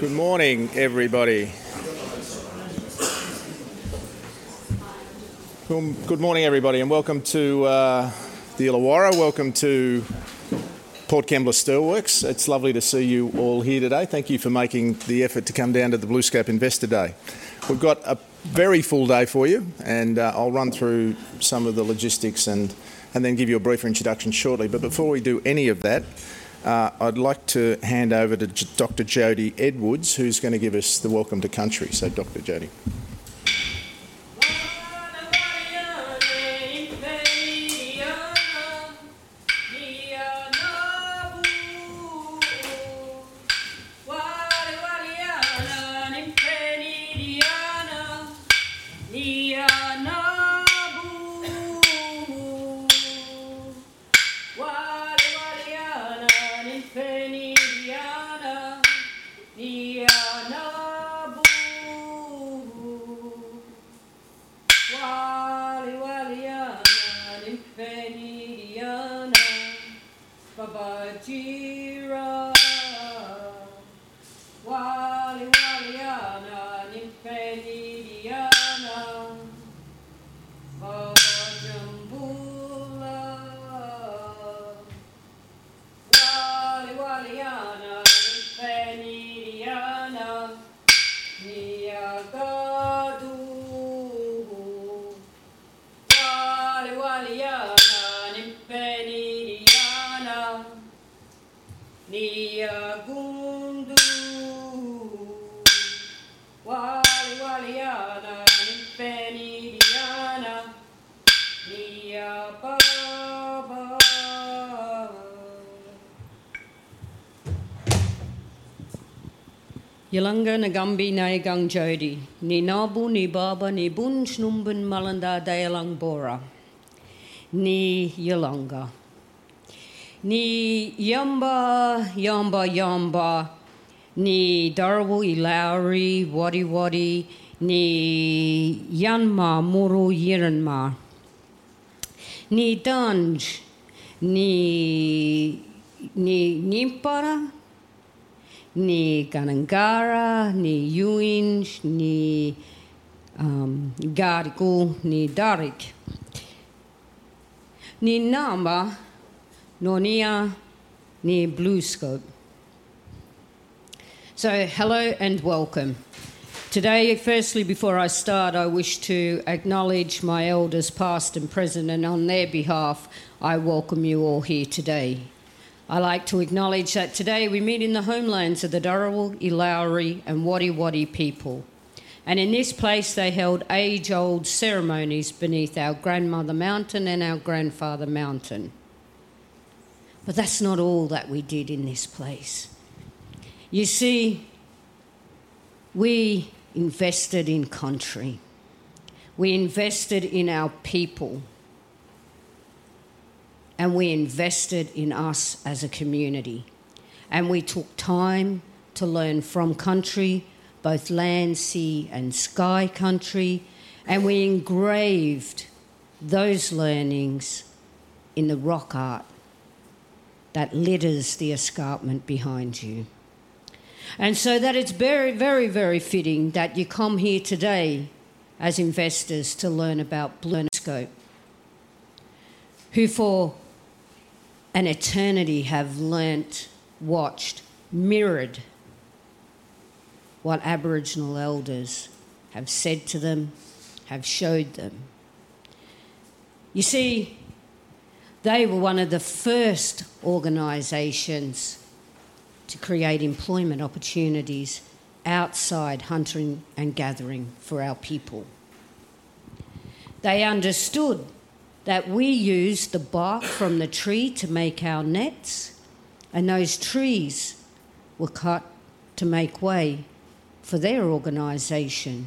Good morning, everybody. Good morning, everybody, and welcome to the Illawarra. Welcome to Port Kembla Steelworks. It's lovely to see you all here today. Thank you for making the effort to come down to the BlueScope Investor Day. We've got a very full day for you, and I'll run through some of the logistics and then give you a briefer introduction shortly. But before we do any of that, I'd like to hand over to Dr. Jodi Edwards, who's gonna give us the welcome to country. So, Dr. Jodi. Yulunga nagambi nay gang Jodi. Ni nabu ni baba ni bun shnumbun malanda dayalung bora. Ni yulunga. Ni yamba, yamba, yamba, ni Dharawal, Illawarra, Wadi Wadi, ni Yanma, Muru, Yiranma. Ni Dunj, ni, ni Ngempaara, ni Ganangara, ni Yuin, ni Gadigal, ni Dharug. Ni nama Noniya ni BlueScope. Hello, and welcome. Today, firstly, before I start, I wish to acknowledge my elders, past and present, and on their behalf, I welcome you all here today. I'd like to acknowledge that today we meet in the homelands of the Dharawal, Illawarra, and Wadi Wadi people, and in this place, they held age-old ceremonies beneath our Grandmother Mountain and our Grandfather Mountain. That's not all that we did in this place. You see, we invested in country, we invested in our people, and we invested in us as a community, and we took time to learn from country, both land, sea, and sky country, and we engraved those learnings in the rock art that litters the escarpment behind you. And so that it's very, very, very fitting that you come here today as investors to learn about BlueScope, who for an eternity have learned, watched, mirrored what Aboriginal elders have said to them, have showed them. You see, they were one of the first organizations to create employment opportunities outside hunting and gathering for our people. They understood that we used the bark from the tree to make our nets, and those trees were cut to make way for their organization,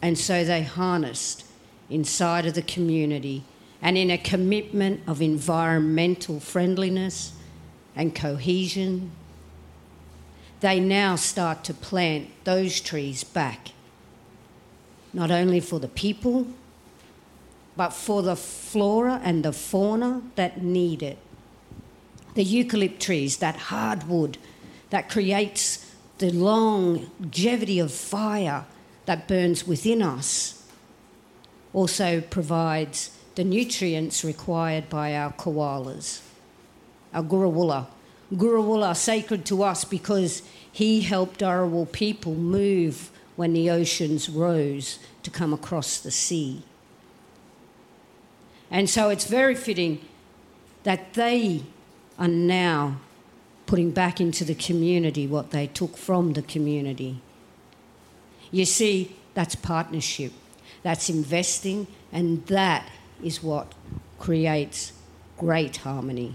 and so they harnessed inside of the community. In a commitment of environmental friendliness and cohesion, they now start to plant those trees back, not only for the people, but for the flora and the fauna that need it. The eucalypt trees, that hardwood that creates the longevity of fire that burns within us, also provides the nutrients required by our koalas, our Gurawula. Gurawula are sacred to us because he helped Dharawal people move when the oceans rose to come across the sea. And so it's very fitting that they are now putting back into the community what they took from the community. You see, that's partnership, that's investing, and that is what creates great harmony.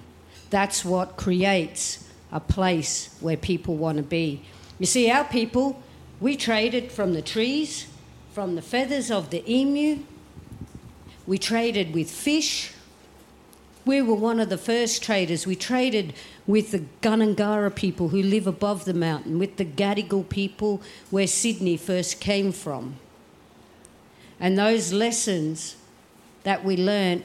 That's what creates a place where people wanna be. You see, our people, we traded from the trees, from the feathers of the emu. We traded with fish. We were one of the first traders. We traded with the Gundungurra people, who live above the mountain, with the Gadigal people, where Sydney first came from... and those lessons that we learned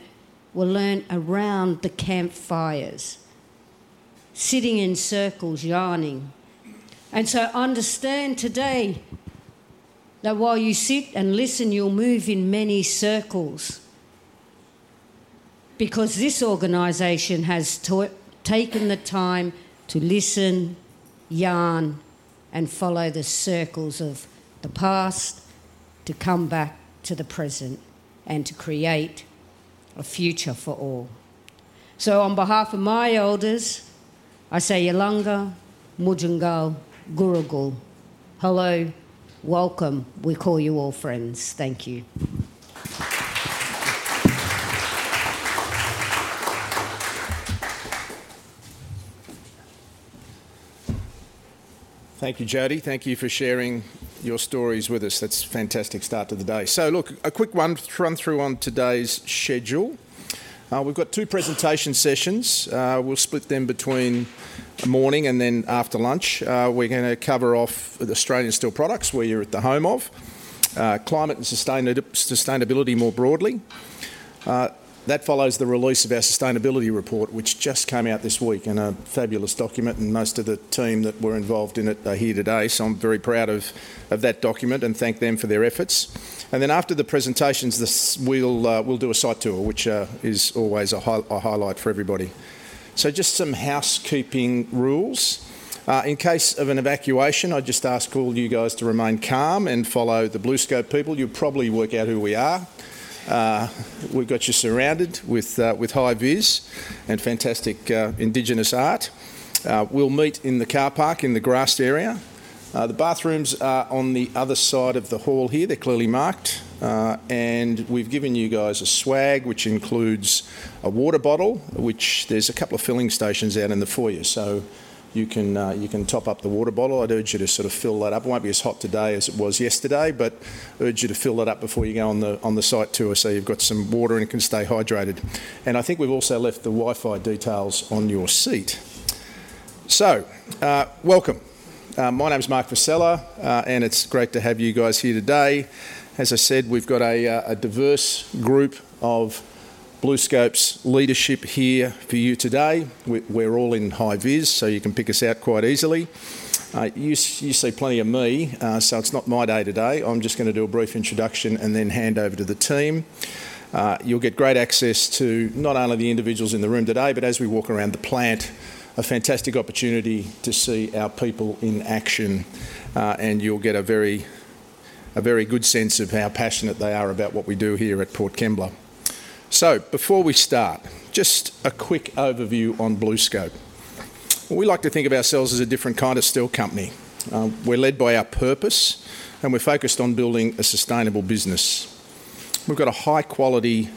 were learned around the campfires, sitting in circles yarning. So understand today that while you sit and listen, you'll move in many circles, because this organization has taken the time to listen, yarn, and follow the circles of the past, to come back to the present, and to create a future for all. So on behalf of my elders, I say, "Yulunga mujangal gurrugul" hello, welcome. We call you all friends. Thank you. Thank you, Jodi. Thank you for sharing your stories with us. That's a fantastic start to the day. So look, a quick run-through on today's schedule. We've got two presentation sessions. We'll split them between the morning and then after lunch. We're gonna cover off with Australian Steel Products, where you're at the home of climate and sustainability more broadly. That follows the release of our sustainability report, which just came out this week, and a fabulous document, and most of the team that were involved in it are here today. So I'm very proud of that document and thank them for their efforts. And then after the presentations, we'll do a site tour, which is always a highlight for everybody. So just some housekeeping rules. In case of an evacuation, I'd just ask all you guys to remain calm and follow the BlueScope people. You'll probably work out who we are. We've got you surrounded with high vis and fantastic indigenous art. We'll meet in the car park, in the grassed area. The bathrooms are on the other side of the hall here, they're clearly marked. And we've given you guys a swag, which includes a water bottle, which there's a couple of filling stations out in the foyer. So you can top up the water bottle. I'd urge you to sort of fill that up. It won't be as hot today as it was yesterday, but I urge you to fill that up before you go on the site tour, so you've got some water and you can stay hydrated. I think we've also left the Wi-Fi details on your seat. Welcome. My name is Mark Vassella, and it's great to have you guys here today. As I said, we've got a diverse group of BlueScope's leadership here for you today. We're all in high vis, so you can pick us out quite easily. You see plenty of me, so it's not my day today. I'm just gonna do a brief introduction and then hand over to the team. You'll get great access to not only the individuals in the room today, but as we walk around the plant, a fantastic opportunity to see our people in action, and you'll get a very, a very good sense of how passionate they are about what we do here at Port Kembla. So before we start, just a quick overview on BlueScope. We like to think of ourselves as a different kind of steel company. We're led by our purpose, and we're focused on building a sustainable business. We've got a high-quality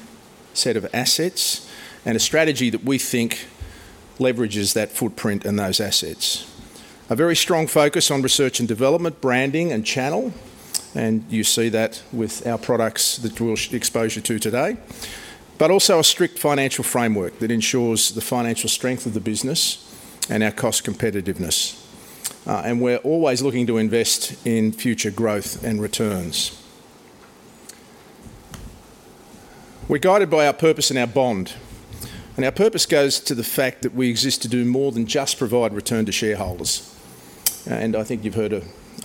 set of assets and a strategy that we think leverages that footprint and those assets. A very strong focus on research and development, branding, and channel, and you see that with our products that we'll expose to you today. But also a strict financial framework that ensures the financial strength of the business and our cost competitiveness, and we're always looking to invest in future growth and returns. We're guided by our purpose and our bond, and our purpose goes to the fact that we exist to do more than just provide return to shareholders. I think you've heard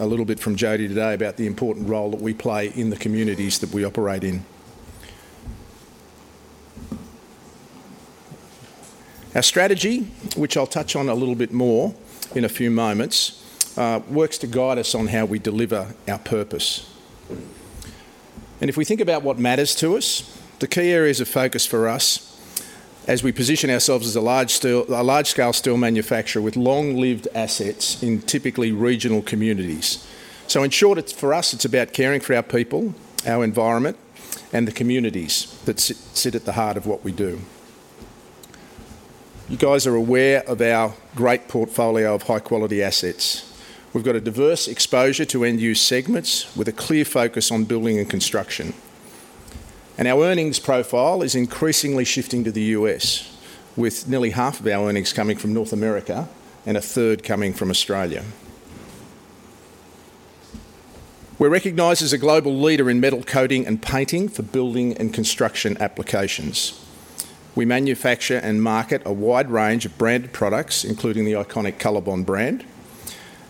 a little bit from Jodi today about the important role that we play in the communities that we operate in. Our strategy, which I'll touch on a little bit more in a few moments, works to guide us on how we deliver our purpose. If we think about what matters to us, the key areas of focus for us as we position ourselves as a large-scale steel manufacturer with long-lived assets in typically regional communities. So in short, it's for us, it's about caring for our people, our environment, and the communities that sit at the heart of what we do. You guys are aware of our great portfolio of high-quality assets. We've got a diverse exposure to end-use segments with a clear focus on building and construction. Our earnings profile is increasingly shifting to the U.S., with nearly half of our earnings coming from North America and a third coming from Australia. We're recognized as a global leader in metal coating and painting for building and construction applications. We manufacture and market a wide range of branded products, including the iconic COLORBOND brand,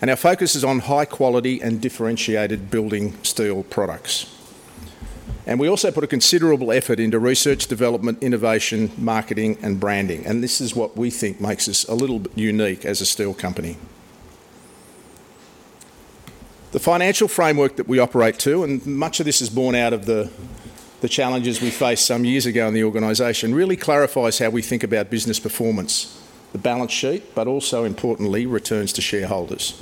and our focus is on high quality and differentiated building steel products. We also put a considerable effort into research, development, innovation, marketing, and branding, and this is what we think makes us a little bit unique as a steel company. The financial framework that we operate to, and much of this is born out of the challenges we faced some years ago in the organization, really clarifies how we think about business performance, the balance sheet, but also importantly, returns to shareholders.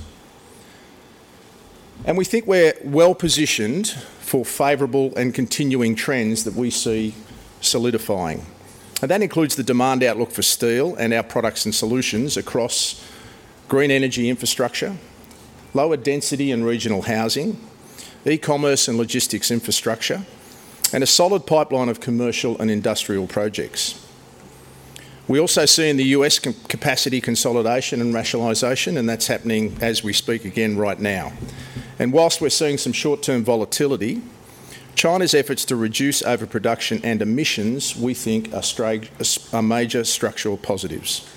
And we think we're well-positioned for favorable and continuing trends that we see solidifying. And that includes the demand outlook for steel and our products and solutions across green energy infrastructure, lower density and regional housing, e-commerce and logistics infrastructure, and a solid pipeline of commercial and industrial projects.... We also see in the U.S. capacity consolidation and rationalization, and that's happening as we speak again right now. And while we're seeing some short-term volatility, China's efforts to reduce overproduction and emissions, we think are major structural positives.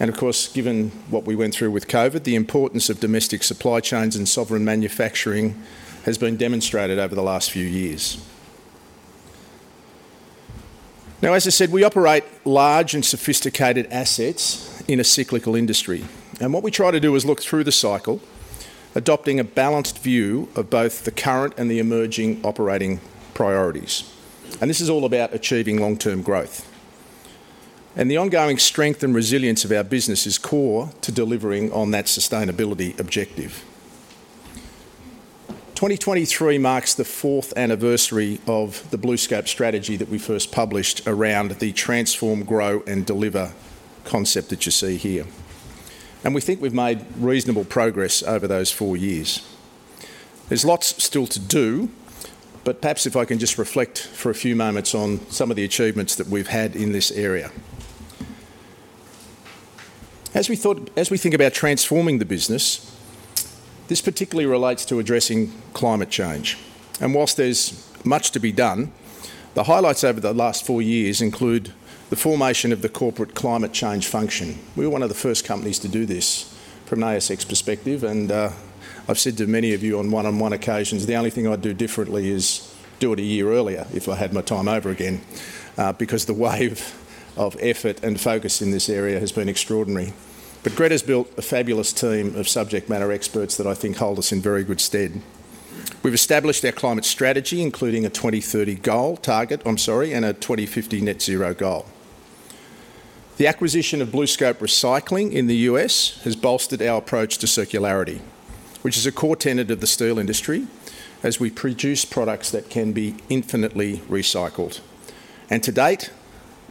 And of course, given what we went through with COVID, the importance of domestic supply chains and sovereign manufacturing has been demonstrated over the last few years. Now, as I said, we operate large and sophisticated assets in a cyclical industry, and what we try to do is look through the cycle, adopting a balanced view of both the current and the emerging operating priorities, and this is all about achieving long-term growth. The ongoing strength and resilience of our business is core to delivering on that sustainability objective. 2023 marks the fourth anniversary of the BlueScope strategy that we first published around the transform, grow, and deliver concept that you see here, and we think we've made reasonable progress over those four years. There's lots still to do, but perhaps if I can just reflect for a few moments on some of the achievements that we've had in this area. As we thought, as we think about transforming the business, this particularly relates to addressing climate change, and while there's much to be done, the highlights over the last four years include the formation of the corporate climate change function. We're one of the first companies to do this from an ASX perspective, and, I've said to many of you on one-on-one occasions, the only thing I'd do differently is do it a year earlier if I had my time over again, because the wave of effort and focus in this area has been extraordinary. But Gretta's built a fabulous team of subject matter experts that I think hold us in very good stead. We've established our climate strategy, including a 2030 goal, target, I'm sorry, and a 2050 net zero goal. The acquisition of BlueScope Recycling in the U.S. has bolstered our approach to circularity, which is a core tenet of the steel industry, as we produce products that can be infinitely recycled, and to date,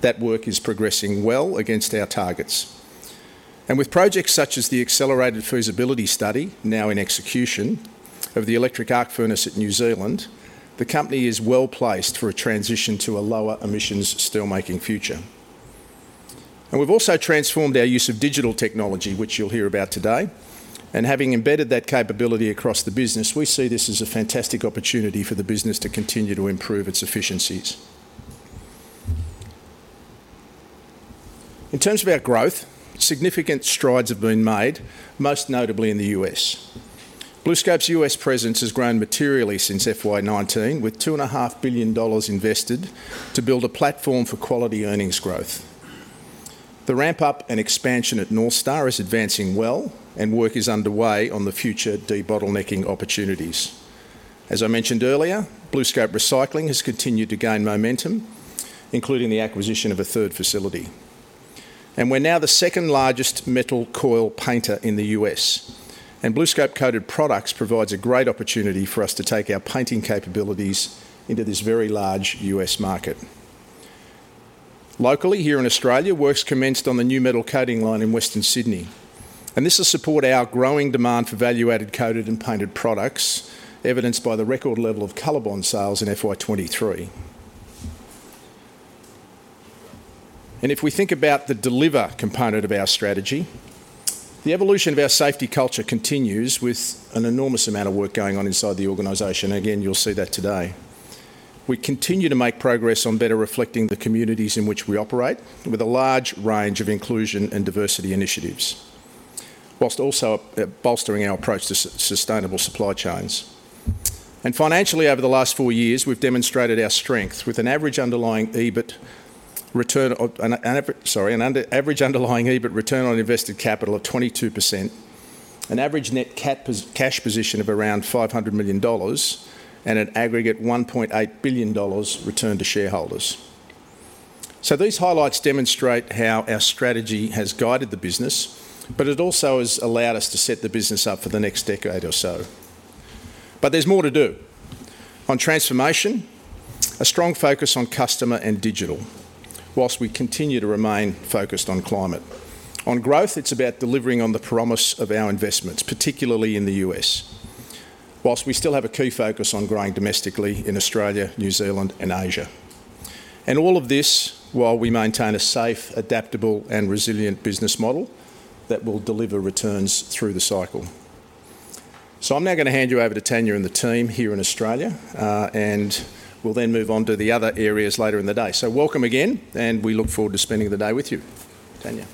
that work is progressing well against our targets. With projects such as the accelerated feasibility study, now in execution, of the electric arc furnace at New Zealand, the company is well-placed for a transition to a lower-emissions steelmaking future. We've also transformed our use of digital technology, which you'll hear about today, and having embedded that capability across the business, we see this as a fantastic opportunity for the business to continue to improve its efficiencies. In terms of our growth, significant strides have been made, most notably in the U.S. BlueScope's U.S. presence has grown materially since FY 2019, with $2.5 billion invested to build a platform for quality earnings growth. The ramp up and expansion at North Star is advancing well, and work is underway on the future debottlenecking opportunities. As I mentioned earlier, BlueScope Recycling has continued to gain momentum, including the acquisition of a third facility. We're now the second-largest metal coil painter in the U.S., and BlueScope Coated Products provides a great opportunity for us to take our painting capabilities into this very large U.S. market. Locally, here in Australia, works commenced on the new metal coating line in Western Sydney, and this will support our growing demand for value-added coated and painted products, evidenced by the record level of COLORBOND sales in FY 2023. If we think about the deliver component of our strategy, the evolution of our safety culture continues with an enormous amount of work going on inside the organization. Again, you'll see that today. We continue to make progress on better reflecting the communities in which we operate, with a large range of inclusion and diversity initiatives, while also bolstering our approach to sustainable supply chains. Financially, over the last four years, we've demonstrated our strength with an average underlying EBIT return on invested capital of 22%, an average net cash position of around 500 million dollars, and an aggregate 1.8 billion dollars returned to shareholders. These highlights demonstrate how our strategy has guided the business, but it also has allowed us to set the business up for the next decade or so. There's more to do. On transformation, a strong focus on customer and digital, whilst we continue to remain focused on climate. On growth, it's about delivering on the promise of our investments, particularly in the U.S., whilst we still have a key focus on growing domestically in Australia, New Zealand, and Asia. All of this while we maintain a safe, adaptable, and resilient business model that will deliver returns through the cycle. I'm now going to hand you over to Tania and the team here in Australia, and we'll then move on to the other areas later in the day. Welcome again, and we look forward to spending the day with you. Tania.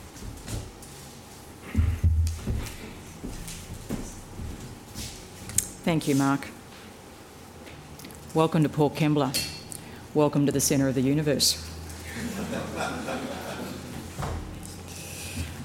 Thank you, Mark. Welcome to Port Kembla. Welcome to the center of the universe.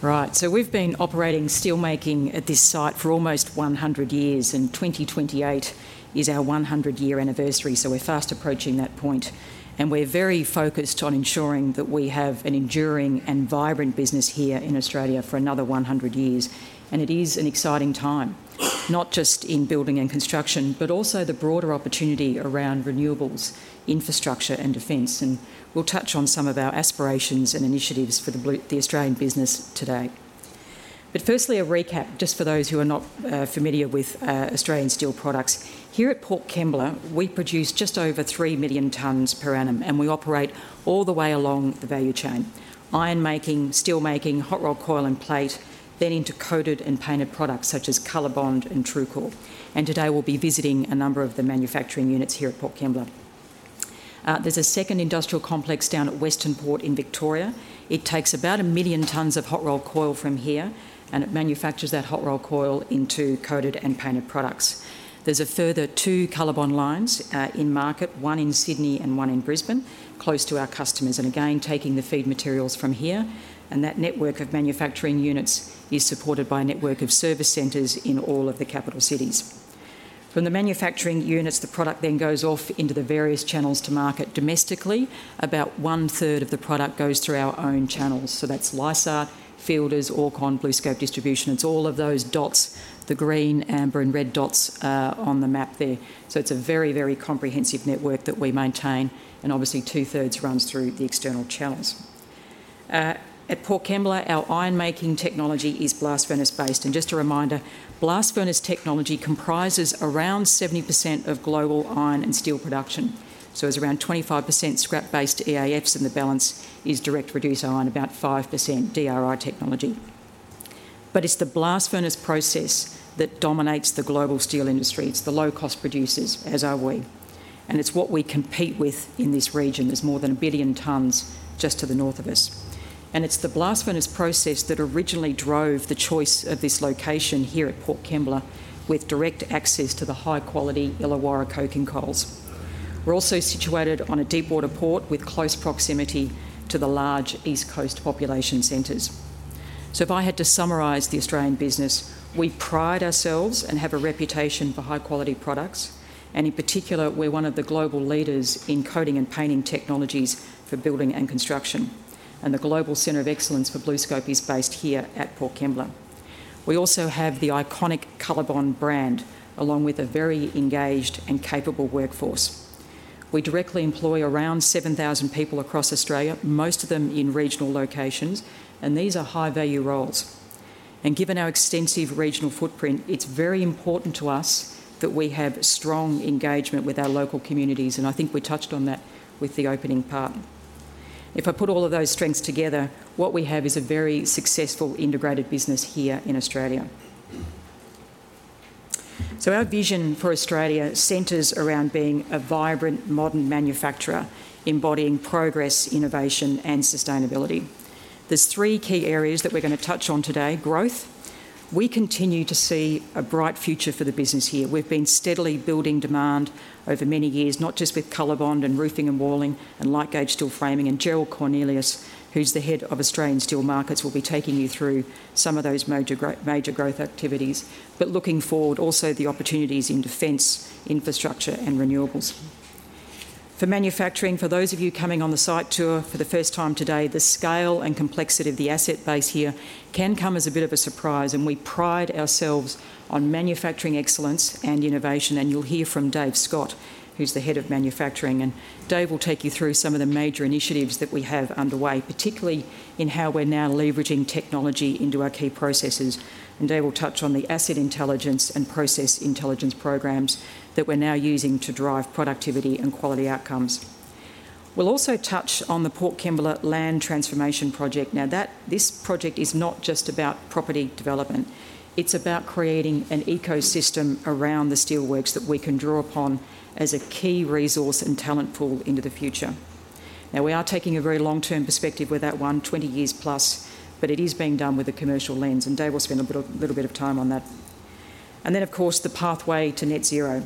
Right, so we've been operating steelmaking at this site for almost 100 years, and 2028 is our 100-year anniversary, so we're fast approaching that point, and we're very focused on ensuring that we have an enduring and vibrant business here in Australia for another 100 years. It is an exciting time, not just in building and construction, but also the broader opportunity around renewables, infrastructure, and defense, and we'll touch on some of our aspirations and initiatives for the Australian business today.... But firstly, a recap just for those who are not familiar with Australian Steel Products. Here at Port Kembla, we produce just over 3 million tons per annum, and we operate all the way along the value chain: iron making, steel making, hot-rolled coil and plate, then into coated and painted products such as COLORBOND and TRUECORE. Today, we'll be visiting a number of the manufacturing units here at Port Kembla. There's a second industrial complex down at Western Port in Victoria. It takes about 1 million tons of hot-rolled coil from here, and it manufactures that hot-rolled coil into coated and painted products. There's a further two COLORBOND lines in market, one in Sydney and one in Brisbane, close to our customers, and again, taking the feed materials from here, and that network of manufacturing units is supported by a network of service centers in all of the capital cities. From the manufacturing units, the product then goes off into the various channels to market domestically. About one-third of the product goes through our own channels, so that's Lysaght, Fielders, Orrcon, BlueScope Distribution. It's all of those dots, the green, amber, and red dots, on the map there. So it's a very, very comprehensive network that we maintain, and obviously, two-thirds runs through the external channels. At Port Kembla, our iron-making technology is blast furnace-based, and just a reminder, blast furnace technology comprises around 70% of global iron and steel production. So it's around 25% scrap-based EAFs, and the balance is direct reduced iron, about 5% DRI technology. But it's the blast furnace process that dominates the global steel industry. It's the low-cost producers, as are we, and it's what we compete with in this region. There's more than 1 billion tons just to the north of us, and it's the blast furnace process that originally drove the choice of this location here at Port Kembla, with direct access to the high-quality Illawarra coking coals. We're also situated on a deep-water port with close proximity to the large East Coast population centers. So if I had to summarize the Australian business, we pride ourselves and have a reputation for high-quality products, and in particular, we're one of the global leaders in coating and painting technologies for building and construction, and the global center of excellence for BlueScope is based here at Port Kembla. We also have the iconic COLORBOND brand, along with a very engaged and capable workforce. We directly employ around 7,000 people across Australia, most of them in regional locations, and these are high-value roles. Given our extensive regional footprint, it's very important to us that we have strong engagement with our local communities, and I think we touched on that with the opening part. If I put all of those strengths together, what we have is a very successful integrated business here in Australia. Our vision for Australia centers around being a vibrant, modern manufacturer, embodying progress, innovation, and sustainability. There's three key areas that we're gonna touch on today. Growth: we continue to see a bright future for the business here. We've been steadily building demand over many years, not just with COLORBOND steel and roofing and walling and light-gauge steel framing, and Gerald Cornelius, who's the Head of Australian Steel Markets, will be taking you through some of those major growth activities. Looking forward, also the opportunities in defense, infrastructure, and renewables. For manufacturing, for those of you coming on the site tour for the first time today, the scale and complexity of the asset base here can come as a bit of a surprise, and we pride ourselves on manufacturing excellence and innovation, and you'll hear from Dave Scott, who's the head of manufacturing, and Dave will take you through some of the major initiatives that we have underway, particularly in how we're now leveraging technology into our key processes. Dave will touch on the asset intelligence and process intelligence programs that we're now using to drive productivity and quality outcomes. We'll also touch on the Port Kembla Land Transformation project. Now, this project is not just about property development, it's about creating an ecosystem around the steelworks that we can draw upon as a key resource and talent pool into the future. Now, we are taking a very long-term perspective with that one, 20 years plus, but it is being done with a commercial lens, and Dave will spend a bit of, little bit of time on that. Then, of course, the pathway to net zero.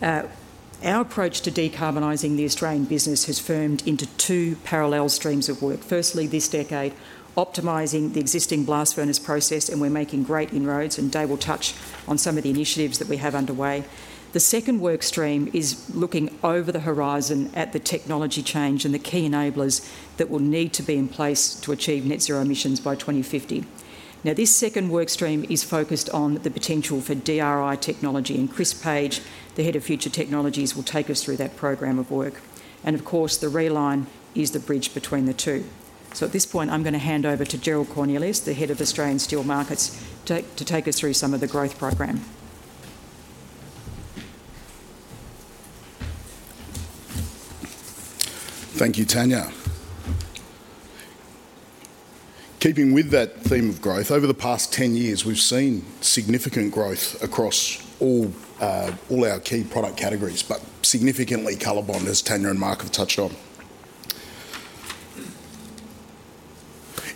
Our approach to decarbonizing the Australian business has firmed into two parallel streams of work. Firstly, this decade, optimizing the existing blast furnace process, and we're making great inroads, and Dave will touch on some of the initiatives that we have underway. The second work stream is looking over the horizon at the technology change and the key enablers that will need to be in place to achieve net zero emissions by 2050. Now, this second work stream is focused on the potential for DRI technology, and Chris Page, the Head of Future Technologies, will take us through that program of work, and of course, the Reline is the bridge between the two. So at this point, I'm gonna hand over to Gerald Cornelius, the Head of Australian Steel Markets, to take us through some of the growth program. Thank you, Tania. Keeping with that theme of growth, over the past 10 years, we've seen significant growth across all all our key product categories, but significantly, COLORBOND, as Tania and Mark have touched on.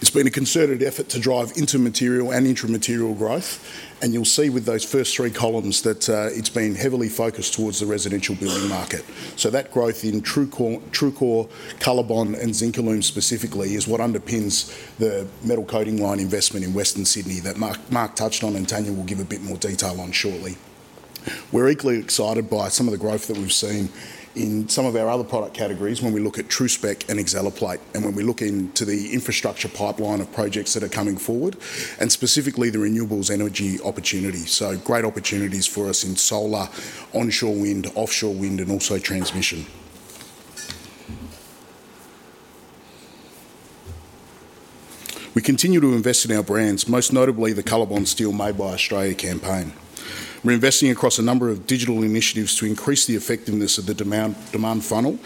It's been a concerted effort to drive intermaterial and intramaterial growth, and you'll see with those first three columns that it's been heavily focused towards the residential building market. So that growth in TRUECORE, COLORBOND, and ZINCALUME specifically is what underpins the metal coating line investment in Western Sydney that Mark touched on, and Tania will give a bit more detail on shortly. We're equally excited by some of the growth that we've seen in some of our other product categories when we look at TRU-SPEC and XLERPLATE, and when we look into the infrastructure pipeline of projects that are coming forward, and specifically, the renewables energy opportunity. So great opportunities for us in solar, onshore wind, offshore wind, and also transmission. We continue to invest in our brands, most notably the COLORBOND steel Made by Australia campaign. We're investing across a number of digital initiatives to increase the effectiveness of the demand, demand funnel,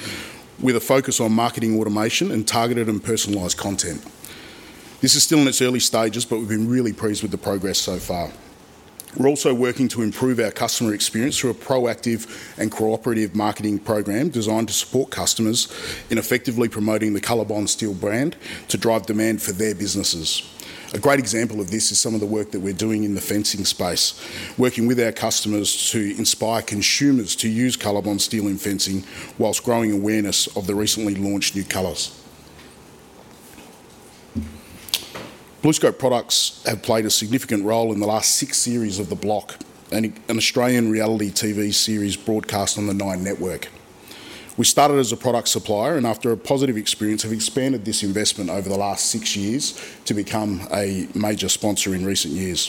with a focus on marketing automation and targeted and personalized content. This is still in its early stages, but we've been really pleased with the progress so far. We're also working to improve our customer experience through a proactive and cooperative marketing program designed to support customers in effectively promoting the COLORBOND steel brand to drive demand for their businesses. A great example of this is some of the work that we're doing in the fencing space, working with our customers to inspire consumers to use COLORBOND steel in fencing, whilst growing awareness of the recently launched new colors. BlueScope products have played a significant role in the last six series of The Block, an Australian reality TV series broadcast on the Nine Network. We started as a product supplier, and after a positive experience, have expanded this investment over the last six years to become a major sponsor in recent years.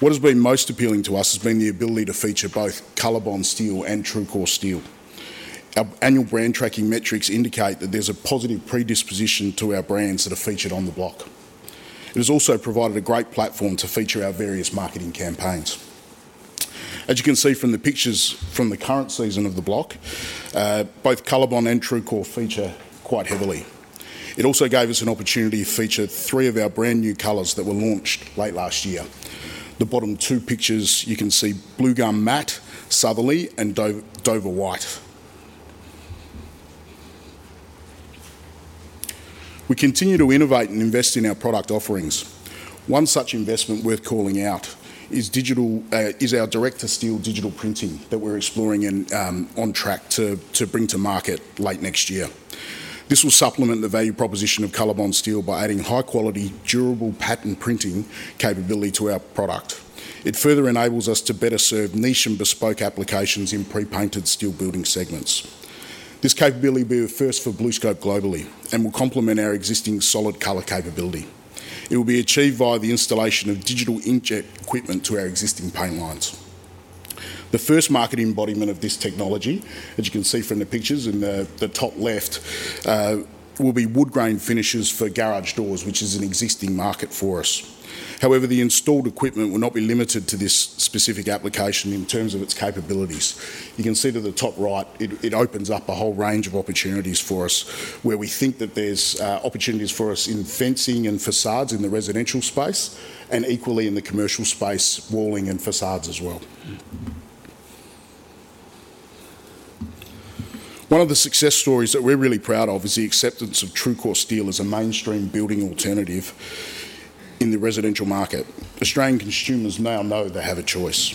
What has been most appealing to us has been the ability to feature both COLORBOND steel and TRUECORE steel. Our annual brand tracking metrics indicate that there's a positive predisposition to our brands that are featured on The Block. It has also provided a great platform to feature our various marketing campaigns. As you can see from the pictures from the current season of The Block, both COLORBOND and TRUECORE feature quite heavily. It also gave us an opportunity to feature three of our brand-new colors that were launched late last year. The bottom two pictures, you can see Bluegum Matt, Southerly, and Dover White. We continue to innovate and invest in our product offerings. One such investment worth calling out is our direct-to-steel digital printing that we're exploring and on track to bring to market late next year. This will supplement the value proposition of COLORBOND steel by adding high-quality, durable pattern printing capability to our product. It further enables us to better serve niche and bespoke applications in pre-painted steel building segments. This capability will be a first for BlueScope globally and will complement our existing solid color capability. It will be achieved via the installation of digital inkjet equipment to our existing paint lines. The first market embodiment of this technology, as you can see from the pictures in the top left, will be woodgrain finishes for garage doors, which is an existing market for us. However, the installed equipment will not be limited to this specific application in terms of its capabilities. You can see to the top right, it opens up a whole range of opportunities for us, where we think that there's opportunities for us in fencing and facades in the residential space, and equally in the commercial space, walling and facades as well. One of the success stories that we're really proud of is the acceptance of TRUECORE steel as a mainstream building alternative in the residential market. Australian consumers now know they have a choice.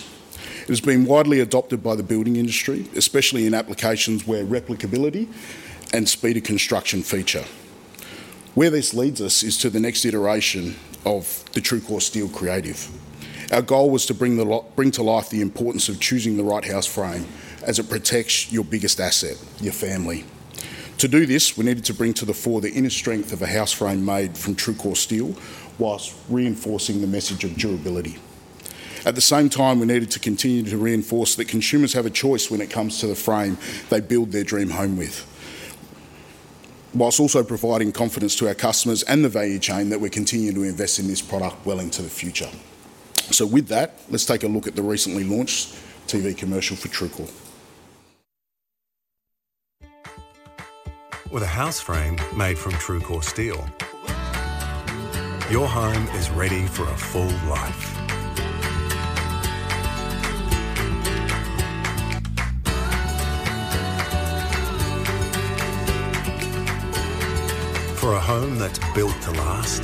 It has been widely adopted by the building industry, especially in applications where replicability and speed of construction feature. Where this leads us is to the next iteration of the TRUECORE steel creative. Our goal was to bring to life the importance of choosing the right house frame, as it protects your biggest asset, your family. To do this, we needed to bring to the fore the inner strength of a house frame made from TRUECORE steel, whilst reinforcing the message of durability. At the same time, we needed to continue to reinforce that consumers have a choice when it comes to the frame they build their dream home with, whilst also providing confidence to our customers and the value chain that we're continuing to invest in this product well into the future. With that, let's take a look at the recently launched TV commercial for TRUECORE. With a house frame made from TRUECORE steel, your home is ready for a full life. For a home that's built to last,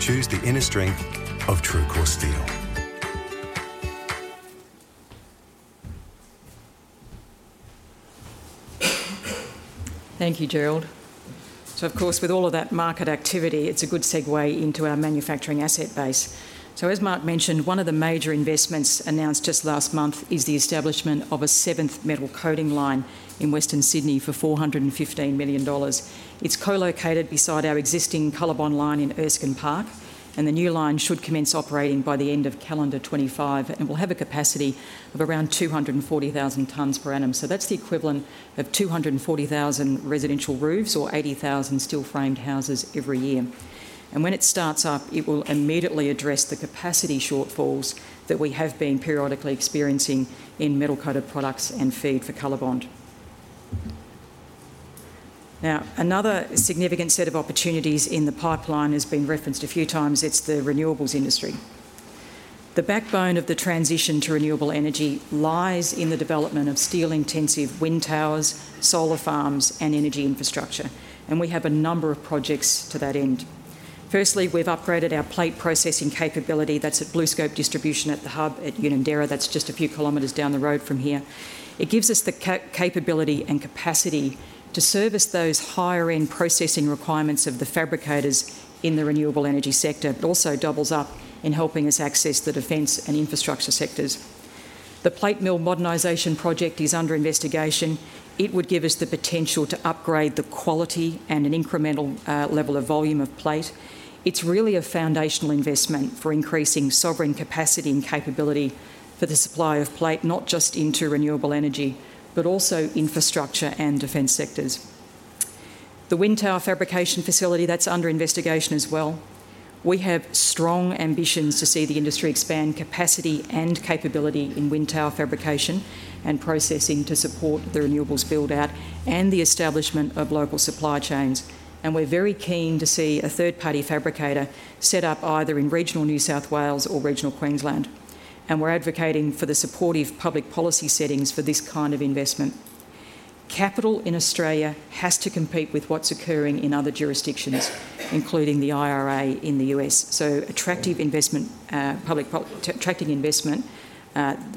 choose the inner strength of TRUECORE steel. Thank you, Gerald. So, of course, with all of that market activity, it's a good segue into our manufacturing asset base. So as Mark mentioned, one of the major investments announced just last month is the establishment of a seventh metal coating line in Western Sydney for 415 million dollars. It's co-located beside our existing COLORBOND line in Erskine Park, and the new line should commence operating by the end of calendar 2025, and will have a capacity of around 240,000 tonnes per annum. So that's the equivalent of 240,000 residential roofs or 80,000 steel-framed houses every year. And when it starts up, it will immediately address the capacity shortfalls that we have been periodically experiencing in metal-coated products and feed for COLORBOND. Now, another significant set of opportunities in the pipeline has been referenced a few times, it's the renewables industry. The backbone of the transition to renewable energy lies in the development of steel-intensive wind towers, solar farms, and energy infrastructure, and we have a number of projects to that end. Firstly, we've upgraded our plate processing capability. That's at BlueScope Distribution at the Hub at Unanderra. That's just a few km down the road from here. It gives us the capability and capacity to service those higher-end processing requirements of the fabricators in the renewable energy sector. It also doubles up in helping us access the defense and infrastructure sectors. The Plate Mill Modernization Project is under investigation. It would give us the potential to upgrade the quality and an incremental level of volume of plate. It's really a foundational investment for increasing sovereign capacity and capability for the supply of plate, not just into renewable energy, but also infrastructure and defense sectors. The wind tower fabrication facility, that's under investigation as well. We have strong ambitions to see the industry expand capacity and capability in wind tower fabrication and processing to support the renewables build-out and the establishment of local supply chains, and we're very keen to see a third-party fabricator set up either in regional New South Wales or regional Queensland, and we're advocating for the supportive public policy settings for this kind of investment. Capital in Australia has to compete with what's occurring in other jurisdictions, including the IRA in the U.S. So attractive investment, attracting investment,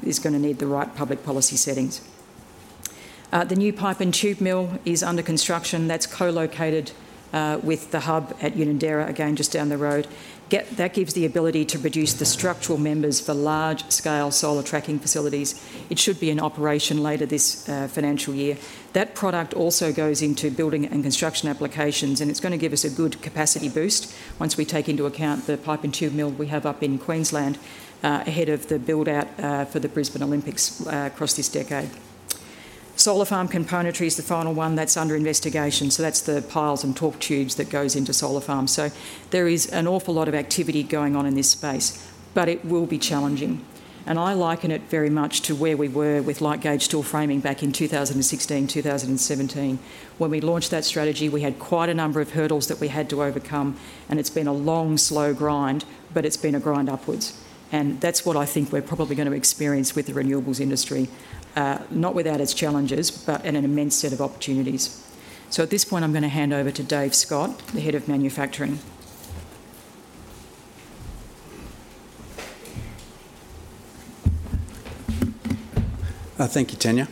is gonna need the right public policy settings. The new pipe and tube mill is under construction. That's co-located with the hub at Unanderra, again, just down the road. That gives the ability to produce the structural members for large-scale solar tracking facilities. It should be in operation later this financial year. That product also goes into building and construction applications, and it's gonna give us a good capacity boost once we take into account the pipe and tube mill we have up in Queensland ahead of the build-out for the Brisbane Olympics across this decade. Solar farm componentry is the final one that's under investigation, so that's the piles and torque tubes that goes into solar farms. So there is an awful lot of activity going on in this space, but it will be challenging, and I liken it very much to where we were with light gauge steel framing back in 2016, 2017. When we launched that strategy, we had quite a number of hurdles that we had to overcome, and it's been a long, slow grind, but it's been a grind upwards, and that's what I think we're probably gonna experience with the renewables industry. Not without its challenges, but and an immense set of opportunities. So at this point, I'm gonna hand over to Dave Scott, the head of manufacturing. Thank you, Tania.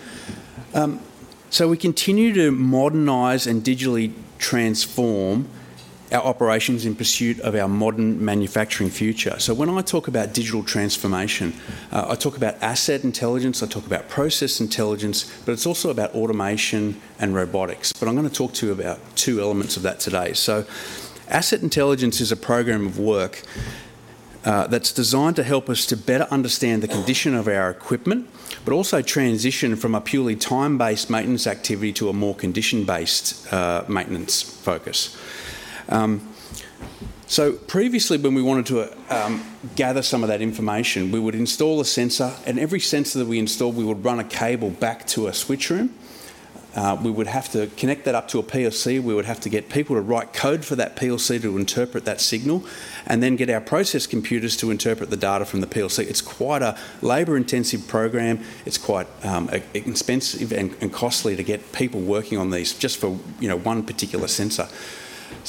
So we continue to modernize and digitally transform our operations in pursuit of our modern manufacturing future. So when I talk about digital transformation, I talk about asset intelligence, I talk about process intelligence, but it's also about automation and robotics. But I'm gonna talk to you about two elements of that today. So asset intelligence is a program of work, that's designed to help us to better understand the condition of our equipment, but also transition from a purely time-based maintenance activity to a more condition-based, maintenance focus. So previously, when we wanted to gather some of that information, we would install a sensor, and every sensor that we installed, we would run a cable back to a switch room. We would have to connect that up to a PLC. We would have to get people to write code for that PLC to interpret that signal, and then get our process computers to interpret the data from the PLC. It's quite a labor-intensive program. It's quite, expensive and, and costly to get people working on these just for, you know, one particular sensor.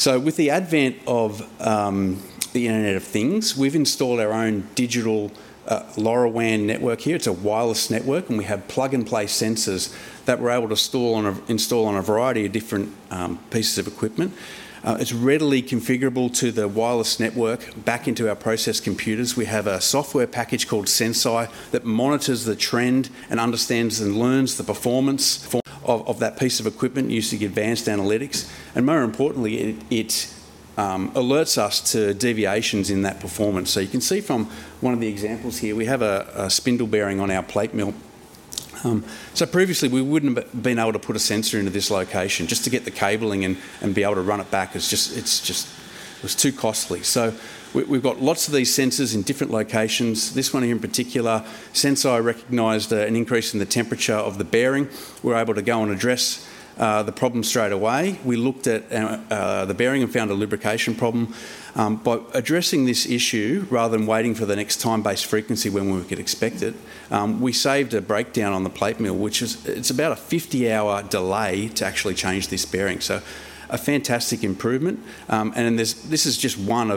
With the advent of the Internet of Things, we've installed our own digital LoRaWAN network here. It's a wireless network, and we have plug-and-play sensors that we're able to install on a variety of different, pieces of equipment. It's readily configurable to the wireless network back into our process computers. We have a software package called Senseye that monitors the trend and understands and learns the performance for of that piece of equipment using advanced analytics, and more importantly, it alerts us to deviations in that performance. So you can see from one of the examples here, we have a spindle bearing on our plate mill. So previously, we wouldn't have been able to put a sensor into this location just to get the cabling and be able to run it back. It's just... It was too costly. So we've got lots of these sensors in different locations. This one here in particular, since I recognized an increase in the temperature of the bearing, we're able to go and address the problem straight away. We looked at the bearing and found a lubrication problem. By addressing this issue, rather than waiting for the next time-based frequency when we could expect it, we saved a breakdown on the plate mill, which is. It's about a 50-hour delay to actually change this bearing, so a fantastic improvement. This is just one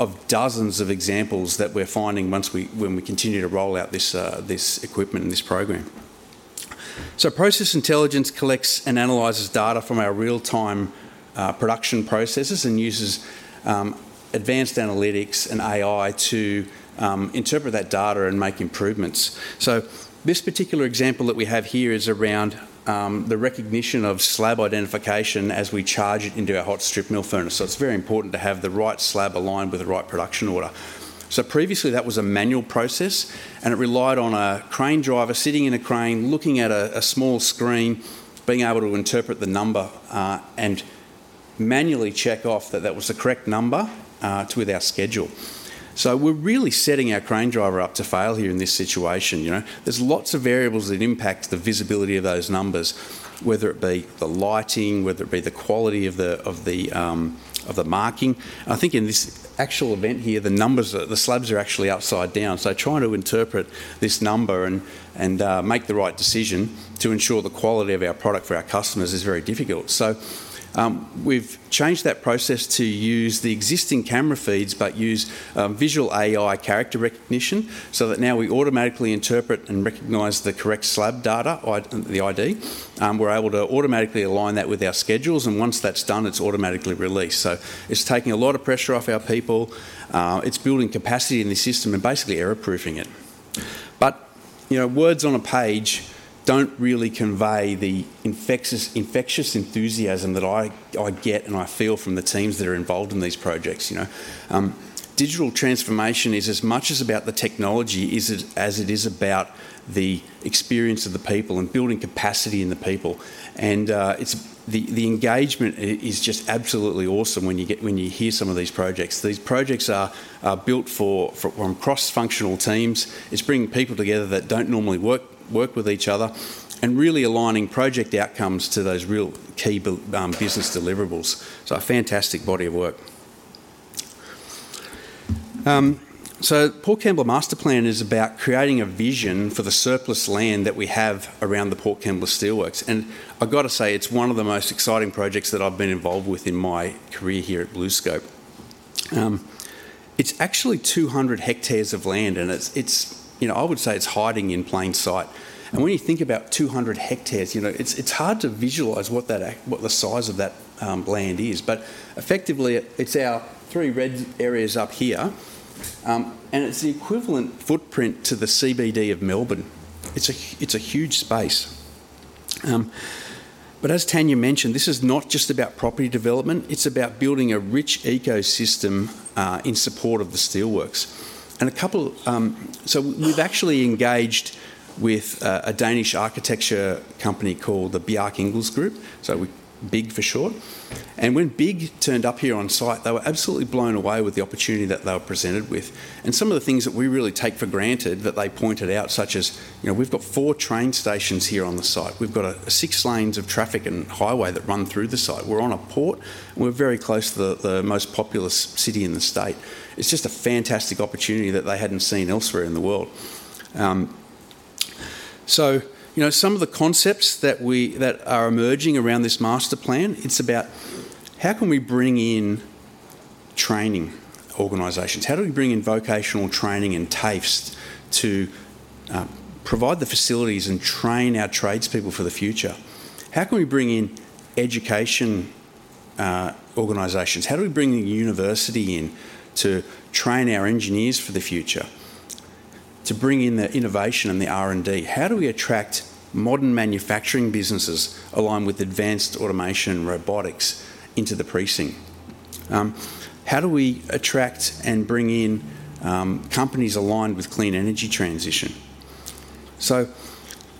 of dozens of examples that we're finding when we continue to roll out this equipment and this program. So process intelligence collects and analyzes data from our real-time production processes and uses advanced analytics and AI to interpret that data and make improvements. So this particular example that we have here is around the recognition of slab identification as we charge it into our hot strip mill furnace. So it's very important to have the right slab aligned with the right production order. So previously, that was a manual process, and it relied on a crane driver sitting in a crane, looking at a small screen, being able to interpret the number, and manually check off that that was the correct number to with our schedule. So we're really setting our crane driver up to fail here in this situation, you know? There's lots of variables that impact the visibility of those numbers, whether it be the lighting, whether it be the quality of the marking. I think in this actual event here, the numbers are, the slabs are actually upside down, so trying to interpret this number and make the right decision to ensure the quality of our product for our customers is very difficult. We've changed that process to use the existing camera feeds, but use visual AI character recognition so that now we automatically interpret and recognize the correct slab data, I... the ID. We're able to automatically align that with our schedules, and once that's done, it's automatically released. It's taking a lot of pressure off our people, it's building capacity in the system and basically error-proofing it. You know, words on a page don't really convey the infectious, infectious enthusiasm that I, I get and I feel from the teams that are involved in these projects, you know? Digital transformation is as much about the technology as it is about the experience of the people and building capacity in the people. It's, the engagement is just absolutely awesome when you get- when you hear some of these projects. These projects are built for, on cross-functional teams. It's bringing people together that don't normally work with each other, and really aligning project outcomes to those real key business deliverables. A fantastic body of work. Port Kembla Master Plan is about creating a vision for the surplus land that we have around the Port Kembla Steelworks. I've got to say, it's one of the most exciting projects that I've been involved with in my career here at BlueScope. It's actually 200 hectares of land, and it's, you know, I would say it's hiding in plain sight. When you think about 200 hectares, you know, it's hard to visualize what that—what the size of that land is. But effectively, it's our three red areas up here, and it's the equivalent footprint to the CBD of Melbourne. It's a huge space. But as Tania mentioned, this is not just about property development, it's about building a rich ecosystem in support of the steelworks. So we've actually engaged with a Danish architecture company called the Bjarke Ingels Group, so BIG for short. And when BIG turned up here on site, they were absolutely blown away with the opportunity that they were presented with. And some of the things that we really take for granted that they pointed out, such as, you know, we've got four train stations here on the site. We've got six lanes of traffic and highway that run through the site. We're on a port, and we're very close to the most populous city in the state. It's just a fantastic opportunity that they hadn't seen elsewhere in the world. So, you know, some of the concepts that are emerging around this master plan, it's about: how can we bring in training organizations? How do we bring in vocational training and TAFEs to provide the facilities and train our tradespeople for the future? How can we bring in education organizations? How do we bring the university in to train our engineers for the future, to bring in the innovation and the R&D? How do we attract modern manufacturing businesses along with advanced automation and robotics into the precinct? How do we attract and bring in companies aligned with clean energy transition? So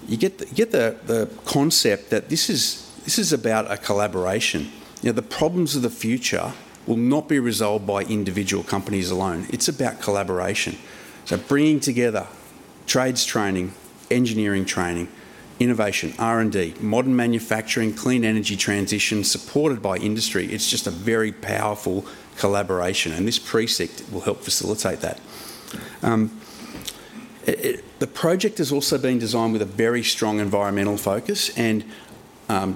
you get the concept that this is about a collaboration. You know, the problems of the future will not be resolved by individual companies alone. It's about collaboration. So bringing together trades training, engineering training, innovation, R&D, modern manufacturing, clean energy transition, supported by industry, it's just a very powerful collaboration, and this precinct will help facilitate that. The project has also been designed with a very strong environmental focus and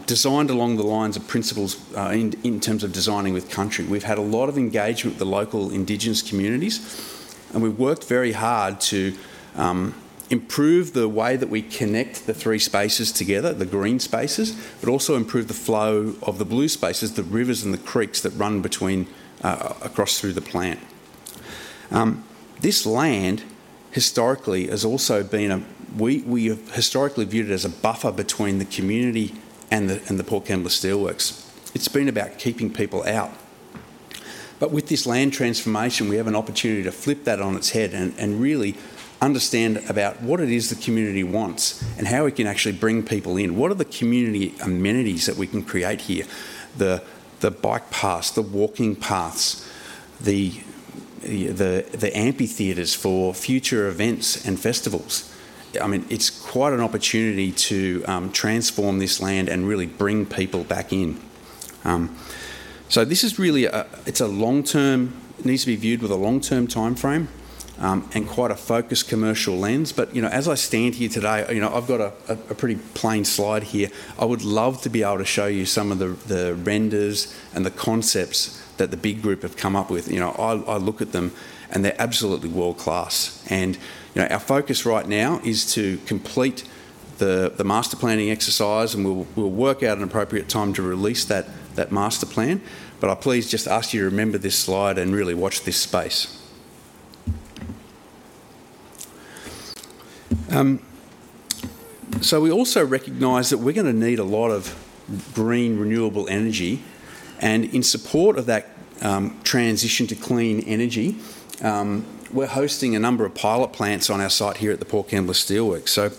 designed along the lines of principles in terms of designing with country. We've had a lot of engagement with the local Indigenous communities, and we've worked very hard to improve the way that we connect the three spaces together, the green spaces, but also improve the flow of the blue spaces, the rivers and the creeks that run between across through the plant. This land historically has also been. We have historically viewed it as a buffer between the community and the Port Kembla Steelworks. It's been about keeping people out. But with this land transformation, we have an opportunity to flip that on its head and really understand about what it is the community wants, and how we can actually bring people in. What are the community amenities that we can create here? The bike paths, the walking paths, the amphitheaters for future events and festivals. I mean, it's quite an opportunity to transform this land and really bring people back in. This is really a... It's a long-term—it needs to be viewed with a long-term timeframe, and quite a focused commercial lens. You know, as I stand here today, I've got a pretty plain slide here. I would love to be able to show you some of the renders and the concepts that the BIG group have come up with. You know, I look at them, and they're absolutely world-class. You know, our focus right now is to complete the master planning exercise, and we'll work out an appropriate time to release that master plan. I please just ask you to remember this slide and really watch this space. So we also recognize that we're gonna need a lot of green, renewable energy, and in support of that, transition to clean energy, we're hosting a number of pilot plants on our site here at the Port Kembla Steelworks. So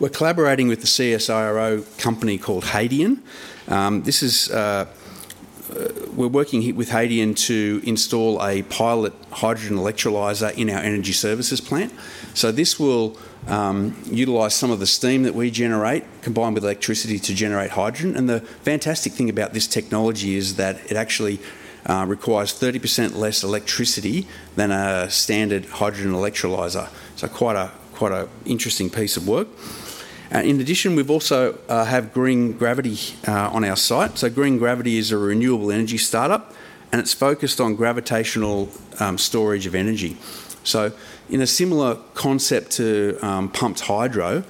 we're collaborating with the CSIRO company called Hadean. We're working here with Hadean to install a pilot hydrogen electrolyser in our energy services plant. So this will utilize some of the steam that we generate, combined with electricity, to generate hydrogen. And the fantastic thing about this technology is that it actually requires 30% less electricity than a standard hydrogen electrolyser. So quite an interesting piece of work. In addition, we've also have Green Gravity on our site. So Green Gravity is a renewable energy start-up, and it's focused on gravitational, storage of energy. So in a similar concept to, pumped hydro,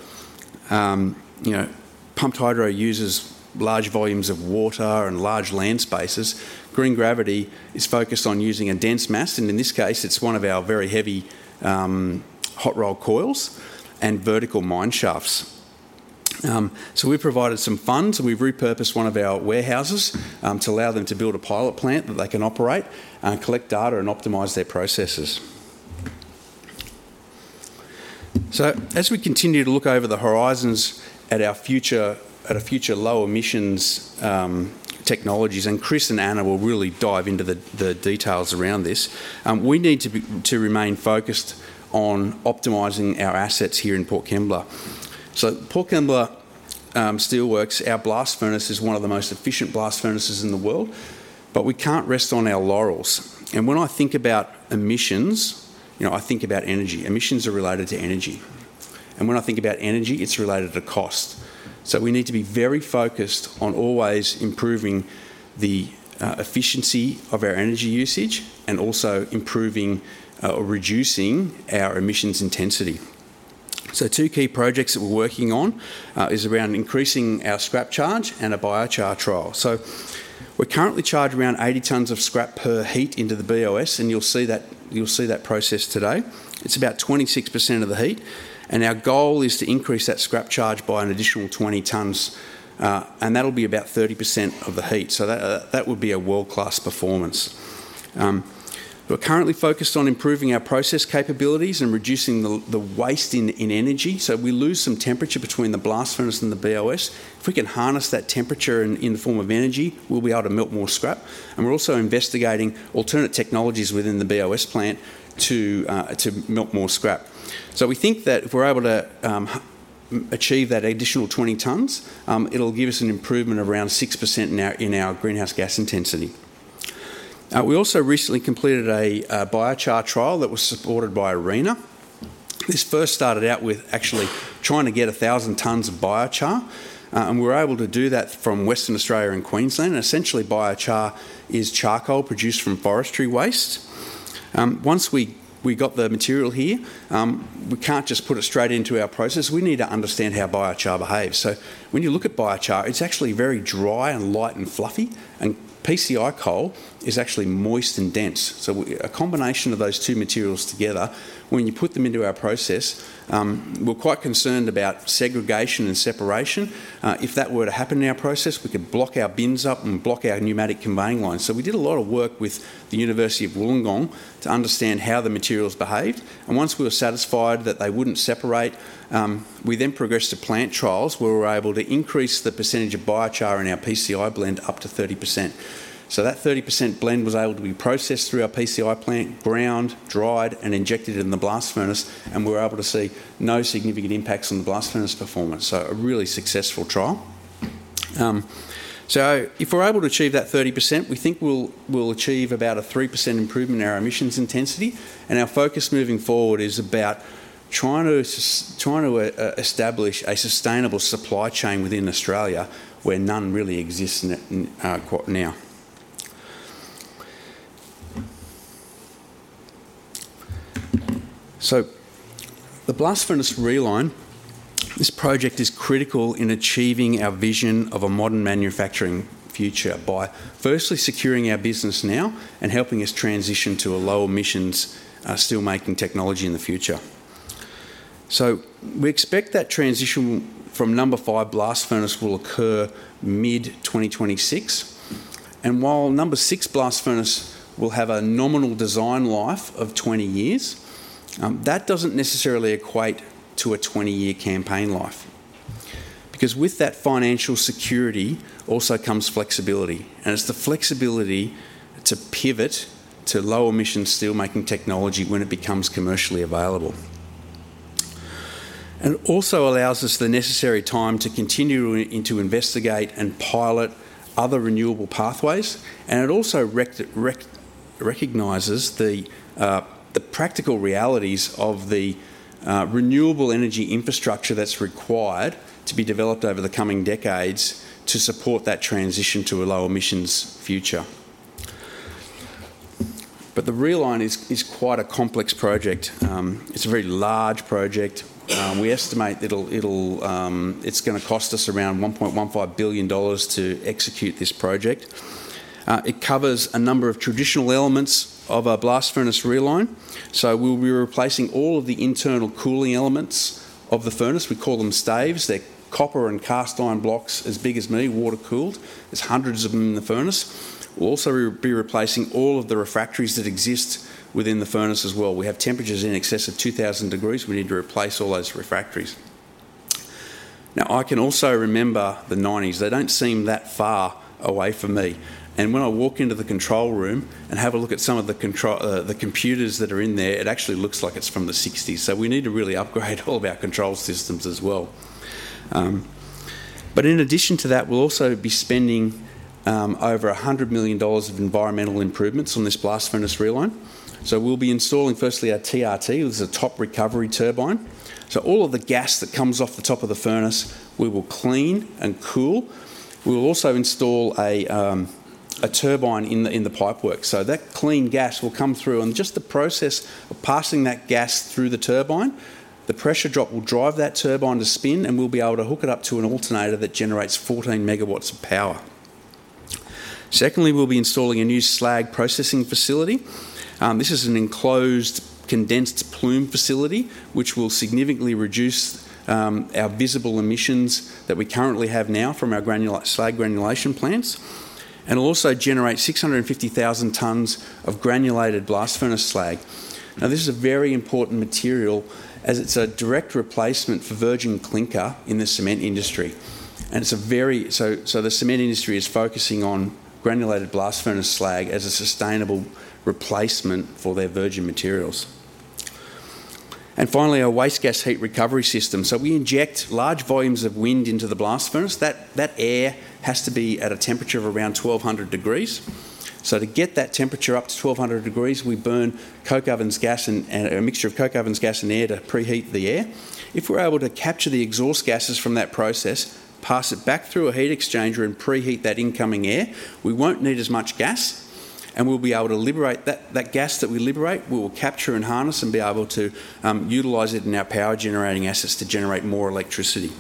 you know, pumped hydro uses large volumes of water and large land spaces. Green Gravity is focused on using a dense mass, and in this case, it's one of our very heavy, hot rolled coils and vertical mine shafts. So we've provided some funds, and we've repurposed one of our warehouses, to allow them to build a pilot plant that they can operate, collect data, and optimize their processes. So as we continue to look over the horizons at our future- at a future low emissions, technologies, and Chris and Anna will really dive into the, the details around this, we need to be, to remain focused on optimizing our assets here in Port Kembla. So Port Kembla Steelworks, our blast furnace is one of the most efficient blast furnaces in the world, but we can't rest on our laurels. And when I think about emissions, you know, I think about energy. Emissions are related to energy, and when I think about energy, it's related to cost. So we need to be very focused on always improving the efficiency of our energy usage, and also improving or reducing our emissions intensity. So two key projects that we're working on is around increasing our scrap charge and a biochar trial. So we currently charge around 80 tons of scrap per heat into the BOS, and you'll see that, you'll see that process today. It's about 26% of the heat, and our goal is to increase that scrap charge by an additional 20 tons, and that'll be about 30% of the heat, so that would be a world-class performance. We're currently focused on improving our process capabilities and reducing the waste in energy. So we lose some temperature between the blast furnace and the BOS. If we can harness that temperature in the form of energy, we'll be able to melt more scrap, and we're also investigating alternate technologies within the BOS plant to melt more scrap. So we think that if we're able to achieve that additional 20 tons, it'll give us an improvement of around 6% in our greenhouse gas intensity. We also recently completed a biochar trial that was supported by ARENA. This first started out with actually trying to get 1,000 tons of biochar, and we were able to do that from Western Australia and Queensland, and essentially, biochar is charcoal produced from forestry waste. Once we got the material here, we can't just put it straight into our process. We need to understand how biochar behaves. So when you look at biochar, it's actually very dry and light and fluffy, and PCI coal is actually moist and dense. So a combination of those two materials together, when you put them into our process, we're quite concerned about segregation and separation. If that were to happen in our process, we could block our bins up and block our pneumatic conveying lines. So we did a lot of work with the University of Wollongong to understand how the materials behaved, and once we were satisfied that they wouldn't separate, we then progressed to plant trials, where we were able to increase the percentage of biochar in our PCI blend up to 30%. So that 30% blend was able to be processed through our PCI plant, ground, dried, and injected in the blast furnace, and we were able to see no significant impacts on the blast furnace performance, so a really successful trial. So if we're able to achieve that 30%, we think we'll achieve about a 3% improvement in our emissions intensity, and our focus moving forward is about trying to establish a sustainable supply chain within Australia, where none really exists in it quite now. So the blast furnace reline, this project is critical in achieving our vision of a modern manufacturing future by firstly securing our business now and helping us transition to a low-emissions steelmaking technology in the future. So we expect that transition from Number 5 Blast Furnace will occur mid-2026, and while Number 6 Blast Furnace will have a nominal design life of 20 years, that doesn't necessarily equate to a 20-year campaign life. Because with that financial security also comes flexibility, and it's the flexibility to pivot to low-emissions steelmaking technology when it becomes commercially available. And it also allows us the necessary time to continue to investigate and pilot other renewable pathways, and it also recognizes the practical realities of the renewable energy infrastructure that's required to be developed over the coming decades to support that transition to a low-emissions future. But the reline is quite a complex project. It's a very large project. We estimate it'll it's gonna cost us around 1.15 billion dollars to execute this project. It covers a number of traditional elements of a blast furnace reline, so we'll be replacing all of the internal cooling elements of the furnace. We call them staves. They're copper and cast iron blocks as big as me, water-cooled. There's hundreds of them in the furnace. We'll also be replacing all of the refractories that exist within the furnace as well. We have temperatures in excess of 2,000 degrees. We need to replace all those refractories. Now, I can also remember the nineties. They don't seem that far away from me, and when I walk into the control room and have a look at some of the control, the computers that are in there, it actually looks like it's from the sixties, so we need to really upgrade all of our control systems as well. In addition to that, we'll also be spending over 100 million dollars of environmental improvements on this blast furnace reline. We'll be installing, firstly, our TRT. This is a Top Recovery Turbine. All of the gas that comes off the top of the furnace, we will clean and cool. We will also install a turbine in the pipework. So that clean gas will come through, and just the process of passing that gas through the turbine, the pressure drop will drive that turbine to spin, and we'll be able to hook it up to an alternator that generates 14 MW of power. Secondly, we'll be installing a new slag processing facility. This is an enclosed, condensed plume facility, which will significantly reduce our visible emissions that we currently have now from our granular slag granulation plants, and will also generate 650,000 tons of granulated blast furnace slag. Now, this is a very important material, as it's a direct replacement for virgin clinker in the cement industry, and the cement industry is focusing on granulated blast furnace slag as a sustainable replacement for their virgin materials. And finally, our waste gas heat recovery system. So we inject large volumes of wind into the blast furnace. That air has to be at a temperature of around 1,200 degrees. So to get that temperature up to 1,200 degrees, we burn coke oven gas and a mixture of coke oven gas and air to preheat the air. If we're able to capture the exhaust gases from that process, pass it back through a heat exchanger, and preheat that incoming air, we won't need as much gas, and we'll be able to liberate that gas that we liberate, we will capture and harness and be able to utilize it in our power-generating assets to generate more electricity.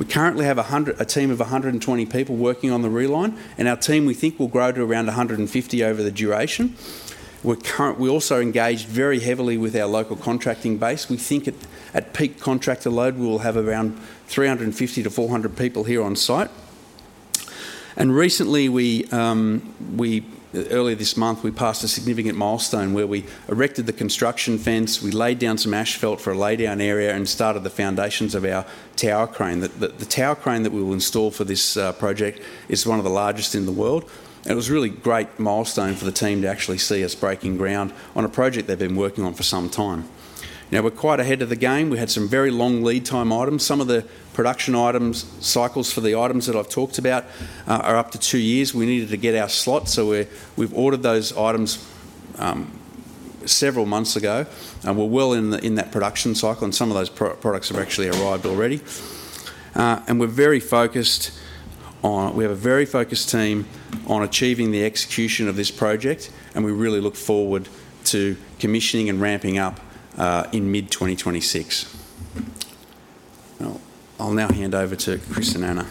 We currently have a team of 120 people working on the reline, and our team, we think, will grow to around 150 over the duration. We also engage very heavily with our local contracting base. We think at peak contractor load, we will have around 350-400 people here on site. And recently, earlier this month, we passed a significant milestone where we erected the construction fence, we laid down some asphalt for a laydown area, and started the foundations of our tower crane. The tower crane that we will install for this project is one of the largest in the world. It was a really great milestone for the team to actually see us breaking ground on a project they've been working on for some time. Now, we're quite ahead of the game. We had some very long lead time items. Some of the production items, cycles for the items that I've talked about, are up to two years. We needed to get our slot, so we've ordered those items several months ago, and we're well in the, in that production cycle, and some of those products have actually arrived already. And we're very focused on... We have a very focused team on achieving the execution of this project, and we really look forward to commissioning and ramping up in mid-2026. I'll now hand over to Chris and Anna.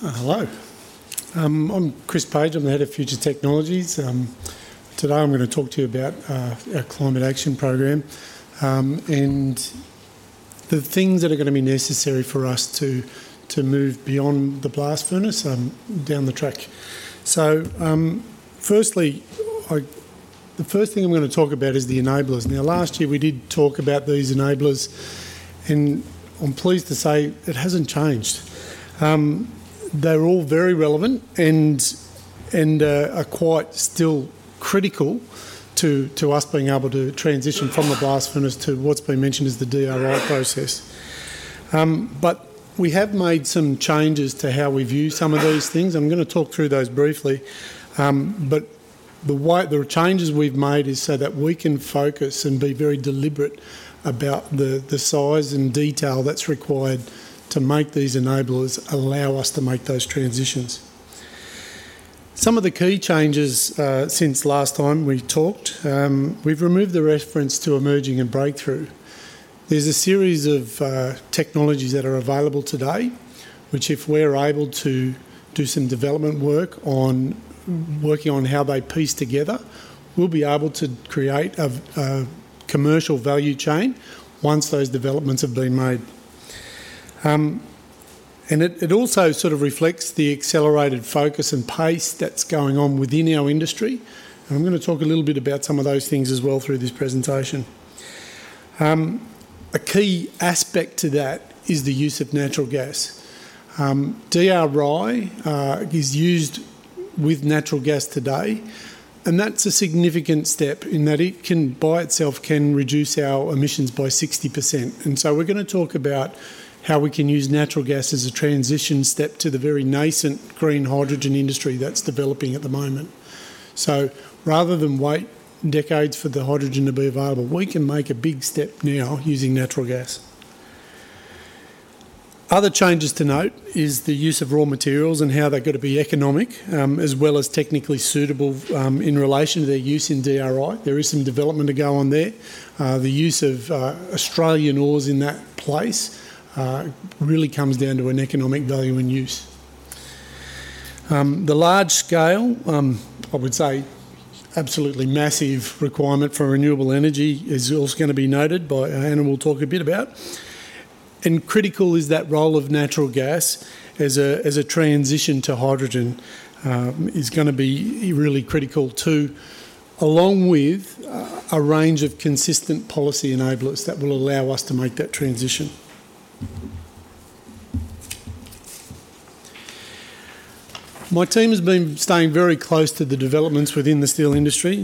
Hello. I'm Chris Page. I'm the Head of Future Technologies. Today I'm gonna talk to you about our Climate Action Program and the things that are gonna be necessary for us to move beyond the blast furnace down the track. So, firstly, the first thing I'm gonna talk about is the enablers. Now, last year, we did talk about these enablers, and I'm pleased to say it hasn't changed. They're all very relevant and are quite still critical to us being able to transition from the blast furnace to what's been mentioned as the DRI process. But we have made some changes to how we view some of these things. I'm gonna talk through those briefly. But the changes we've made is so that we can focus and be very deliberate about the size and detail that's required to make these enablers allow us to make those transitions. Some of the key changes since last time we talked, we've removed the reference to emerging and breakthrough. There's a series of technologies that are available today, which, if we're able to do some development work on working on how they piece together, we'll be able to create a commercial value chain once those developments have been made. And it also sort of reflects the accelerated focus and pace that's going on within our industry, and I'm gonna talk a little bit about some of those things as well through this presentation. A key aspect to that is the use of natural gas. DRI is used with natural gas today, and that's a significant step in that it can, by itself, can reduce our emissions by 60%. So we're gonna talk about how we can use natural gas as a transition step to the very nascent green hydrogen industry that's developing at the moment. So rather than wait decades for the hydrogen to be available, we can make a big step now using natural gas. Other changes to note is the use of raw materials and how they're gonna be economic, as well as technically suitable, in relation to their use in DRI. There is some development to go on there. The use of Australian ores in that place really comes down to an economic value and use. The large scale, I would say absolutely massive requirement for renewable energy is also gonna be noted by Anna, and we'll talk a bit about. And critical is that role of natural gas as a transition to hydrogen, is gonna be really critical, too, along with a range of consistent policy enablers that will allow us to make that transition. My team has been staying very close to the developments within the steel industry.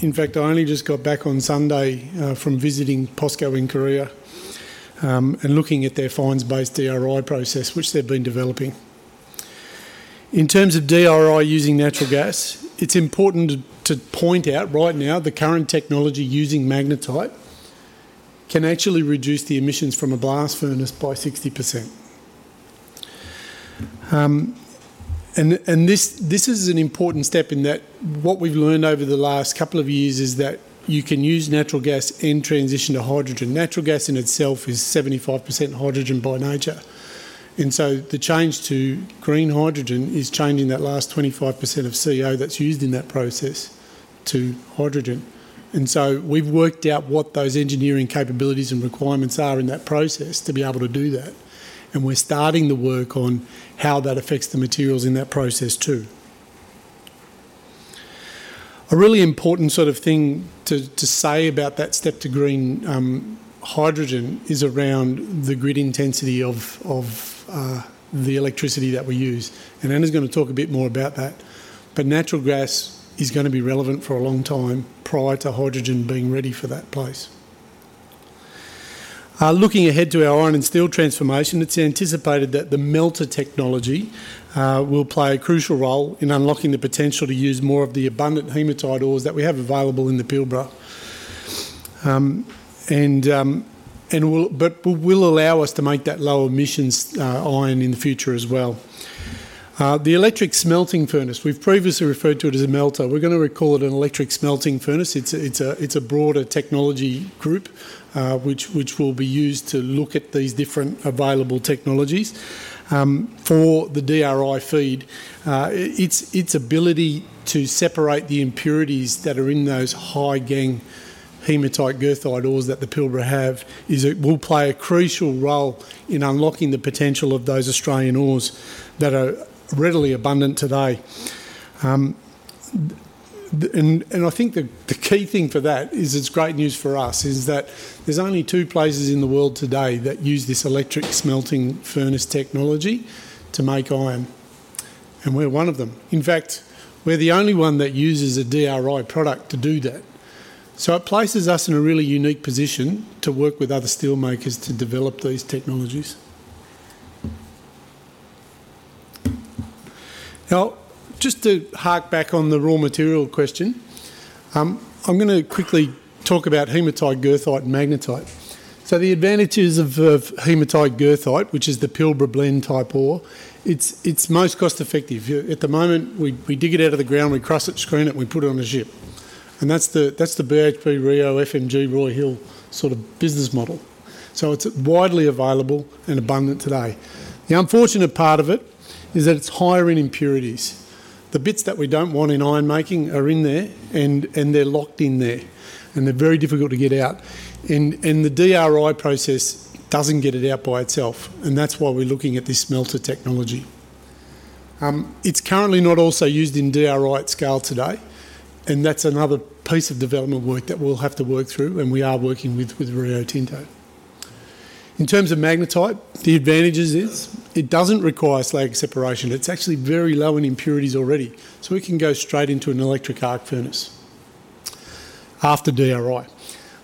In fact, I only just got back on Sunday from visiting POSCO in Korea, and looking at their fines-based DRI process, which they've been developing. In terms of DRI using natural gas, it's important to point out right now, the current technology using magnetite can actually reduce the emissions from a blast furnace by 60%. This is an important step in that what we've learned over the last couple of years is that you can use natural gas in transition to hydrogen. Natural gas in itself is 75% hydrogen by nature, and so the change to green hydrogen is changing that last 25% of CO that's used in that process to hydrogen. And so we've worked out what those engineering capabilities and requirements are in that process to be able to do that, and we're starting the work on how that affects the materials in that process, too. A really important sort of thing to say about that step to green hydrogen is around the grid intensity of the electricity that we use, and Anna's gonna talk a bit more about that. But natural gas is gonna be relevant for a long time prior to hydrogen being ready for that place. Looking ahead to our iron and steel transformation, it's anticipated that the melter technology will play a crucial role in unlocking the potential to use more of the abundant hematite ores that we have available in the Pilbara. And will allow us to make that low-emissions iron in the future as well. The electric smelting furnace, we've previously referred to it as a melter. We're gonna call it an electric smelting furnace. It's a broader technology group which will be used to look at these different available technologies for the DRI feed. Its ability to separate the impurities that are in those high-gangue hematite goethite ores that the Pilbara have, it will play a crucial role in unlocking the potential of those Australian ores that are readily abundant today. I think the key thing for that is, it's great news for us, is that there's only two places in the world today that use this electric smelting furnace technology to make iron, and we're one of them. In fact, we're the only one that uses a DRI product to do that. So it places us in a really unique position to work with other steelmakers to develop these technologies. Now, just to hark back on the raw material question, I'm gonna quickly talk about hematite, goethite, and magnetite. So the advantages of hematite goethite, which is the Pilbara Blend type ore, it's most cost-effective. At the moment, we dig it out of the ground, we crush it, screen it, and we put it on a ship, and that's the BHP Rio FMG Roy Hill sort of business model. So it's widely available and abundant today. The unfortunate part of it is that it's higher in impurities. The bits that we don't want in iron-making are in there, and they're locked in there, and they're very difficult to get out. And the DRI process doesn't get it out by itself, and that's why we're looking at this melter technology. It's currently not also used in DRI at scale today, and that's another piece of development work that we'll have to work through, and we are working with Rio Tinto. In terms of magnetite, the advantages is, it doesn't require slag separation. It's actually very low in impurities already, so we can go straight into an electric arc furnace after DRI.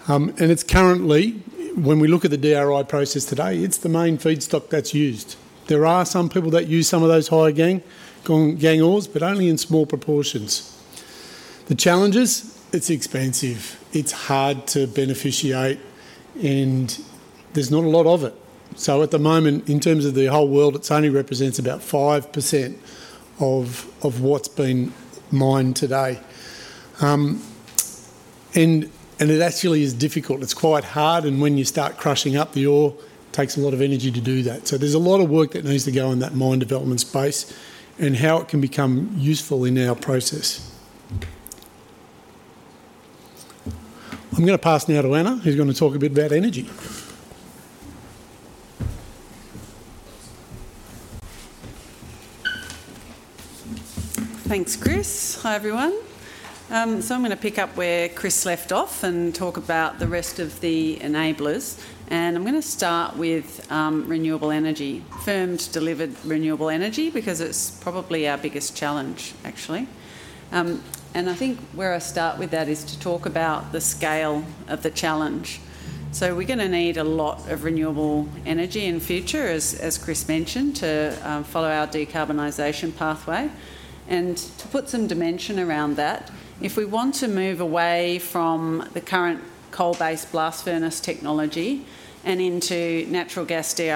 It's currently, when we look at the DRI process today, it's the main feedstock that's used. There are some people that use some of those high-gangue, gangue ores, but only in small proportions. The challenges? It's expensive, it's hard to beneficiate, and there's not a lot of it. At the moment, in terms of the whole world, it only represents about 5% of what's being mined today. It actually is difficult. It's quite hard, and when you start crushing up the ore, takes a lot of energy to do that. So there's a lot of work that needs to go in that mine development space and how it can become useful in our process. I'm gonna pass now to Anna, who's going to talk a bit about energy. Thanks, Chris. Hi, everyone. I'm going to pick up where Chris left off and talk about the rest of the enablers. I'm going to start with renewable energy, firmed delivered renewable energy, because it's probably our biggest challenge, actually. I think where I start with that is to talk about the scale of the challenge. We're gonna need a lot of renewable energy in future, as Chris mentioned, to follow our decarbonisation pathway. To put some dimension around that, if we want to move away from the current coal-based blast furnace technology and into natural gas DRI,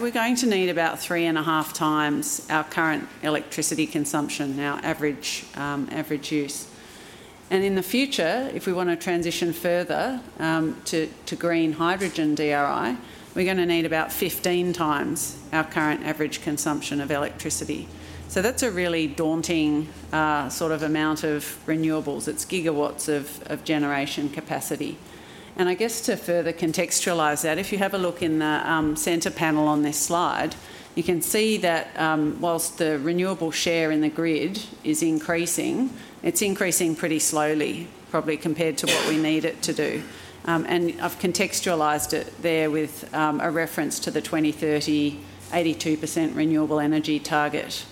we're going to need about 3.5 times our current electricity consumption, our average, average use. In the future, if we want to transition further to green hydrogen DRI, we're gonna need about 15 times our current average consumption of electricity. So that's a really daunting sort of amount of renewables. It's gigawatts of generation capacity. And I guess to further contextualize that, if you have a look in the center panel on this slide, you can see that while the renewable share in the grid is increasing, it's increasing pretty slowly, probably compared to what we need it to do. And I've contextualized it there with a reference to the 2030 82% renewable energy target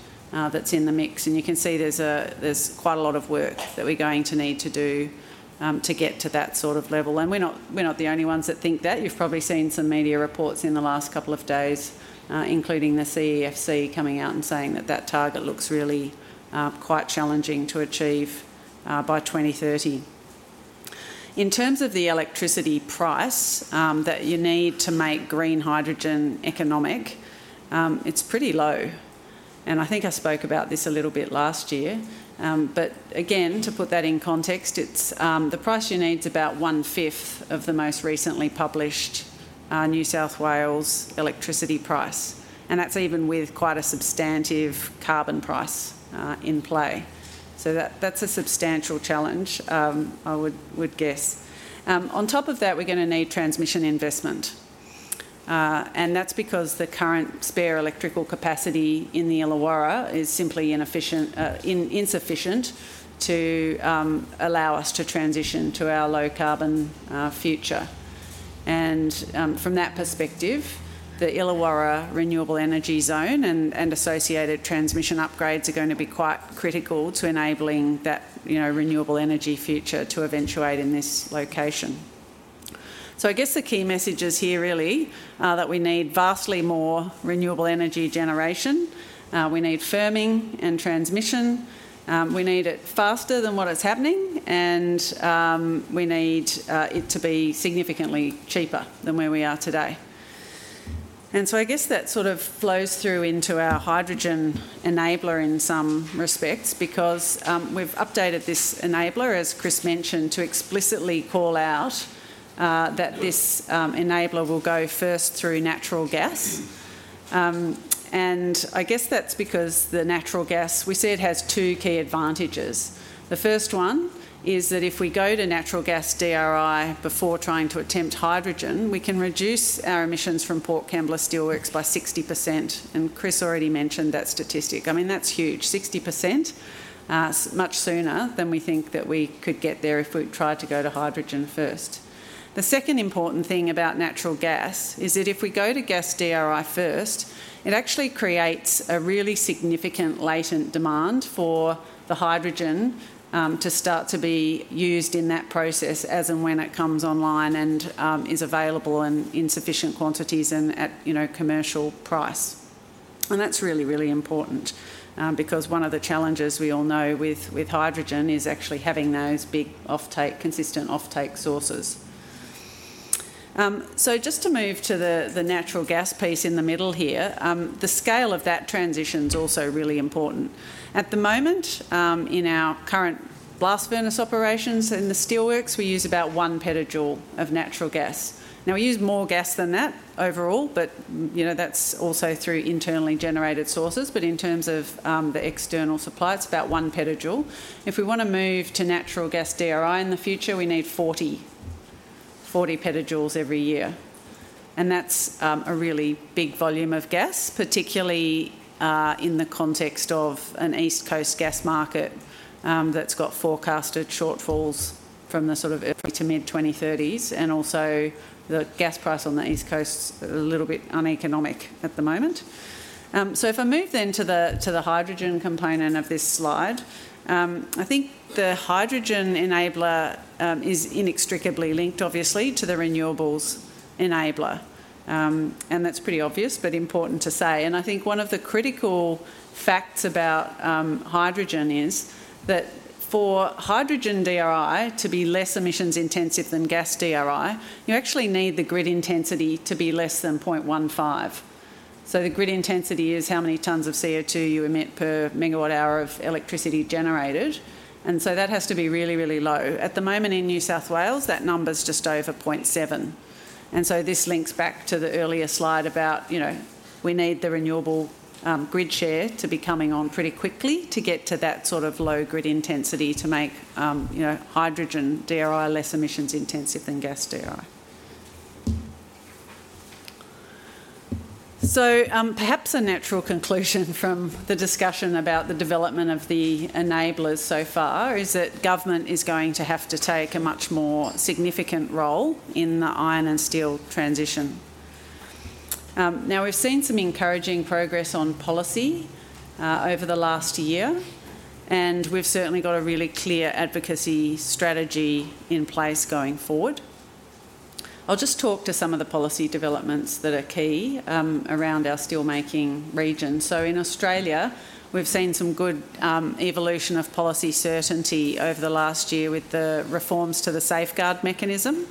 that's in the mix. You can see there's quite a lot of work that we're going to need to do to get to that sort of level, and we're not, we're not the only ones that think that. You've probably seen some media reports in the last couple of days, including the CEFC coming out and saying that that target looks really, quite challenging to achieve by 2030. In terms of the electricity price that you need to make green hydrogen economic, it's pretty low. I think I spoke about this a little bit last year. Again, to put that in context, the price you need is about one-fifth of the most recently published New South Wales electricity price, and that's even with quite a substantive carbon price in play. So that, that's a substantial challenge, I would guess. On top of that, we're going to need transmission investment, and that's because the current spare electrical capacity in the Illawarra is simply insufficient to allow us to transition to our low-carbon future. And, from that perspective, the Illawarra Renewable Energy Zone and associated transmission upgrades are going to be quite critical to enabling that, you know, renewable energy future to eventuate in this location. So I guess the key messages here really are that we need vastly more renewable energy generation. We need firming and transmission. We need it faster than what is happening, and we need it to be significantly cheaper than where we are today. And so I guess that sort of flows through into our hydrogen enabler in some respects because we've updated this enabler, as Chris mentioned, to explicitly call out. That this enabler will go first through natural gas. And I guess that's because the natural gas, we say it has two key advantages. The first one is that if we go to natural gas DRI before trying to attempt hydrogen, we can reduce our emissions from Port Kembla Steelworks by 60%, and Chris already mentioned that statistic. I mean, that's huge. 60%, so much sooner than we think that we could get there if we tried to go to hydrogen first. The second important thing about natural gas is that if we go-to-gas DRI first, it actually creates a really significant latent demand for the hydrogen to start to be used in that process as and when it comes online and is available and in sufficient quantities and at, you know, commercial price. That's really, really important, because one of the challenges we all know with hydrogen is actually having those big offtake, consistent offtake sources. Just to move to the natural gas piece in the middle here, the scale of that transition is also really important. At the moment, in our current blast furnace operations in the steelworks, we use about 1 petajoule of natural gas. Now, we use more gas than that overall, but, you know, that's also through internally generated sources. But in terms of the external supply, it's about 1 petajoule. If we want to move to natural gas DRI in the future, we need 40, 40 PJ every year, and that's a really big volume of gas, particularly in the context of an East Coast gas market that's got forecasted shortfalls from the sort of early to mid-2030s, and also the gas price on the East Coast is a little bit uneconomic at the moment. So if I move then to the hydrogen component of this slide, I think the hydrogen enabler is inextricably linked, obviously, to the renewables enabler. And that's pretty obvious, but important to say. And I think one of the critical facts about hydrogen is that for hydrogen DRI to be less emissions-intensive than gas DRI, you actually need the grid intensity to be less than 0.15. So the grid intensity is how many tons of CO2 you emit per MWh of electricity generated, and so that has to be really, really low. At the moment in New South Wales, that number is just over 0.7, and so this links back to the earlier slide about, you know, we need the renewable, grid share to be coming on pretty quickly to get to that sort of low grid intensity to make, you know, hydrogen DRI less emissions-intensive than gas DRI. So, perhaps a natural conclusion from the discussion about the development of the enablers so far is that government is going to have to take a much more significant role in the iron and steel transition. Now, we've seen some encouraging progress on policy over the last year, and we've certainly got a really clear advocacy strategy in place going forward. I'll just talk to some of the policy developments that are key around our steelmaking region. In Australia, we've seen some good evolution of policy certainty over the last year with the reforms to the Safeguard Mechanism,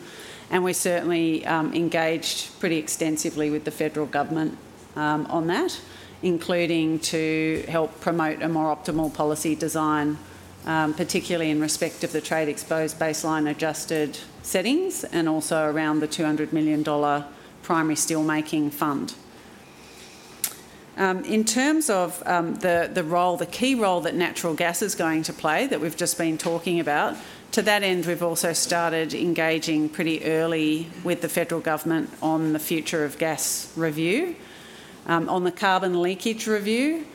and we certainly engaged pretty extensively with the federal government on that, including to help promote a more optimal policy design, particularly in respect of the trade-exposed baseline adjusted settings and also around the 200 million dollar primary steelmaking fund. In terms of the key role that natural gas is going to play, that we've just been talking about, to that end, we've also started engaging pretty early with the federal government on the future of gas review. On the Carbon Leakage Review,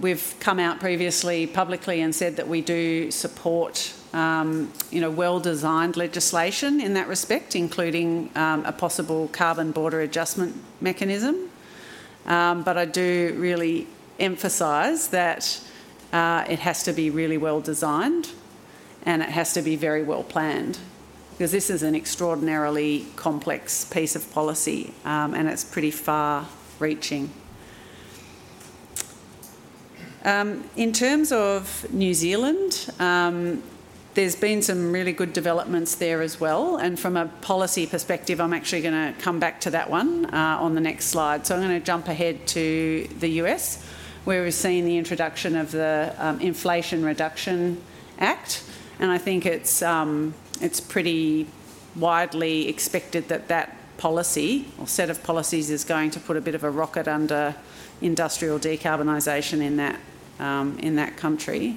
we've come out previously, publicly, and said that we do support, you know, well-designed legislation in that respect, including a possible Carbon Border Adjustment Mechanism. But I do really emphasize that it has to be really well designed, and it has to be very well planned, because this is an extraordinarily complex piece of policy, and it's pretty far-reaching. In terms of New Zealand, there's been some really good developments there as well, and from a policy perspective, I'm actually gonna come back to that one on the next slide. So I'm gonna jump ahead to the U.S., where we've seen the introduction of the Inflation Reduction Act, and I think it's pretty widely expected that that policy or set of policies is going to put a bit of a rocket under industrial decarbonisation in that country,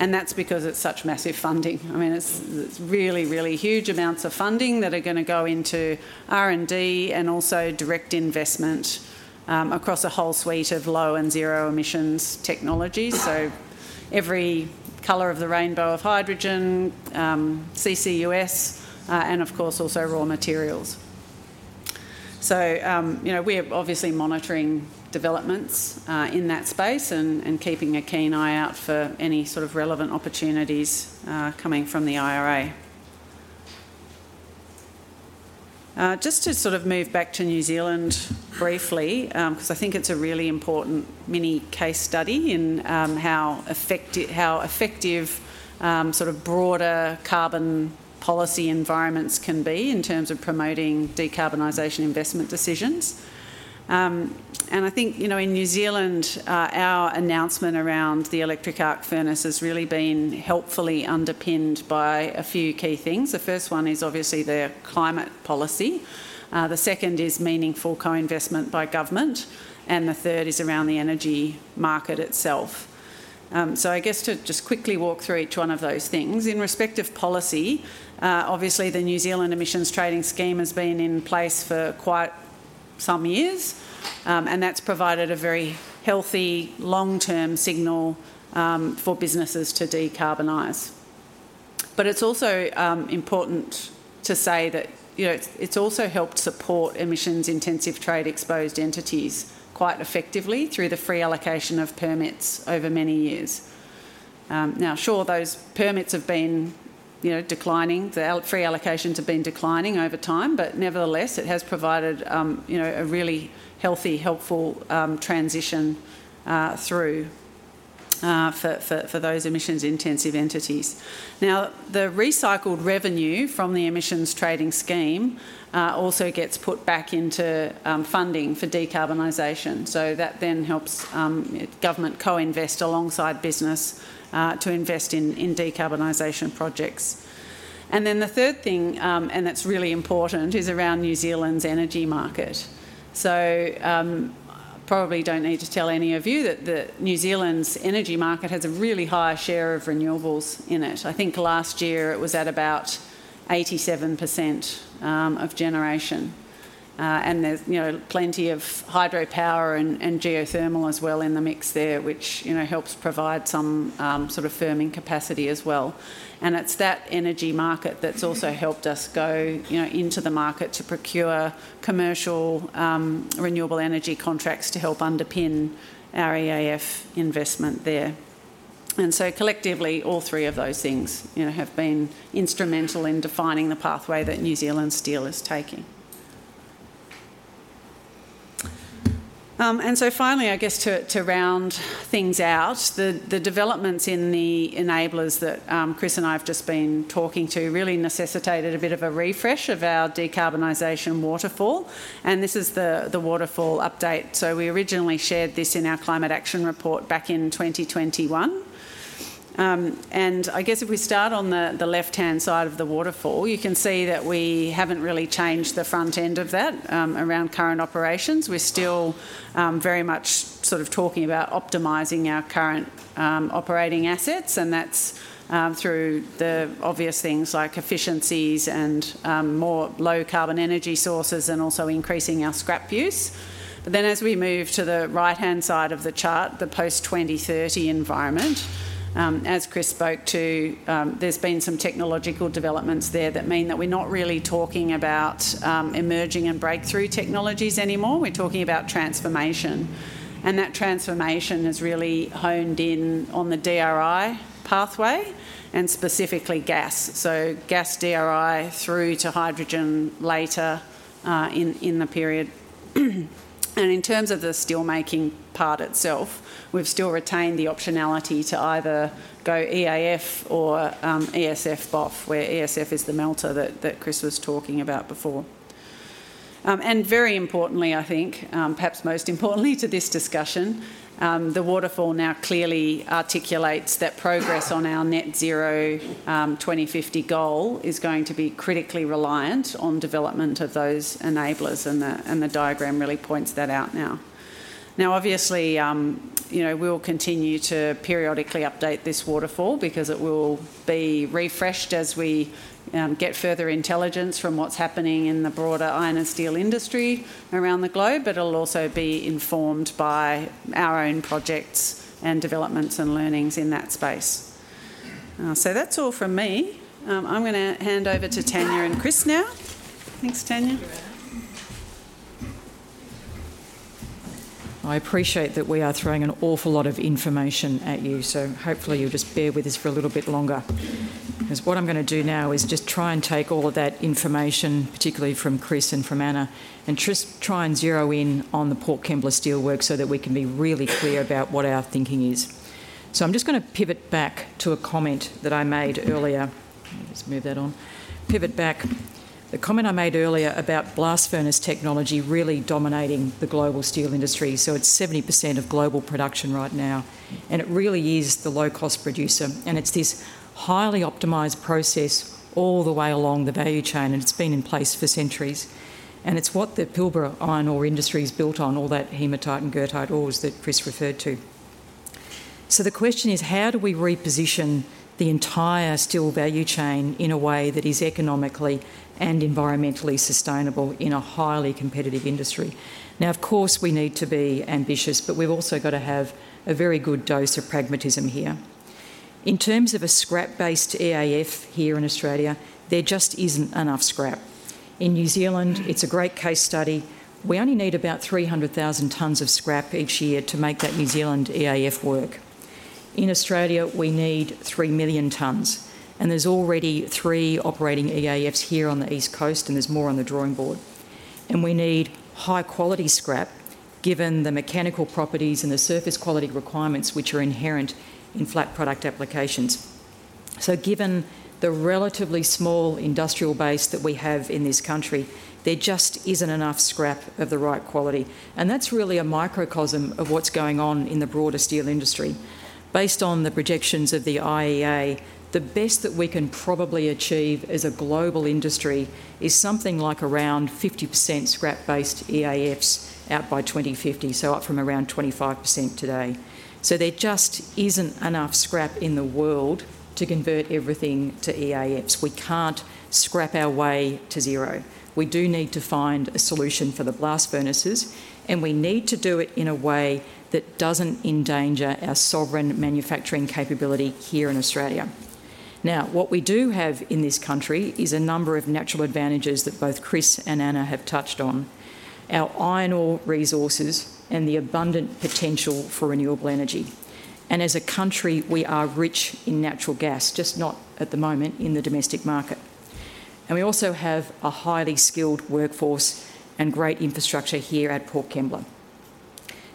and that's because it's such massive funding. I mean, it's really, really huge amounts of funding that are gonna go into R&D and also direct investment across a whole suite of low and zero emissions technologies. So every color of the rainbow of hydrogen, CCUS, and of course also raw materials. So, you know, we're obviously monitoring developments in that space and keeping a keen eye out for any sort of relevant opportunities coming from the IRA. Just to sort of move back to New Zealand briefly, 'cause I think it's a really important mini case study in how effective sort of broader carbon policy environments can be in terms of promoting decarbonisation investment decisions. And I think, you know, in New Zealand, our announcement around the electric arc furnace has really been helpfully underpinned by a few key things. The first one is obviously their climate policy, the second is meaningful co-investment by government, and the third is around the energy market itself. So I guess to just quickly walk through each one of those things. In respect of policy, obviously the New Zealand Emissions Trading Scheme has been in place for quite some years, and that's provided a very healthy long-term signal for businesses to decarbonize. But it's also important to say that, you know, it's also helped support emissions-intensive trade-exposed entities quite effectively through the free allocation of permits over many years. Now, sure, those permits have been, you know, declining. The free allocations have been declining over time, but nevertheless, it has provided, you know, a really healthy, helpful transition through for those emissions-intensive entities. Now, the recycled revenue from the emissions trading scheme also gets put back into funding for decarbonisation, so that then helps government co-invest alongside business to invest in decarbonisation projects. And then the third thing, and that's really important, is around New Zealand's energy market. So, probably don't need to tell any of you that New Zealand's energy market has a really high share of renewables in it. I think last year it was at about 87% of generation. And there's, you know, plenty of hydropower and geothermal as well in the mix there, which, you know, helps provide some sort of firming capacity as well. And it's that energy market that's also helped us go, you know, into the market to procure commercial renewable energy contracts to help underpin our EAF investment there. And so collectively, all three of those things, you know, have been instrumental in defining the pathway that New Zealand Steel is taking. And so finally, I guess to round things out, the developments in the enablers that Chris and I have just been talking to really necessitated a bit of a refresh of our decarbonisation waterfall, and this is the waterfall update. So we originally shared this in our Climate Action Report back in 2021. And I guess if we start on the left-hand side of the waterfall, you can see that we haven't really changed the front end of that around current operations. We're still very much sort of talking about optimizing our current operating assets, and that's through the obvious things like efficiencies and more low carbon energy sources, and also increasing our scrap use. But then, as we move to the right-hand side of the chart, the post-2030 environment, as Chris spoke to, there's been some technological developments there that mean that we're not really talking about emerging and breakthrough technologies anymore. We're talking about transformation, and that transformation is really honed in on the DRI pathway, and specifically gas. So gas DRI through to hydrogen later, in the period. And in terms of the steelmaking part itself, we've still retained the optionality to either go EAF or ESF BOF, where ESF is the melter that Chris was talking about before. And very importantly, I think, perhaps most importantly to this discussion, the waterfall now clearly articulates that progress on our net zero 2050 goal is going to be critically reliant on development of those enablers, and the diagram really points that out now. Now, obviously, you know, we'll continue to periodically update this waterfall because it will be refreshed as we get further intelligence from what's happening in the broader iron and steel industry around the globe, but it'll also be informed by our own projects and developments and learnings in that space. That's all from me. I'm gonna hand over to Tania and Chris now. Thanks, Tania. Thank you, Anna. I appreciate that we are throwing an awful lot of information at you, so hopefully you'll just bear with us for a little bit longer. 'Cause what I'm gonna do now is just try and take all of that information, particularly from Chris and from Anna, and just try and zero in on the Port Kembla Steelworks so that we can be really clear about what our thinking is. So I'm just gonna pivot back to a comment that I made earlier. Just move that on. Pivot back. The comment I made earlier about blast furnace technology really dominating the global steel industry, so it's 70% of global production right now, and it really is the low-cost producer, and it's this highly optimized process all the way along the value chain, and it's been in place for centuries. It's what the Pilbara iron ore industry is built on, all that hematite and goethite ores that Chris referred to. So the question is: how do we reposition the entire steel value chain in a way that is economically and environmentally sustainable in a highly competitive industry? Now, of course, we need to be ambitious, but we've also got to have a very good dose of pragmatism here. In terms of a scrap-based EAF here in Australia, there just isn't enough scrap. In New Zealand, it's a great case study. We only need about 300,000 tons of scrap each year to make that New Zealand EAF work. In Australia, we need 3 million tons, and there's already three operating EAFs here on the East Coast, and there's more on the drawing board. We need high-quality scrap, given the mechanical properties and the surface quality requirements, which are inherent in flat product applications. Given the relatively small industrial base that we have in this country, there just isn't enough scrap of the right quality, and that's really a microcosm of what's going on in the broader steel industry. Based on the projections of the IEA, the best that we can probably achieve as a global industry is something like around 50% scrap-based EAFs out by 2050, so up from around 25% today. There just isn't enough scrap in the world to convert everything to EAFs. We can't scrap our way to zero. We do need to find a solution for the blast furnaces, and we need to do it in a way that doesn't endanger our sovereign manufacturing capability here in Australia. Now, what we do have in this country is a number of natural advantages that both Chris and Anna have touched on: our iron ore resources and the abundant potential for renewable energy. And as a country, we are rich in natural gas, just not at the moment in the domestic market. And we also have a highly skilled workforce and great infrastructure here at Port Kembla.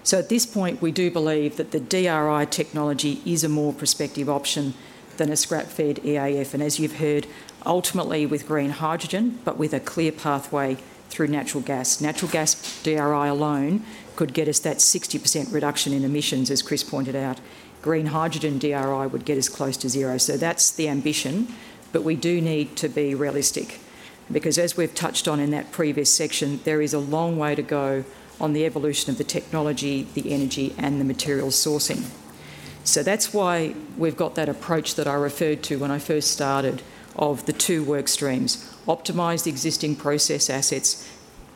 So at this point, we do believe that the DRI technology is a more prospective option than a scrap-fed EAF, and as you've heard, ultimately with green hydrogen, but with a clear pathway through natural gas. Natural gas DRI alone could get us that 60% reduction in emissions, as Chris pointed out. Green hydrogen DRI would get us close to zero. So that's the ambition, but we do need to be realistic, because as we've touched on in that previous section, there is a long way to go on the evolution of the technology, the energy, and the material sourcing. So that's why we've got that approach that I referred to when I first started of the two work streams: optimize the existing process assets,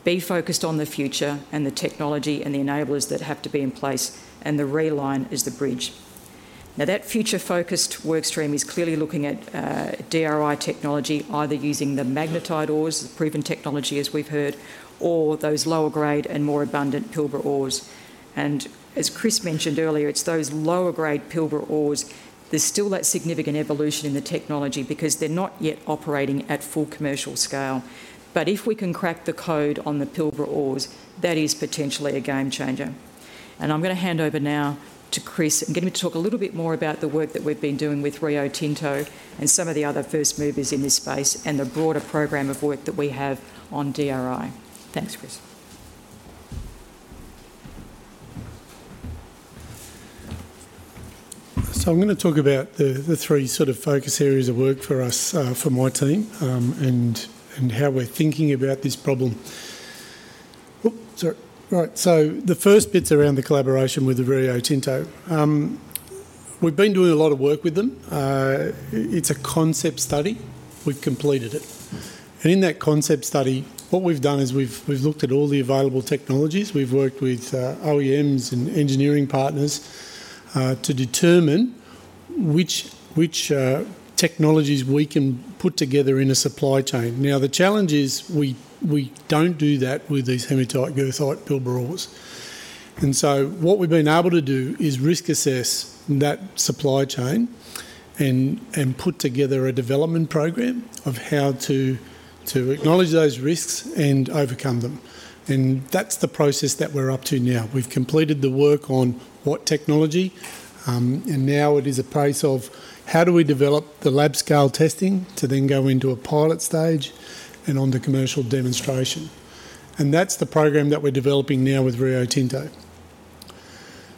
be focused on the future and the technology and the enablers that have to be in place, and the Reline is the bridge. Now, that future-focused work stream is clearly looking at, DRI technology, either using the magnetite ores, the proven technology, as we've heard, or those lower grade and more abundant Pilbara ores. And as Chris mentioned earlier, it's those lower grade Pilbara ores, there's still that significant evolution in the technology because they're not yet operating at full commercial scale. But if we can crack the code on the Pilbara ores, that is potentially a game changer. I'm gonna hand over now to Chris and get him to talk a little bit more about the work that we've been doing with Rio Tinto and some of the other first movers in this space and the broader program of work that we have on DRI. Thanks, Chris. So I'm gonna talk about the three sort of focus areas of work for us, for my team, and how we're thinking about this problem. Right, so the first bit's around the collaboration with the Rio Tinto. We've been doing a lot of work with them. It's a concept study. We've completed it, and in that concept study, what we've done is we've looked at all the available technologies. We've worked with OEMs and engineering partners to determine which technologies we can put together in a supply chain. Now, the challenge is we don't do that with these hematite, goethite Pilbara ores. And so what we've been able to do is risk assess that supply chain and put together a development program of how to acknowledge those risks and overcome them. That's the process that we're up to now. We've completed the work on what technology, and now it is a case of how do we develop the lab-scale testing to then go into a pilot stage and on to commercial demonstration? That's the program that we're developing now with Rio Tinto.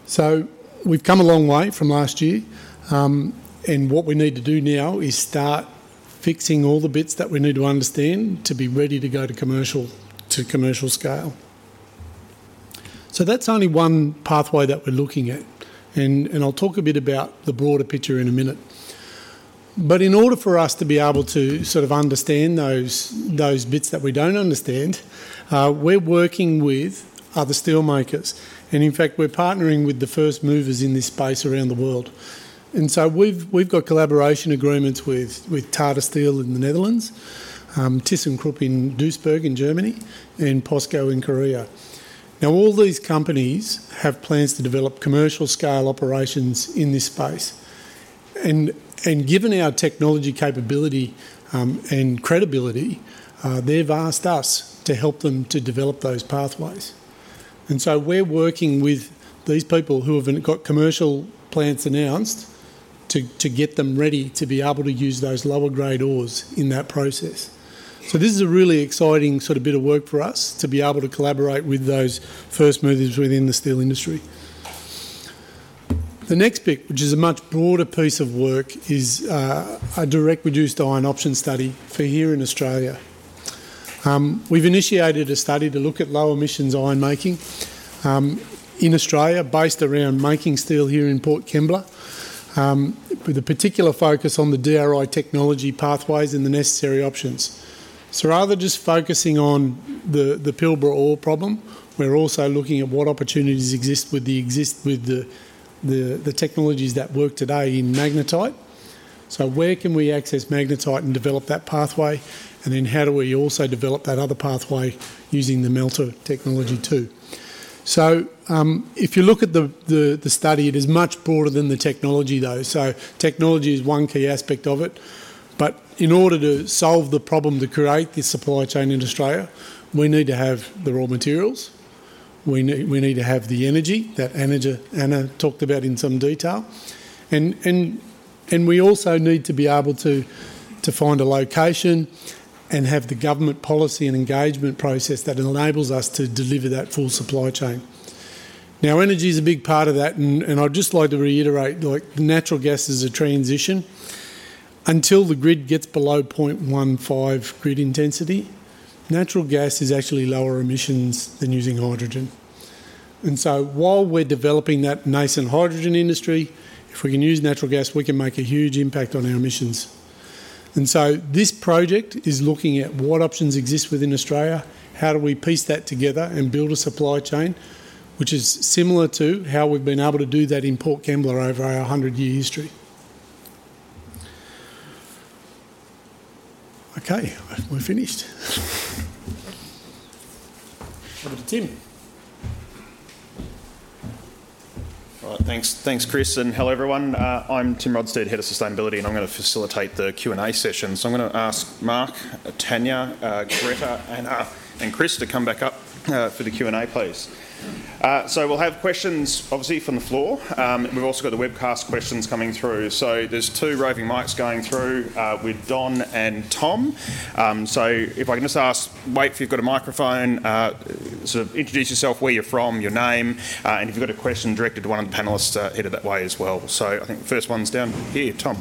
So we've come a long way from last year, and what we need to do now is start fixing all the bits that we need to understand to be ready to go to commercial, to commercial scale. So that's only one pathway that we're looking at, and, and I'll talk a bit about the broader picture in a minute. In order for us to be able to sort of understand those, those bits that we don't understand, we're working with other steel makers, and in fact, we're partnering with the first movers in this space around the world. We've got collaboration agreements with Tata Steel in the Netherlands, Thyssenkrupp in Duisburg in Germany, and POSCO in Korea. Now, all these companies have plans to develop commercial-scale operations in this space, and given our technology capability and credibility, they've asked us to help them to develop those pathways. We're working with these people who have even got commercial plants announced, to get them ready to be able to use those lower grade ores in that process. So this is a really exciting sort of bit of work for us to be able to collaborate with those first movers within the steel industry. The next bit, which is a much broader piece of work, is a direct reduced iron option study for here in Australia. We've initiated a study to look at low emissions iron making in Australia, based around making steel here in Port Kembla, with a particular focus on the DRI technology pathways and the necessary options. So rather than just focusing on the Pilbara ore problem, we're also looking at what opportunities exist with the technologies that work today in magnetite. So where can we access magnetite and develop that pathway? And then how do we also develop that other pathway using the melter technology, too? So, if you look at the study, it is much broader than the technology, though. So technology is one key aspect of it, but in order to solve the problem to create this supply chain in Australia, we need to have the raw materials. We need to have the energy that Anna talked about in some detail. And we also need to be able to find a location and have the government policy and engagement process that enables us to deliver that full supply chain. Now, energy is a big part of that, and I'd just like to reiterate, like, natural gas is a transition. Until the grid gets below 0.15 grid intensity, natural gas is actually lower emissions than using hydrogen. And so while we're developing that nascent hydrogen industry, if we can use natural gas, we can make a huge impact on our emissions. And so this project is looking at what options exist within Australia, how do we piece that together and build a supply chain, which is similar to how we've been able to do that in Port Kembla over our 100-year history. Okay, we're finished. Over to Tim. Well, thanks. Thanks, Chris, and hello, everyone. I'm Tim Rodstad, Head of Sustainability, and I'm going to facilitate the Q&A session. So I'm going to ask Mark, Tania, Gretta, and Chris to come back up for the Q&A, please. So we'll have questions, obviously, from the floor. We've also got the webcast questions coming through. So there's two roving mics going through with Don and Tom. So if I can just ask, wait, if you've got a microphone, sort of introduce yourself, where you're from, your name, and if you've got a question directed to one of the panelists, head it that way as well. So I think the first one's down here. Tom.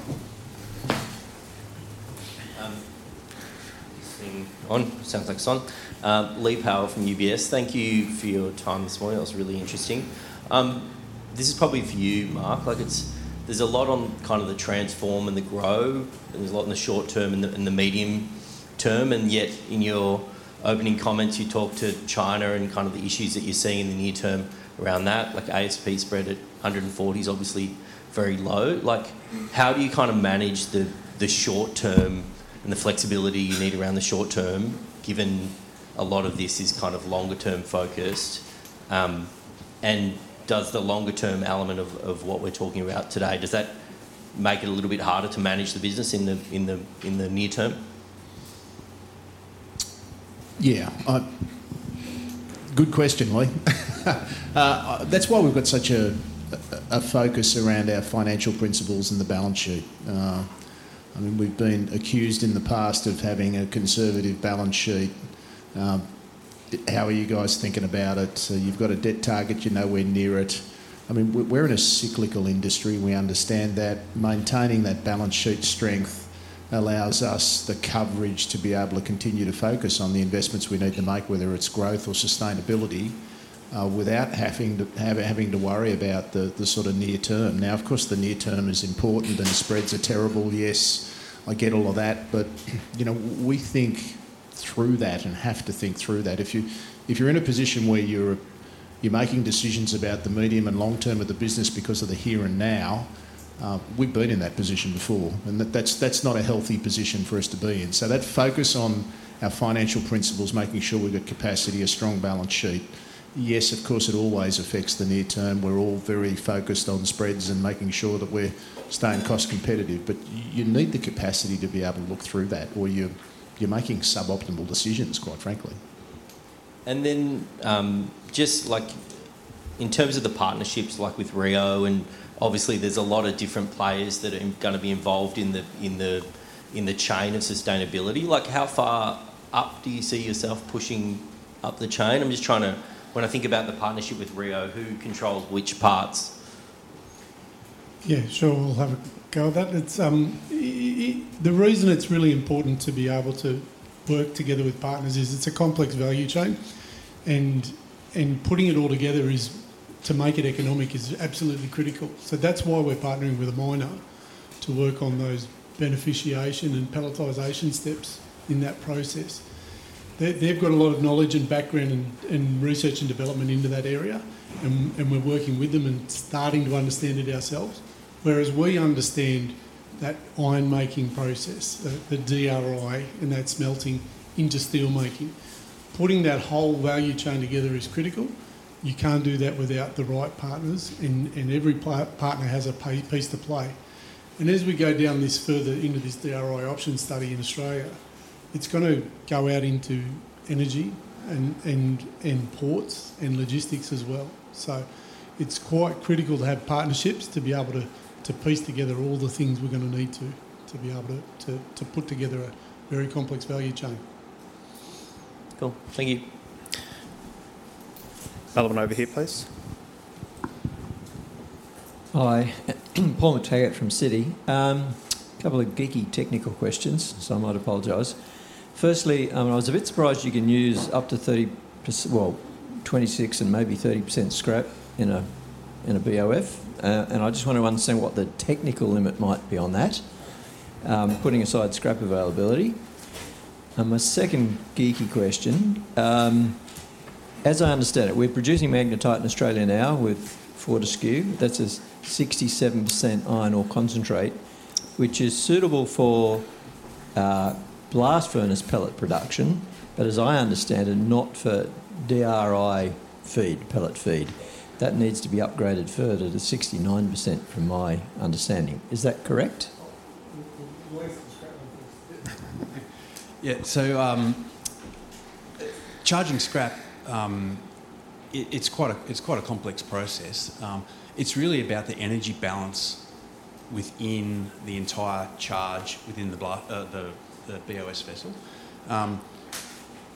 This thing on? Sounds like it's on. Lee Power from UBS. Thank you for your time this morning. That was really interesting. This is probably for you, Mark. Like, it's... There's a lot on kind of the transform and the grow, and there's a lot in the short term and the, and the medium term, and yet in your opening comments, you talked to China and kind of the issues that you see in the near term around that. Like, ASP spread at 140 is obviously very low. Like, how do you kind of manage the, the short term and the flexibility you need around the short term, given a lot of this is kind of longer term focused? Does the longer term element of what we're talking about today make it a little bit harder to manage the business in the near term? Yeah, good question, Lee. That's why we've got such a focus around our financial principles and the balance sheet. I mean, we've been accused in the past of having a conservative balance sheet. "How are you guys thinking about it? You've got a debt target, you're nowhere near it." I mean, we're in a cyclical industry. We understand that maintaining that balance sheet strength allows us the coverage to be able to continue to focus on the investments we need to make, whether it's growth or sustainability, without having to worry about the sort of near term. Now, of course, the near term is important, and the spreads are terrible. Yes, I get all of that, but, you know, we think through that and have to think through that. If you're in a position where you're making decisions about the medium and long term of the business because of the here and now, we've been in that position before, and that's not a healthy position for us to be in. So that focus on our financial principles, making sure we've got capacity, a strong balance sheet, yes, of course, it always affects the near term. We're all very focused on spreads and making sure that we're staying cost competitive, but you need the capacity to be able to look through that, or you're making suboptimal decisions, quite frankly. Then, just like in terms of the partnerships, like with Rio, and obviously there's a lot of different players that are gonna be involved in the chain of sustainability, like, how far up do you see yourself pushing up the chain? I'm just trying to... When I think about the partnership with Rio, who controls which parts? Yeah, sure, we'll have a go at that. It's the reason it's really important to be able to work together with partners is it's a complex value chain, and putting it all together is, to make it economic, is absolutely critical. So that's why we're partnering with a miner to work on those beneficiation and pelletization steps in that process. They've got a lot of knowledge and background and research and development into that area, and we're working with them and starting to understand it ourselves. Whereas we understand that iron-making process, the DRI, and that's smelting into steelmaking. Putting that whole value chain together is critical. You can't do that without the right partners, and every partner has a piece to play. As we go down this further into this DRI option study in Australia, it's gonna go out into energy and ports, and logistics as well. So it's quite critical to have partnerships to be able to piece together all the things we're gonna need to be able to put together a very complex value chain. Cool. Thank you. Other one over here, please. Hi. Paul McTaggart from Citi. Couple of geeky technical questions, so I might apologies. Firstly, I was a bit surprised you can use up to 30% – well, 26% and maybe 30% scrap in a BOF. And I just want to understand what the technical limit might be on that, putting aside scrap availability. And my second geeky question, as I understand it, we're producing magnetite in Australia now with Fortescue. That's a 67% iron ore concentrate, which is suitable for blast furnace pellet production, but as I understand it, not for DRI feed, pellet feed. That needs to be upgraded further to 69%, from my understanding. Is that correct? The waste and scrap Yeah, so, charging scrap, it's quite a complex process. It's really about the energy balance within the entire charge, within the BOS vessel.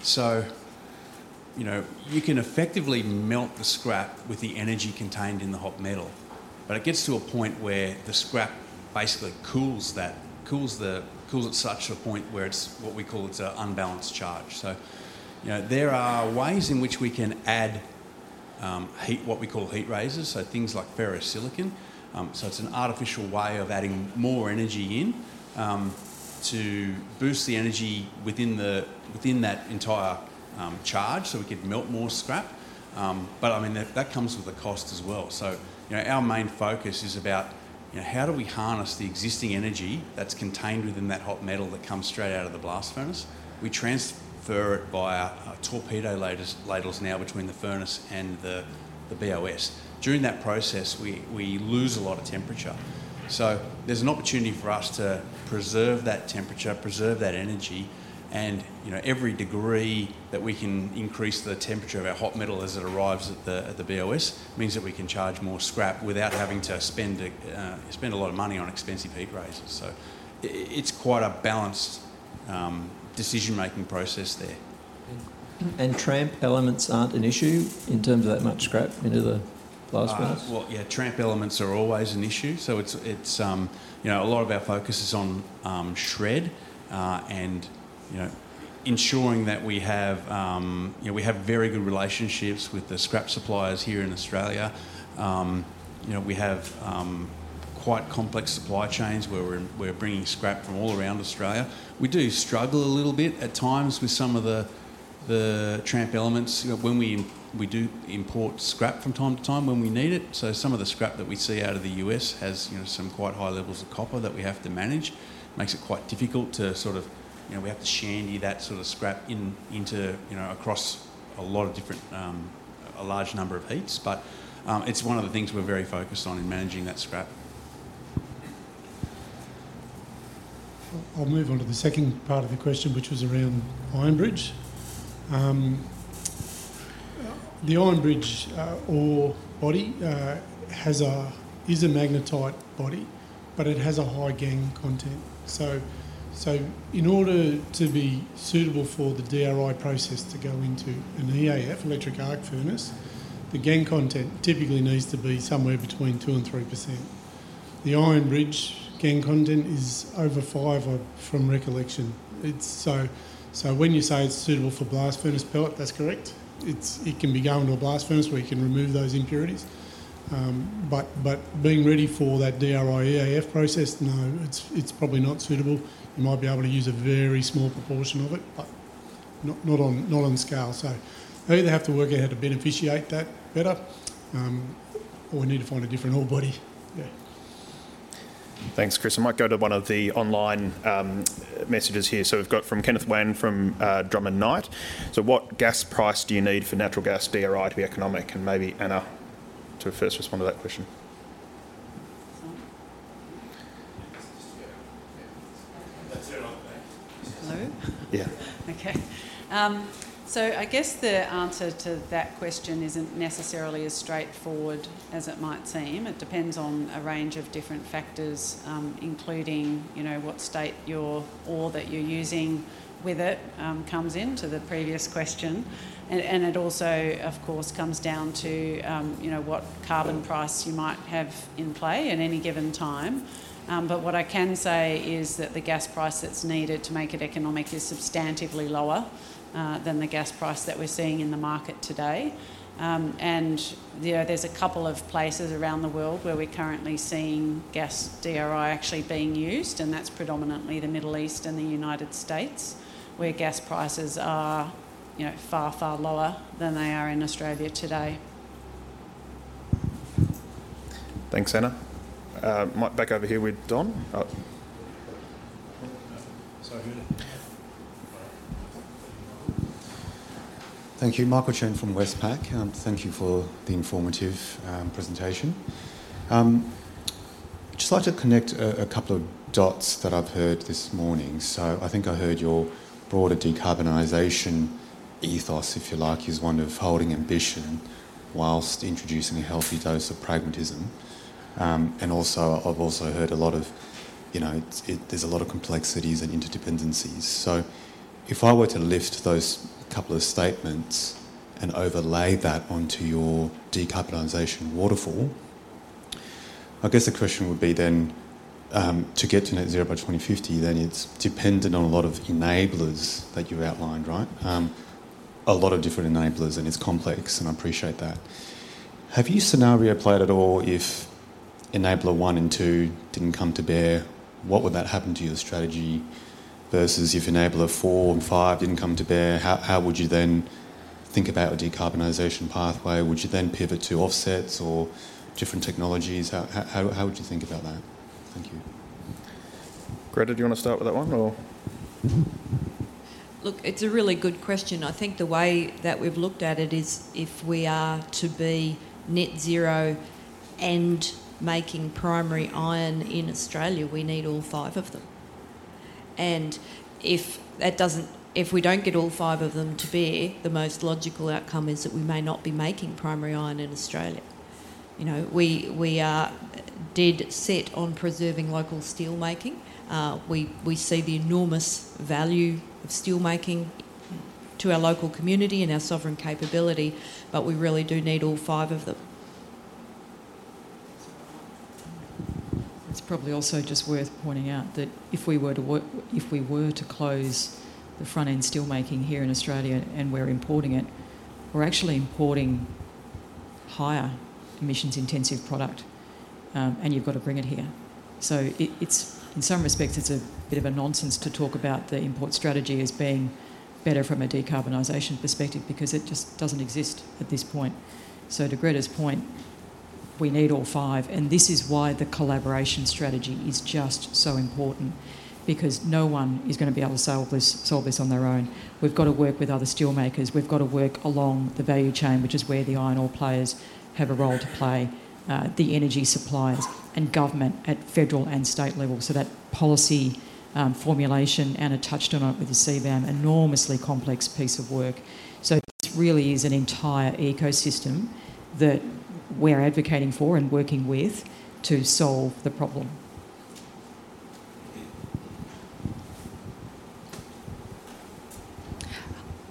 So, you know, you can effectively melt the scrap with the energy contained in the hot metal, but it gets to a point where the scrap basically cools that to such a point where it's what we call an unbalanced charge. So, you know, there are ways in which we can add heat, what we call heat raisers, so things like ferrosilicon. So it's an artificial way of adding more energy in to boost the energy within that entire charge, so we can melt more scrap. But, I mean, that comes with a cost as well. So, you know, our main focus is about, you know, how do we harness the existing energy that's contained within that hot metal that comes straight out of the blast furnace? We transfer it via torpedo ladles, ladles now between the furnace and the BOS. During that process, we lose a lot of temperature, so there's an opportunity for us to preserve that temperature, preserve that energy. And, you know, every degree that we can increase the temperature of our hot metal as it arrives at the BOS, means that we can charge more scrap without having to spend a lot of money on expensive heat raisers. So it's quite a balanced decision-making process there. Tramp elements aren't an issue in terms of that much scrap into the blast furnace? Well, yeah, tramp elements are always an issue, so it's, it's... You know, a lot of our focus is on shred, and, you know, ensuring that we have, you know, we have very good relationships with the scrap suppliers here in Australia. You know, we have quite complex supply chains, where we're, we're bringing scrap from all around Australia. We do struggle a little bit at times with some of the, the tramp elements, you know, when we, we do import scrap from time to time when we need it. So some of the scrap that we see out of the U.S. has, you know, some quite high levels of copper that we have to manage. Makes it quite difficult to sort of... You know, we have to blend that sort of scrap in, into, you know, across a lot of different, a large number of heats. But, it's one of the things we're very focused on in managing that scrap. I'll move on to the second part of the question, which was around Ironbridge. The Ironbridge ore body is a magnetite body, but it has a high gangue content. So, in order to be suitable for the DRI process to go into an EAF, electric arc furnace, the gangue content typically needs to be somewhere between 2%-3%. The Ironbridge gangue content is over 5%, from recollection. So when you say it's suitable for blast furnace pellet, that's correct. It can be going to a blast furnace where you can remove those impurities. But, being ready for that DRI/EAF process, no, it's probably not suitable. You might be able to use a very small proportion of it, but not on scale. So they either have to work out how to beneficiate that better, or we need to find a different ore body. Yeah. Thanks, Chris. I might go to one of the online messages here. So we've got from Kenneth Wan from Drummond Knight: So what gas price do you need for natural gas DRI to be economic? And maybe Anna to first respond to that question. Sorry. Yeah. Yeah. That's it on the- Hello? Yeah. Okay. So I guess the answer to that question isn't necessarily as straightforward as it might seem. It depends on a range of different factors, including, you know, what state your ore that you're using with it, comes in, to the previous question. And it also, of course, comes down to, you know, what carbon price you might have in play at any given time. But what I can say is that the gas price that's needed to make it economic is substantively lower, than the gas price that we're seeing in the market today. And, you know, there's a couple of places around the world where we're currently seeing gas DRI actually being used, and that's predominantly the Middle East and the United States, where gas prices are, you know, far, far lower than they are in Australia today. Thanks, Anna. Back over here with Don. Oh. Sorry. Thank you. Michael Chen from Westpac, and thank you for the informative presentation. Just like to connect a couple of dots that I've heard this morning. So I think I heard your broader decarbonisation ethos, if you like, is one of holding ambition whilst introducing a healthy dose of pragmatism. And also, I've also heard a lot of, you know, it, there's a lot of complexities and interdependencies. So if I were to lift those couple of statements and overlay that onto your decarbonisation waterfall, I guess the question would be then, to get to net zero by 2050, then it's dependent on a lot of enablers that you outlined, right? A lot of different enablers, and it's complex, and I appreciate that. Have you scenario planned at all? If enabler one and two didn't come to bear, what would that happen to your strategy versus if enabler four and five didn't come to bear, how, how would you then think about a decarbonisation pathway? Would you then pivot to offsets or different technologies? How, how, how would you think about that? Thank you. Gretta, do you want to start with that one or? Look, it's a really good question. I think the way that we've looked at it is, if we are to be net zero and making primary iron in Australia, we need all five of them. And if that doesn't, if we don't get all five of them to bear, the most logical outcome is that we may not be making primary iron in Australia. You know, we, we are dead set on preserving local steelmaking. We, we see the enormous value of steelmaking to our local community and our sovereign capability, but we really do need all five of them. It's probably also just worth pointing out that if we were to close the front-end steelmaking here in Australia, and we're importing it, we're actually importing higher emissions-intensive product, and you've got to bring it here. So it, it's, in some respects, it's a bit of a nonsense to talk about the import strategy as being better from a decarbonisation perspective because it just doesn't exist at this point. So to Gretta's point, we need all five, and this is why the collaboration strategy is just so important, because no one is going to be able to solve this, solve this on their own. We've got to work with other steelmakers. We've got to work along the value chain, which is where the iron ore players have a role to play, the energy suppliers and government at federal and state level. That policy formulation, Anna touched on it with the CBAM, enormously complex piece of work. This really is an entire ecosystem that we're advocating for and working with to solve the problem.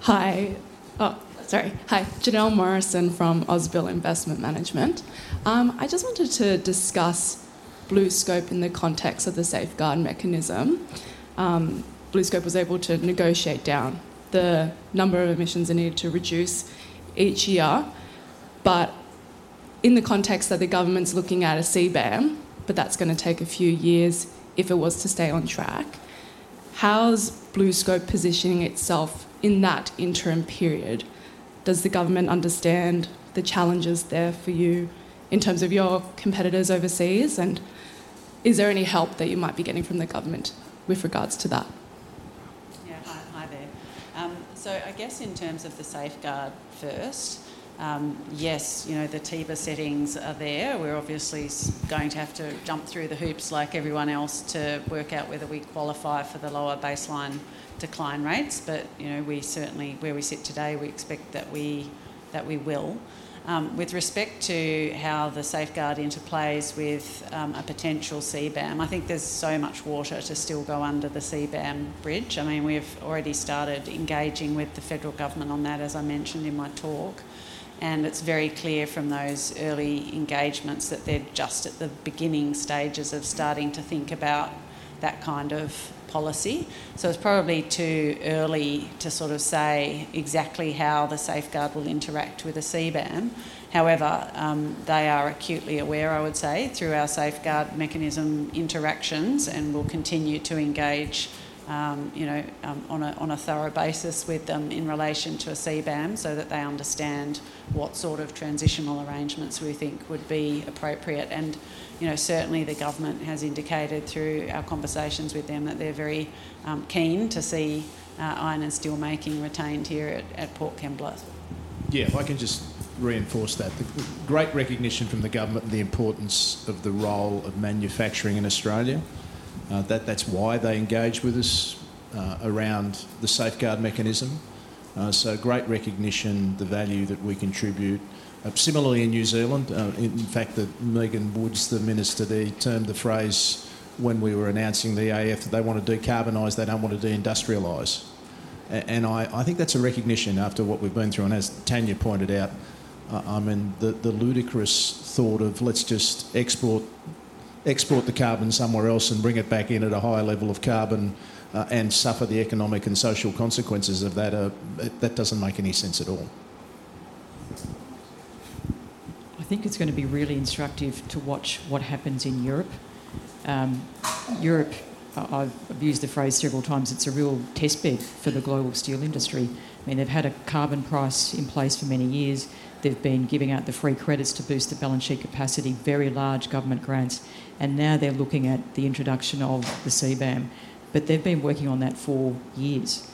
Hi, Janelle Morrison from Ausbil Investment Management. I just wanted to discuss BlueScope in the context of the Safeguard Mechanism. BlueScope was able to negotiate down the number of emissions it needed to reduce each year, but in the context that the government's looking at a CBAM, but that's going to take a few years if it was to stay on track, how's BlueScope positioning itself in that interim period? Does the government understand the challenges there for you in terms of your competitors overseas? And is there any help that you might be getting from the government with regards to that? Yeah. Hi, hi there. So I guess in terms of the safeguard first, yes, you know, the TEBA settings are there. We're obviously going to have to jump through the hoops like everyone else to work out whether we qualify for the lower baseline decline rates. But, you know, we certainly, where we sit today, we expect that we, that we will. With respect to how the safeguard interplays with a potential CBAM, I think there's so much water to still go under the CBAM bridge. I mean, we've already started engaging with the federal government on that, as I mentioned in my talk, and it's very clear from those early engagements that they're just at the beginning stages of starting to think about that kind of policy. So it's probably too early to sort of say exactly how the safeguard will interact with the CBAM. However, they are acutely aware, I would say, through our safeguard mechanism interactions, and we'll continue to engage, you know, on a thorough basis with them in relation to a CBAM, so that they understand what sort of transitional arrangements we think would be appropriate. And, you know, certainly the government has indicated through our conversations with them that they're very keen to see, iron and steelmaking retained here at Port Kembla. Yeah, if I can just reinforce that. Great recognition from the government and the importance of the role of manufacturing in Australia. That, that's why they engage with us around the Safeguard Mechanism. So great recognition, the value that we contribute. Similarly, in New Zealand, in fact, that Megan Woods, the minister there, termed the phrase when we were announcing the AF, that they want to decarbonize, they don't want to deindustrialize. And I, I think that's a recognition after what we've been through. And as Tania pointed out, I, I mean, the, the ludicrous thought of, "Let's just export, export the carbon somewhere else and bring it back in at a higher level of carbon, and suffer the economic and social consequences of that," that doesn't make any sense at all. I think it's going to be really instructive to watch what happens in Europe... Europe, I've used the phrase several times, it's a real test bed for the global steel industry. I mean, they've had a carbon price in place for many years. They've been giving out the free credits to boost the balance sheet capacity, very large government grants, and now they're looking at the introduction of the CBAM. But they've been working on that for years.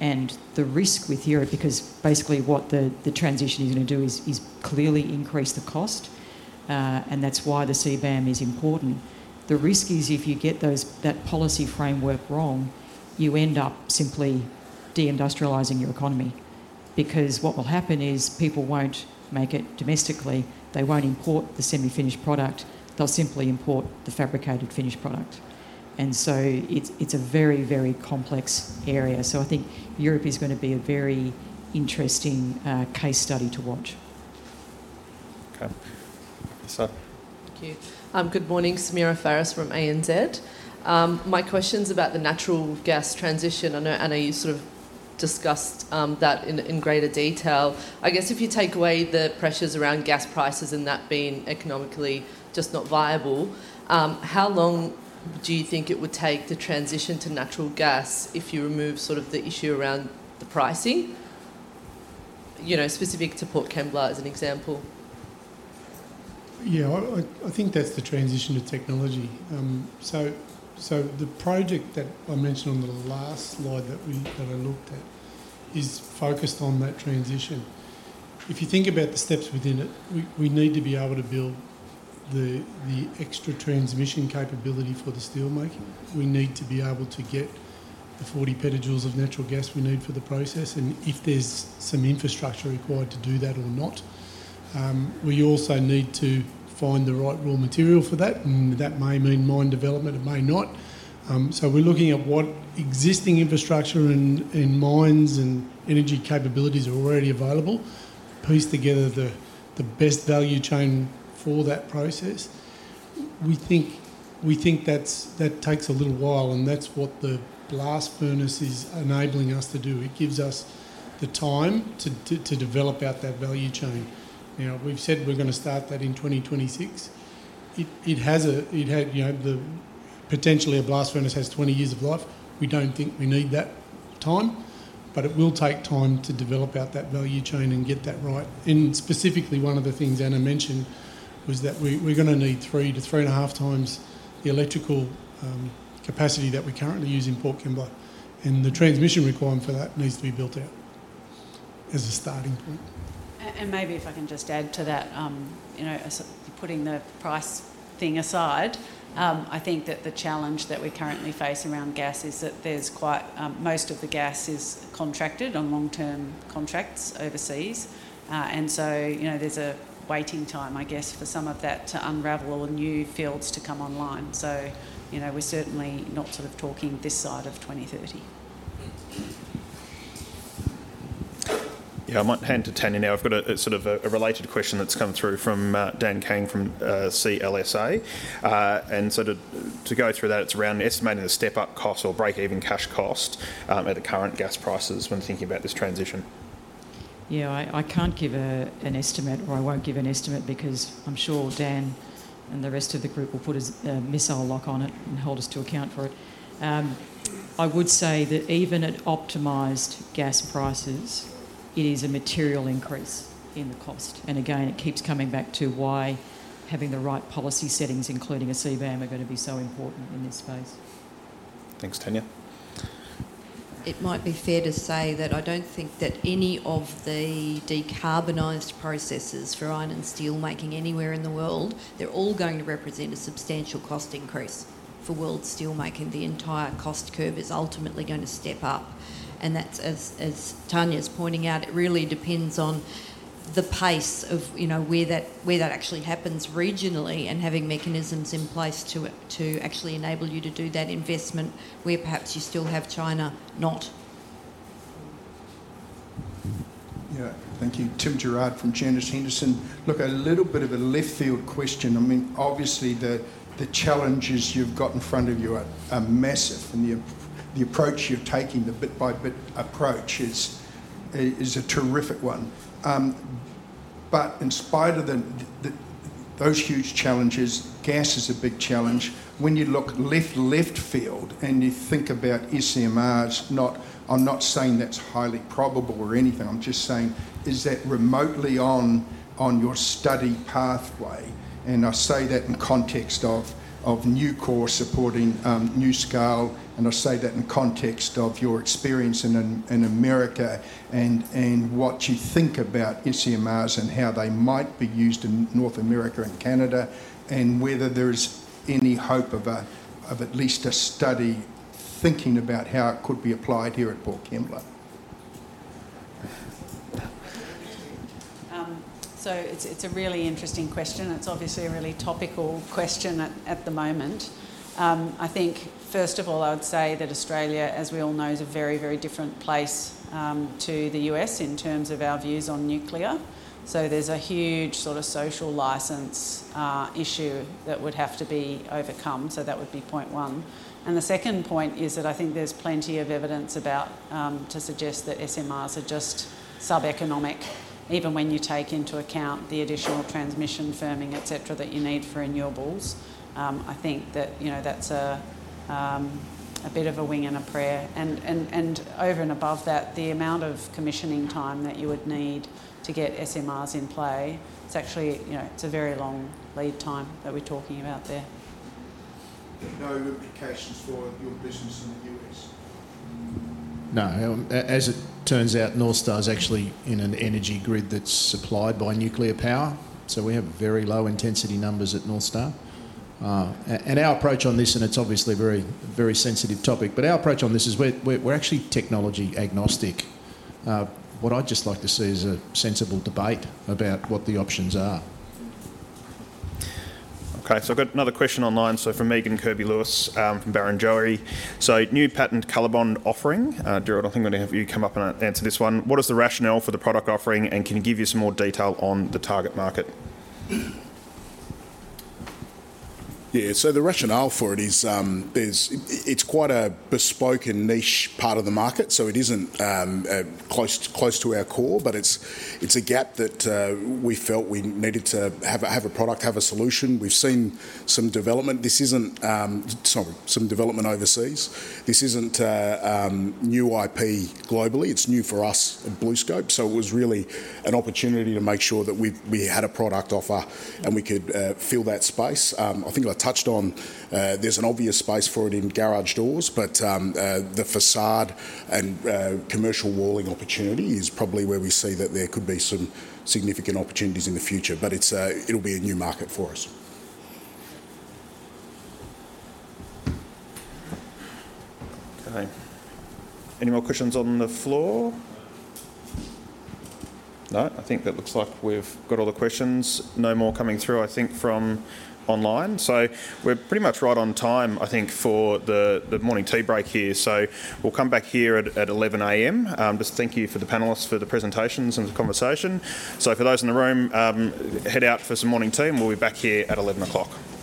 And the risk with Europe, because basically what the transition is gonna do is clearly increase the cost, and that's why the CBAM is important. The risk is if you get those, that policy framework wrong, you end up simply de-industrializing your economy. Because what will happen is, people won't make it domestically, they won't import the semi-finished product, they'll simply import the fabricated finished product. And so it's, it's a very, very complex area. So I think Europe is gonna be a very interesting case study to watch. Okay. Lisa? Thank you. Good morning, Samira Farris from ANZ. My question's about the natural gas transition. I know, Anna, you sort of discussed that in greater detail. I guess if you take away the pressures around gas prices and that being economically just not viable, how long do you think it would take to transition to natural gas if you remove sort of the issue around the pricing? You know, specific to Port Kembla as an example. Yeah, I think that's the transition to technology. So, the project that I mentioned on the last slide that I looked at, is focused on that transition. If you think about the steps within it, we need to be able to build the extra transmission capability for the steel making. We need to be able to get the 40 PJ of natural gas we need for the process, and if there's some infrastructure required to do that or not. We also need to find the right raw material for that, and that may mean mine development, it may not. So, we're looking at what existing infrastructure and mines and energy capabilities are already available, piece together the best value chain for that process. We think, we think that's, that takes a little while, and that's what the blast furnace is enabling us to do. It gives us the time to, to develop out that value chain. You know, we've said we're gonna start that in 2026. It has a, it had, you know... Potentially a blast furnace has 20 years of life. We don't think we need that time, but it will take time to develop out that value chain and get that right. Specifically, one of the things Anna mentioned was that we, we're gonna need 3-3.5 times the electrical capacity that we currently use in Port Kembla, and the transmission requirement for that needs to be built out as a starting point. And maybe if I can just add to that, you know, as putting the price thing aside, I think that the challenge that we currently face around gas is that there's quite, most of the gas is contracted on long-term contracts overseas. And so, you know, there's a waiting time, I guess, for some of that to unravel and new fields to come online. So, you know, we're certainly not sort of talking this side of 2030. Yeah, I might hand to Tania now. I've got a sort of a related question that's come through from Dan Kang from CLSA. And so to go through that, it's around estimating the step-up cost or break-even cash cost at the current gas prices when thinking about this transition. Yeah, I can't give an estimate, or I won't give an estimate because I'm sure Dan and the rest of the group will put a missile lock on it and hold us to account for it. I would say that even at optimized gas prices, it is a material increase in the cost. And again, it keeps coming back to why having the right policy settings, including a CBAM, are gonna be so important in this space. Thanks, Tania. It might be fair to say that I don't think that any of the decarbonized processes for iron and steel making anywhere in the world, they're all going to represent a substantial cost increase for world steel making. The entire cost curve is ultimately going to Step Up, and that's as Tania is pointing out, it really depends on the pace of, you know, where that actually happens regionally, and having mechanisms in place to actually enable you to do that investment, where perhaps you still have China not. Yeah. Thank you. Tim Gerrard from Janus Henderson. Look, a little bit of a left-field question. I mean, obviously the challenges you've got in front of you are massive, and the approach you're taking, the bit-by-bit approach, is a terrific one. But in spite of those huge challenges, gas is a big challenge. When you look left field and you think about SMRs, not... I'm not saying that's highly probable or anything, I'm just saying, is that remotely on your study pathway? I say that in context of Nucor supporting NuScale, I say that in context of your experience in America, and what you think about SMRs and how they might be used in North America and Canada, and whether there is any hope of at least a study thinking about how it could be applied here at Port Kembla. So it's a really interesting question. It's obviously a really topical question at the moment. I think, first of all, I would say that Australia, as we all know, is a very, very different place to the U.S. in terms of our views on nuclear. So there's a huge sort of social license issue that would have to be overcome. So that would be point one. And the second point is that I think there's plenty of evidence about to suggest that SMRs are just sub-economic, even when you take into account the additional transmission firming, et cetera, that you need for renewables. I think that, you know, that's a, a bit of a wing and a prayer. And over and above that, the amount of commissioning time that you would need to get SMRs in play, it's actually, you know, it's a very long lead time that we're talking about there. No implications for your business in the U.S.? No. As it turns out, North Star is actually in an energy grid that's supplied by nuclear power, so we have very low intensity numbers at North Star. And our approach on this, and it's obviously a very, very sensitive topic, but our approach on this is we're actually technology agnostic. What I'd just like to see is a sensible debate about what the options are. Okay, I've got another question online from Megan Kirby-Lewis from Barrenjoey. New patterned COLORBOND offering. Gerard, I think I'm gonna have you come up and answer this one. What is the rationale for the product offering, and can you give us some more detail on the target market? Yeah, so the rationale for it is, it's quite a bespoke and niche part of the market, so it isn't close to our core, but it's a gap that we felt we needed to have a product, have a solution. We've seen some development. This isn't some development overseas. This isn't new IP globally. It's new for us at BlueScope, so it was really an opportunity to make sure that we had a product offer, and we could fill that space. I think I touched on, there's an obvious space for it in garage doors, but the façade and commercial walling opportunity is probably where we see that there could be some significant opportunities in the future. But it's, it'll be a new market for us. Okay. Any more questions on the floor? No, I think that looks like we've got all the questions. No more coming through, I think, from online. So we're pretty much right on time, I think, for the morning tea break here. So we'll come back here at 11:00 A.M. Just thank you for the panelists for the presentations and the conversation. So for those in the room, head out for some morning tea, and we'll be back here at 11:00. All right, we're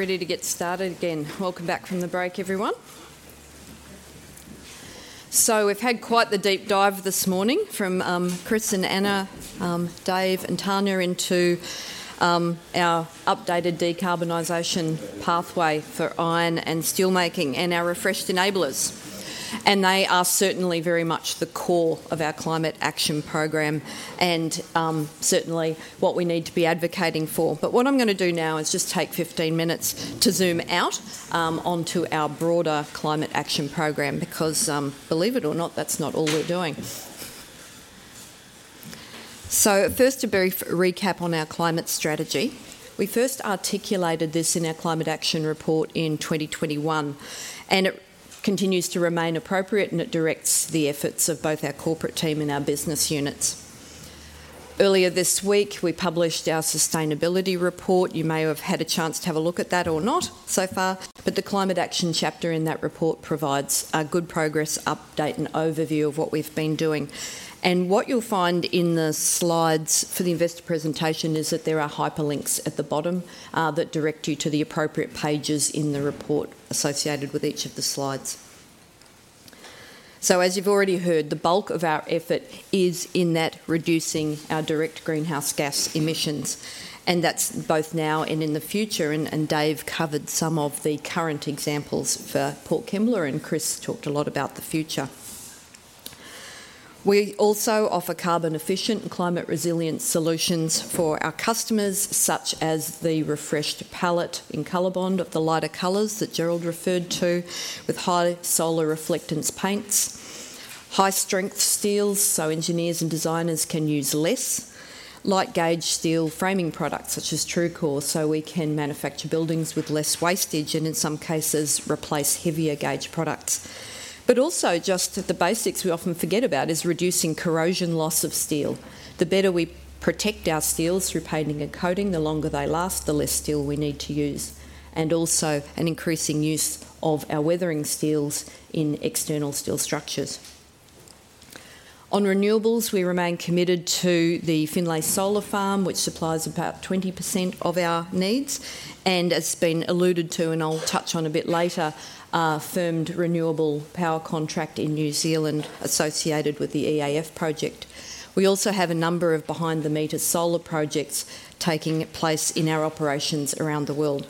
ready to get started again. Welcome back from the break, everyone. We've had quite the deep dive this morning from Chris and Anna, Dave, and Tania into our updated decarbonisation pathway for iron and steel making, and our refreshed enablers. They are certainly very much the core of our Climate Action Program and certainly what we need to be advocating for. What I'm gonna do now is just take 15 minutes to zoom out onto our broader Climate Action Program, because, believe it or not, that's not all we're doing. First, a very fast recap on our climate strategy. We first articulated this in our Climate Action Report in 2021, and it continues to remain appropriate, and it directs the efforts of both our corporate team and our business units. Earlier this week, we published our sustainability report. You may have had a chance to have a look at that or not so far, but the climate action chapter in that report provides a good progress update and overview of what we've been doing. And what you'll find in the slides for the investor presentation is that there are hyperlinks at the bottom that direct you to the appropriate pages in the report associated with each of the slides. So as you've already heard, the bulk of our effort is in that reducing our direct greenhouse gas emissions, and that's both now and in the future. And Dave covered some of the current examples for Port Kembla, and Chris talked a lot about the future. We also offer carbon-efficient and climate resilient solutions for our customers, such as the refreshed palette in COLORBOND of the lighter colors that Gerald referred to, with high solar reflectance paints, high-strength steels, so engineers and designers can use less, light gauge steel framing products, such as TRUECORE, so we can manufacture buildings with less wastage and, in some cases, replace heavier gauge products. But also, just the basics we often forget about is reducing corrosion loss of steel. The better we protect our steels through painting and coating, the longer they last, the less steel we need to use, and also an increasing use of our weathering steels in external steel structures. On renewables, we remain committed to the Finley solar farm, which supplies about 20% of our needs, and has been alluded to, and I'll touch on a bit later, our firmed renewable power contract in New Zealand associated with the EAF project. We also have a number of behind-the-meter solar projects taking place in our operations around the world.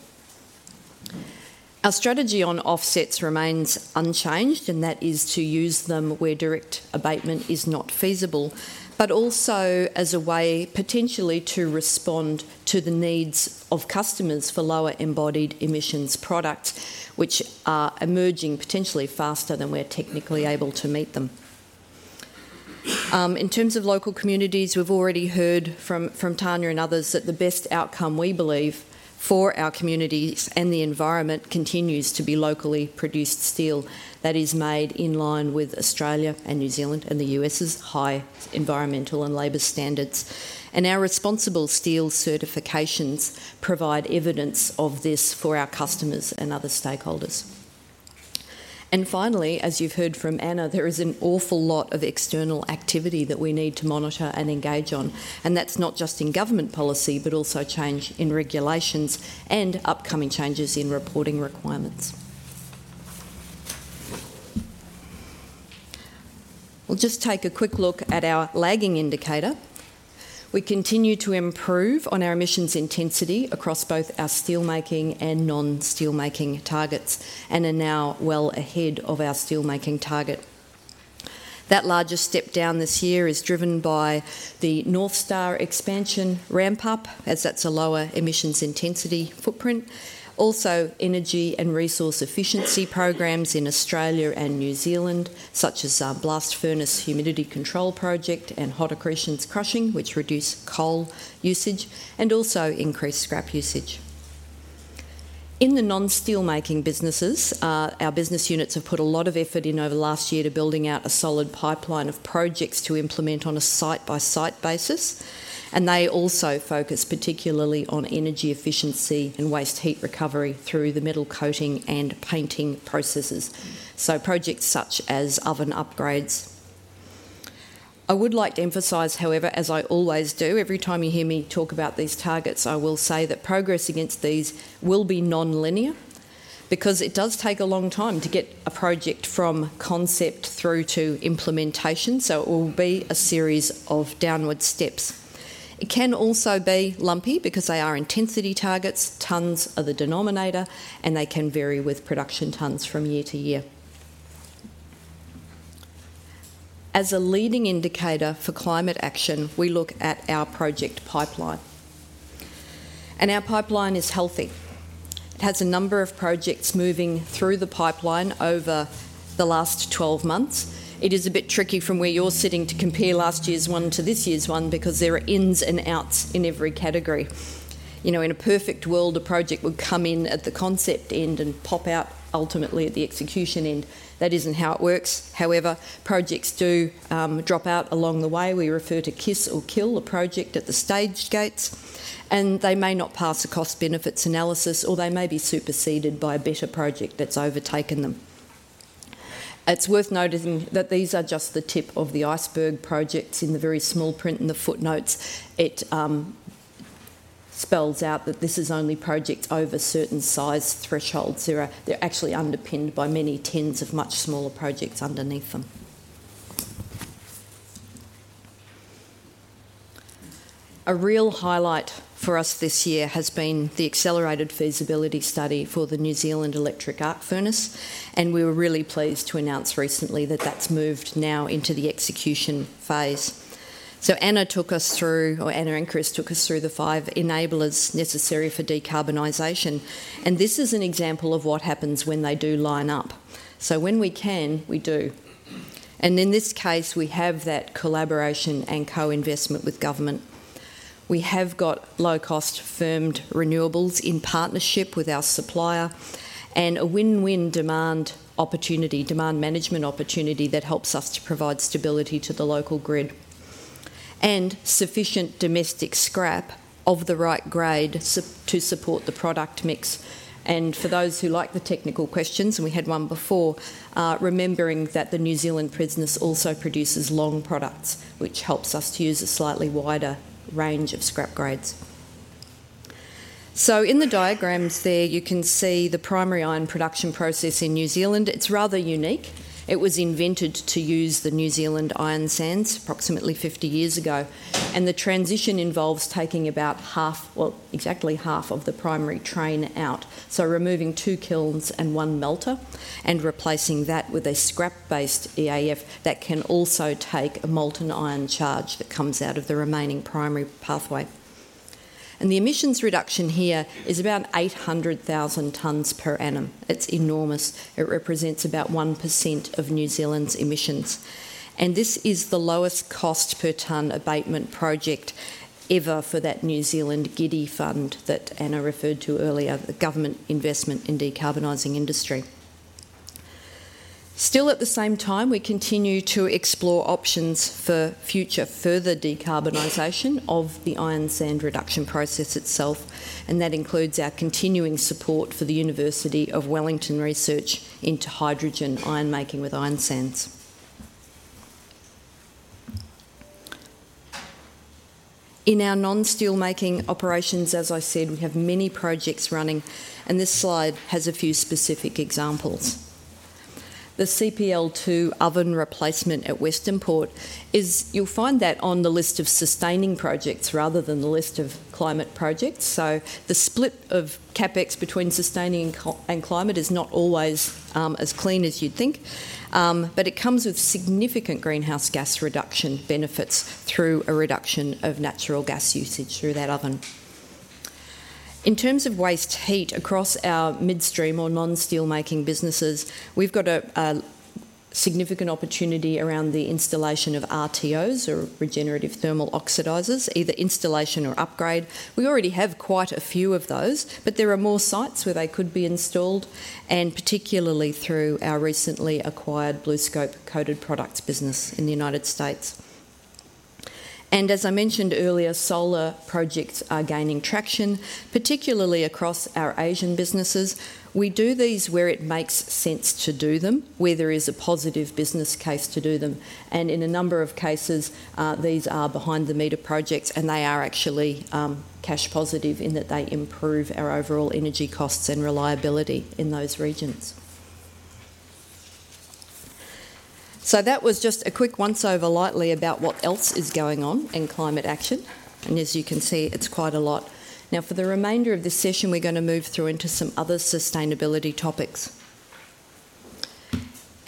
Our strategy on offsets remains unchanged, and that is to use them where direct abatement is not feasible, but also as a way, potentially, to respond to the needs of customers for lower embodied emissions products, which are emerging potentially faster than we're technically able to meet them. In terms of local communities, we've already heard from, from Tania and others, that the best outcome we believe for our communities and the environment continues to be locally produced steel that is made in line with Australia and New Zealand and the U.S.'s high environmental and labor standards. And our ResponsibleSteel certifications provide evidence of this for our customers and other stakeholders. And finally, as you've heard from Anna, there is an awful lot of external activity that we need to monitor and engage on, and that's not just in government policy, but also change in regulations and upcoming changes in reporting requirements. We'll just take a quick look at our lagging indicator. We continue to improve on our emissions intensity across both our steelmaking and non-steelmaking targets and are now well ahead of our steelmaking target. That larger step down this year is driven by the North Star expansion ramp-up, as that's a lower emissions intensity footprint. Also, energy and resource efficiency programs in Australia and New Zealand, such as our blast furnace humidity control project and hot accretions crushing, which reduce coal usage, and also increased scrap usage... in the non-steel making businesses, our business units have put a lot of effort in over the last year to building out a solid pipeline of projects to implement on a site-by-site basis. They also focus particularly on energy efficiency and waste heat recovery through the metal coating and painting processes, so projects such as oven upgrades. I would like to emphasize, however, as I always do, every time you hear me talk about these targets, I will say that progress against these will be non-linear, because it does take a long time to get a project from concept through to implementation, so it will be a series of downward steps. It can also be lumpy because they are intensity targets, tons are the denominator, and they can vary with production tons from year-to-year. As a leading indicator for climate action, we look at our project pipeline. Our pipeline is healthy. It has a number of projects moving through the pipeline over the last 12 months. It is a bit tricky from where you're sitting to compare last year's one to this year's one, because there are ins and outs in every category. You know, in a perfect world, a project would come in at the concept end and pop out ultimately at the execution end. That isn't how it works. However, projects do drop out along the way. We refer to kiss or kill a project at the stage gates, and they may not pass a cost-benefits analysis, or they may be superseded by a better project that's overtaken them. It's worth noting that these are just the tip of the iceberg projects. In the very small print, in the footnotes, it spells out that this is only projects over certain size thresholds. They're actually underpinned by many tens of much smaller projects underneath them. A real highlight for us this year has been the accelerated feasibility study for the New Zealand electric arc furnace, and we were really pleased to announce recently that that's moved now into the execution phase. So Anna took us through, or Anna and Chris took us through, the five enablers necessary for decarbonisation, and this is an example of what happens when they do line up. So when we can, we do. And in this case, we have that collaboration and co-investment with government. We have got low-cost firmed renewables in partnership with our supplier, and a win-win demand opportunity, demand management opportunity, that helps us to provide stability to the local grid, and sufficient domestic scrap of the right grade to support the product mix. For those who like the technical questions, and we had one before, remembering that the New Zealand Steel also produces long products, which helps us to use a slightly wider range of scrap grades. In the diagrams there, you can see the primary iron production process in New Zealand. It's rather unique. It was invented to use the New Zealand iron sands approximately 50 years ago, and the transition involves taking about half, well, exactly half of the primary train out. Removing two kilns and one melter, and replacing that with a scrap-based EAF that can also take a molten iron charge that comes out of the remaining primary pathway. The emissions reduction here is about 800,000 tons per annum. It's enormous. It represents about 1% of New Zealand's emissions, and this is the lowest cost per ton abatement project ever for that New Zealand GIDI fund that Anna referred to earlier, the Government Investment in Decarbonising Industry. Still, at the same time, we continue to explore options for future further decarbonisation of the iron sand reduction process itself, and that includes our continuing support for the University of Wellington research into hydrogen, iron making with iron sands. In our non-steel making operations, as I said, we have many projects running, and this slide has a few specific examples. The CPL2 oven replacement at Western Port is. You'll find that on the list of sustaining projects rather than the list of climate projects. So the split of CapEx between sustaining and climate is not always as clean as you'd think. But it comes with significant greenhouse gas reduction benefits through a reduction of natural gas usage through that oven. In terms of waste heat across our midstream or non-steel making businesses, we've got a significant opportunity around the installation of RTOs or regenerative thermal oxidizers, either installation or upgrade. We already have quite a few of those, but there are more sites where they could be installed, and particularly through our recently acquired BlueScope Coated Products business in the United States. And as I mentioned earlier, solar projects are gaining traction, particularly across our Asian businesses. We do these where it makes sense to do them, where there is a positive business case to do them. And in a number of cases, these are behind-the-meter projects, and they are actually cash positive in that they improve our overall energy costs and reliability in those regions. So that was just a quick once-over lightly about what else is going on in climate action, and as you can see, it's quite a lot. Now, for the remainder of this session, we're gonna move through into some other sustainability topics.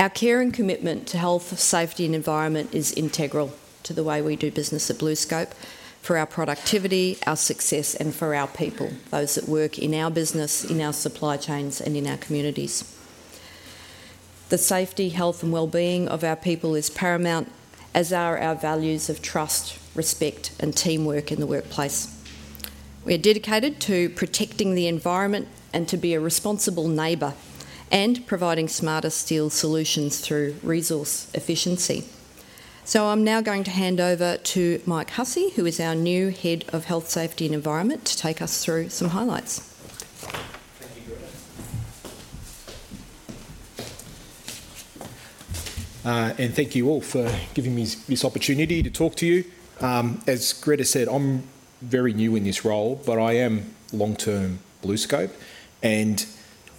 Our care and commitment to health, safety, and environment is integral to the way we do business at BlueScope, for our productivity, our success, and for our people, those that work in our business, in our supply chains, and in our communities.... The safety, health, and well-being of our people is paramount, as are our values of trust, respect, and teamwork in the workplace. We are dedicated to protecting the environment and to be a responsible neighbor, and providing smarter steel solutions through resource efficiency. I'm now going to hand over to Mike Hussey, who is our new Head of Health, Safety, and Environment, to take us through some highlights. Thank you, Gretta. And thank you all for giving me this, this opportunity to talk to you. As Gretta said, I'm very new in this role, but I am long-term BlueScope. And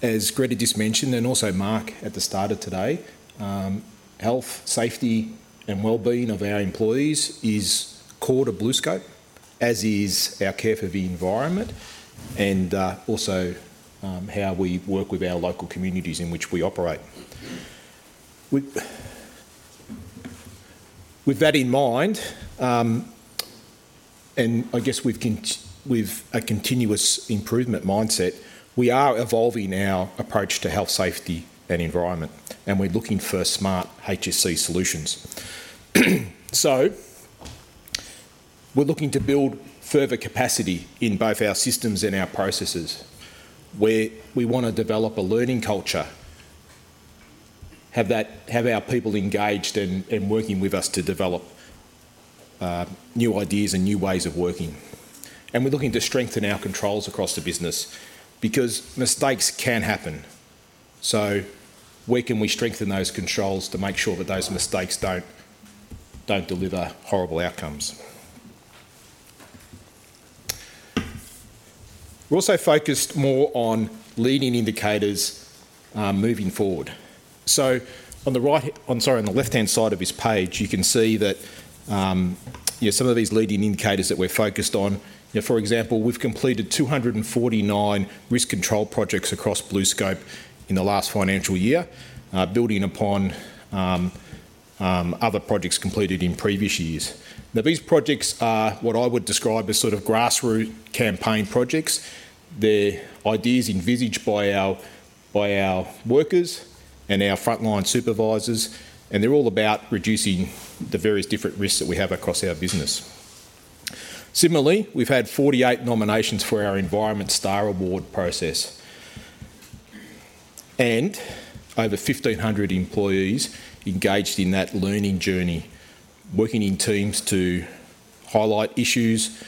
as Gretta just mentioned, and also Mark at the start of today, health, safety, and well-being of our employees is core to BlueScope, as is our care for the environment and also how we work with our local communities in which we operate. With that in mind, and I guess with a continuous improvement mindset, we are evolving our approach to health, safety, and environment, and we're looking for smart HSC solutions. So, we're looking to build further capacity in both our systems and our processes, where we want to develop a learning culture, have that... Have our people engaged and working with us to develop new ideas and new ways of working. And we're looking to strengthen our controls across the business, because mistakes can happen. So where can we strengthen those controls to make sure that those mistakes don't deliver horrible outcomes? We're also focused more on leading indicators moving forward. So on the right, sorry, on the left-hand side of this page, you can see that, yeah, some of these leading indicators that we're focused on. You know, for example, we've completed 249 risk control projects across BlueScope in the last financial year, building upon other projects completed in previous years. Now, these projects are what I would describe as sort of grassroots campaign projects. Their ideas envisaged by our workers and our frontline supervisors, and they're all about reducing the various different risks that we have across our business. Similarly, we've had 48 nominations for our Environment Star Award process, and over 1,500 employees engaged in that learning journey, working in teams to highlight issues,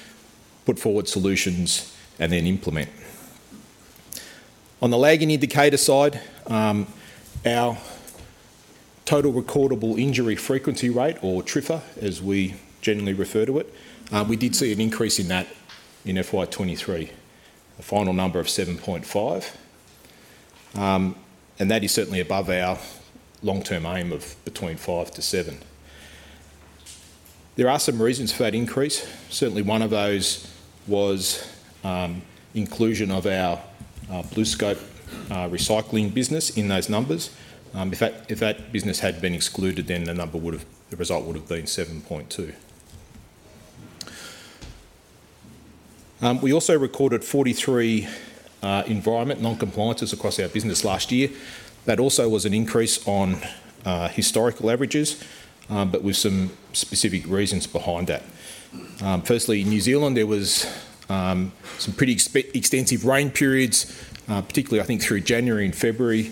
put forward solutions, and then implement. On the lagging indicator side, our total recordable injury frequency rate, or TRIFR, as we generally refer to it, we did see an increase in that in FY 2023, a final number of 7.5. And that is certainly above our long-term aim of between 5-7. There are some reasons for that increase. Certainly, one of those was inclusion of our BlueScope recycling business in those numbers. If that business had been excluded, then the result would have been 7.2. We also recorded 43 environmental non-compliances across our business last year. That also was an increase on historical averages, but with some specific reasons behind that. Firstly, in New Zealand, there was some pretty extensive rain periods, particularly, I think, through January and February,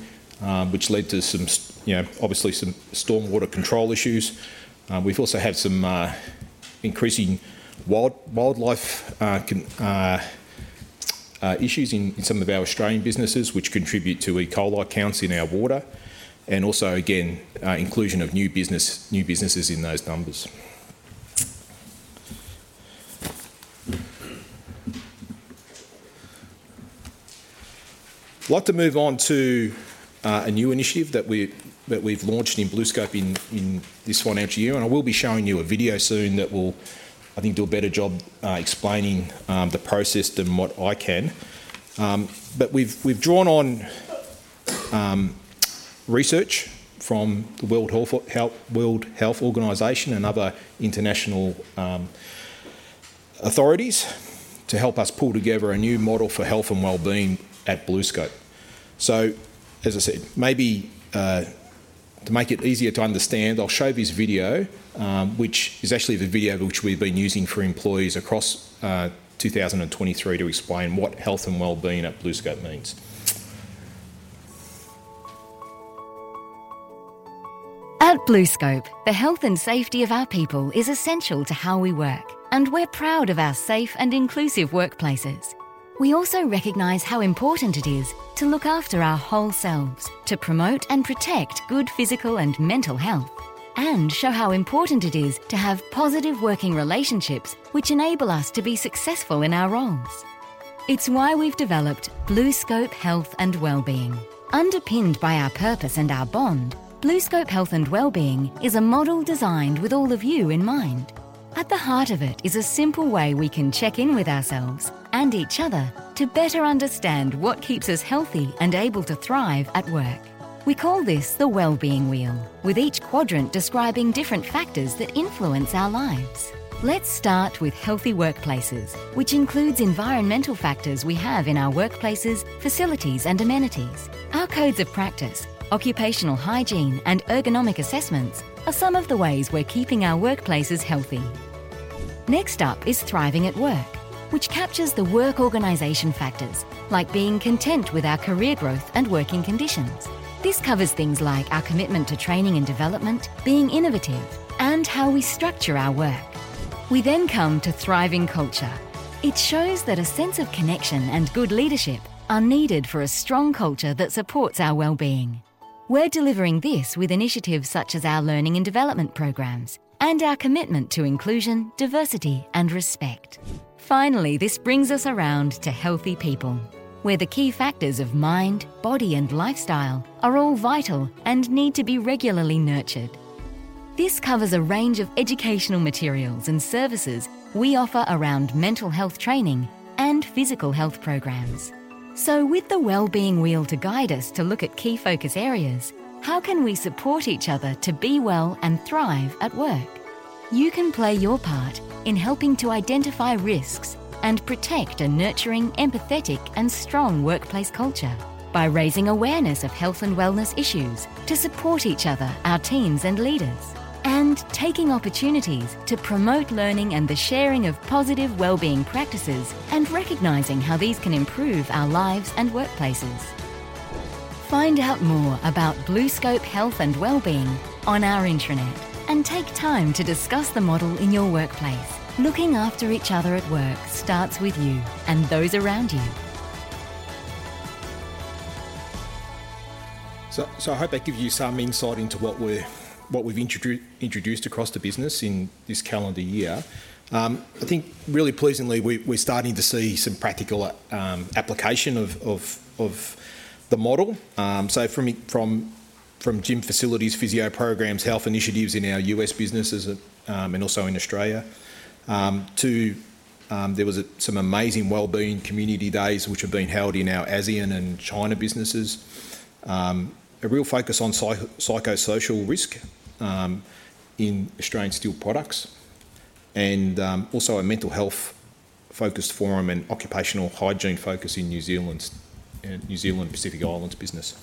which led to some, you know, obviously some stormwater control issues. We've also had some increasing wildlife issues in some of our Australian businesses, which contribute to E-Coli counts in our water, and also, again, inclusion of new businesses in those numbers. I'd like to move on to a new initiative that we've launched in BlueScope in this financial year, and I will be showing you a video soon that will, I think, do a better job explaining the process than what I can. But we've drawn on research from the World Health Organization and other international authorities to help us pull together a new model for health and well-being at BlueScope. So, as I said, maybe to make it easier to understand, I'll show this video, which is actually the video which we've been using for employees across 2023 to explain what health and well-being at BlueScope means. At BlueScope, the health and safety of our people is essential to how we work, and we're proud of our safe and inclusive workplaces. We also recognize how important it is to look after our whole selves, to promote and protect good physical and mental health, and show how important it is to have positive working relationships which enable us to be successful in our roles. It's why we've developed BlueScope Health and Wellbeing. Underpinned by our purpose and our bond, BlueScope Health and Wellbeing is a model designed with all of you in mind. At the heart of it is a simple way we can check in with ourselves and each other to better understand what keeps us healthy and able to thrive at work. We call this the Wellbeing Wheel, with each quadrant describing different factors that influence our lives. Let's start with healthy workplaces, which includes environmental factors we have in our workplaces, facilities, and amenities. Our codes of practice, occupational hygiene, and ergonomic assessments are some of the ways we're keeping our workplaces healthy. Next up is thriving at work, which captures the work organization factors, like being content with our career growth and working conditions. This covers things like our commitment to training and development, being innovative, and how we structure our work. We then come to thriving culture. It shows that a sense of connection and good leadership are needed for a strong culture that supports our well-being. We're delivering this with initiatives such as our learning and development programs, and our commitment to inclusion, diversity, and respect. Finally, this brings us around to healthy people, where the key factors of mind, body, and lifestyle are all vital and need to be regularly nurtured. This covers a range of educational materials and services we offer around mental health training and physical health programs. With the well-being wheel to guide us to look at key focus areas, how can we support each other to be well and thrive at work? You can play your part in helping to identify risks and protect a nurturing, empathetic, and strong workplace culture by raising awareness of health and wellness issues to support each other, our teams, and leaders, and taking opportunities to promote learning and the sharing of positive well-being practices, and recognizing how these can improve our lives and workplaces. Find out more about BlueScope health and well-being on our intranet, and take time to discuss the model in your workplace. Looking after each other at work starts with you and those around you. I hope that gives you some insight into what we've introduced across the business in this calendar year. I think really pleasingly, we're starting to see some practical application of the model. So from gym facilities, physio programs, health initiatives in our U.S. businesses, and also in Australia, to... There was some amazing well-being community days, which have been held in our ASEAN and China businesses. A real focus on psychosocial risk in Australian Steel Products, and also a mental health-focused forum and occupational hygiene focus in New Zealand's New Zealand Pacific Islands business.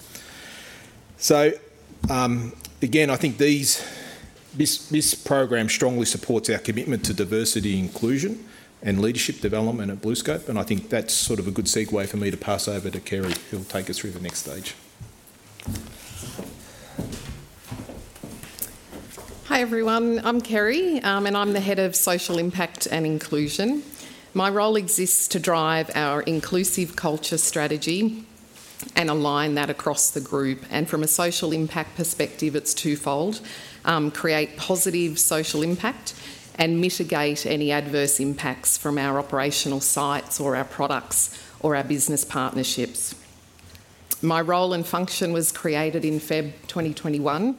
So, again, I think this program strongly supports our commitment to diversity, inclusion, and leadership development at BlueScope, and I think that's sort of a good segue for me to pass over to Kerri, who'll take us through the next stage. Hi, everyone. I'm Kerri, and I'm the Head of Social Impact and Inclusion. My role exists to drive our inclusive culture strategy and align that across the group, and from a social impact perspective, it's twofold: create positive social impact and mitigate any adverse impacts from our operational sites or our products or our business partnerships. My role and function was created in February 2021,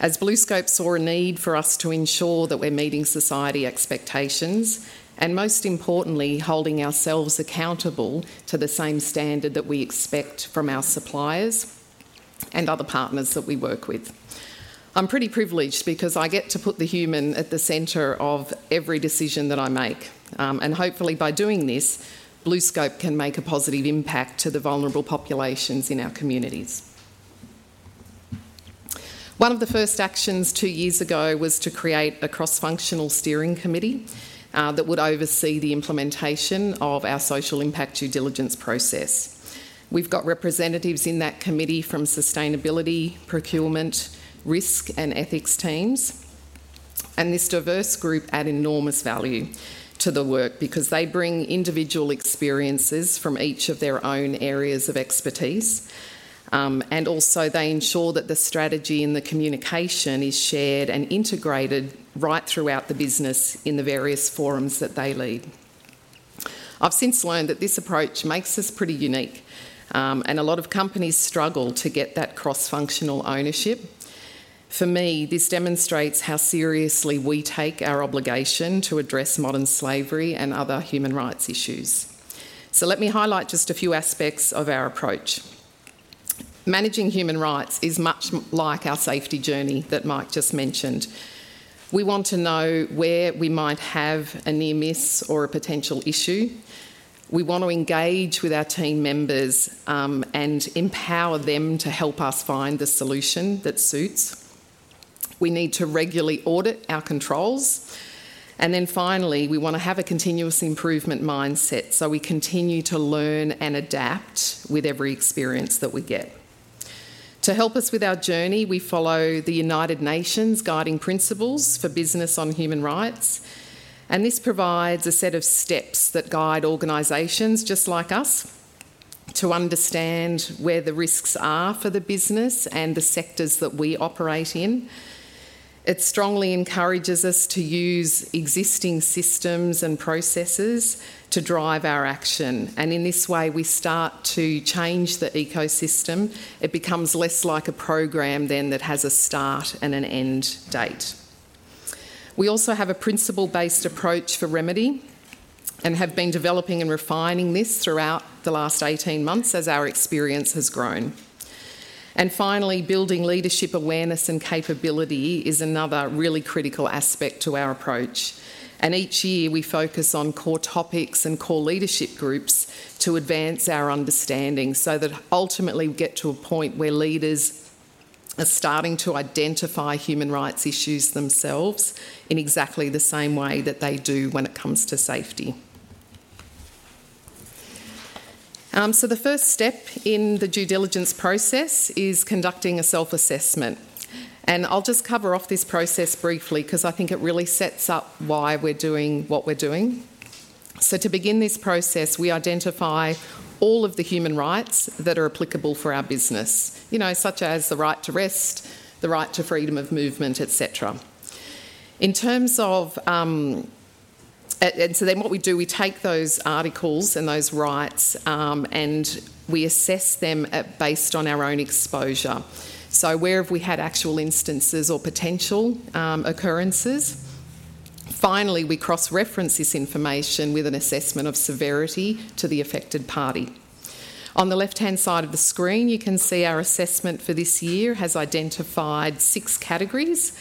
as BlueScope saw a need for us to ensure that we're meeting society expectations, and most importantly, holding ourselves accountable to the same standard that we expect from our suppliers and other partners that we work with. I'm pretty privileged because I get to put the human at the center of every decision that I make. Hopefully, by doing this, BlueScope can make a positive impact to the vulnerable populations in our communities. One of the first actions two years ago was to create a cross-functional steering committee, that would oversee the implementation of our social impact due diligence process. We've got representatives in that committee from sustainability, procurement, risk, and ethics teams, and this diverse group add enormous value to the work because they bring individual experiences from each of their own areas of expertise. And also, they ensure that the strategy and the communication is shared and integrated right throughout the business in the various forums that they lead. I've since learned that this approach makes us pretty unique, and a lot of companies struggle to get that cross-functional ownership. For me, this demonstrates how seriously we take our obligation to address modern slavery and other human rights issues. So let me highlight just a few aspects of our approach. Managing human rights is much like our safety journey that Mike just mentioned. We want to know where we might have a near miss or a potential issue. We want to engage with our team members, and empower them to help us find the solution that suits. We need to regularly audit our controls. Then finally, we want to have a continuous improvement mindset, so we continue to learn and adapt with every experience that we get. To help us with our journey, we follow the United Nations Guiding Principles for Business on Human Rights, and this provides a set of steps that guide organizations just like us to understand where the risks are for the business and the sectors that we operate in. It strongly encourages us to use existing systems and processes to drive our action, and in this way, we start to change the ecosystem. It becomes less like a program then that has a start and an end date. We also have a principle-based approach for remedy and have been developing and refining this throughout the last 18 months as our experience has grown. Finally, building leadership awareness and capability is another really critical aspect to our approach, and each year, we focus on core topics and core leadership groups to advance our understanding so that ultimately, we get to a point where leaders... are starting to identify human rights issues themselves in exactly the same way that they do when it comes to safety. So the first step in the due diligence process is conducting a self-assessment, and I'll just cover off this process briefly 'cause I think it really sets up why we're doing what we're doing. So to begin this process, we identify all of the human rights that are applicable for our business, you know, such as the right to rest, the right to freedom of movement, et cetera. In terms of, and so then what we do, we take those articles and those rights, and we assess them based on our own exposure. So where have we had actual instances or potential occurrences? Finally, we cross-reference this information with an assessment of severity to the affected party. On the left-hand side of the screen, you can see our assessment for this year has identified six categories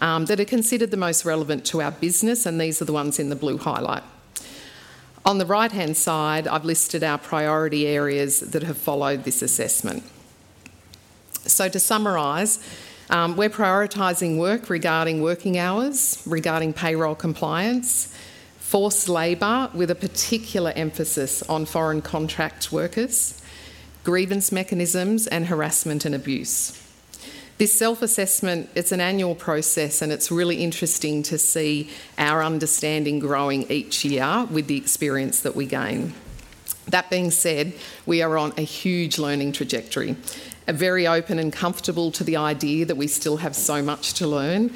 that are considered the most relevant to our business, and these are the ones in the blue highlight. On the right-hand side, I've listed our priority areas that have followed this assessment. So to summarize, we're prioritizing work regarding working hours, regarding payroll compliance, forced labor, with a particular emphasis on foreign contract workers, grievance mechanisms, and harassment and abuse. This self-assessment, it's an annual process, and it's really interesting to see our understanding growing each year with the experience that we gain. That being said, we are on a huge learning trajectory, and very open and comfortable to the idea that we still have so much to learn,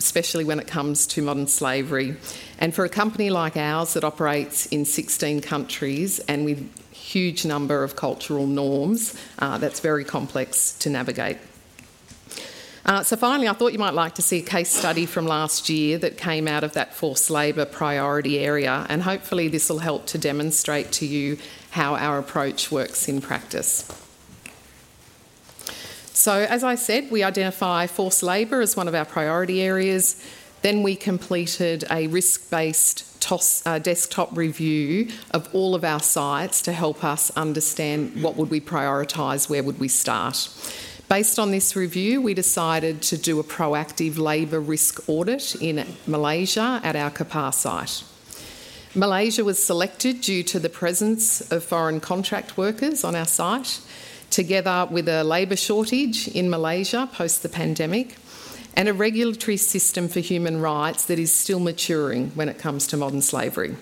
especially when it comes to modern slavery. And for a company like ours that operates in 16 countries and with huge number of cultural norms, that's very complex to navigate. So finally, I thought you might like to see a case study from last year that came out of that forced labor priority area, and hopefully, this will help to demonstrate to you how our approach works in practice. So, as I said, we identify forced labor as one of our priority areas. Then we completed a risk-based desktop review of all of our sites to help us understand: what would we prioritize, where would we start? Based on this review, we decided to do a proactive labor risk audit in Malaysia at our Kapar site. Malaysia was selected due to the presence of foreign contract workers on our site, together with a labor shortage in Malaysia post the pandemic, and a regulatory system for human rights that is still maturing when it comes to modern slavery.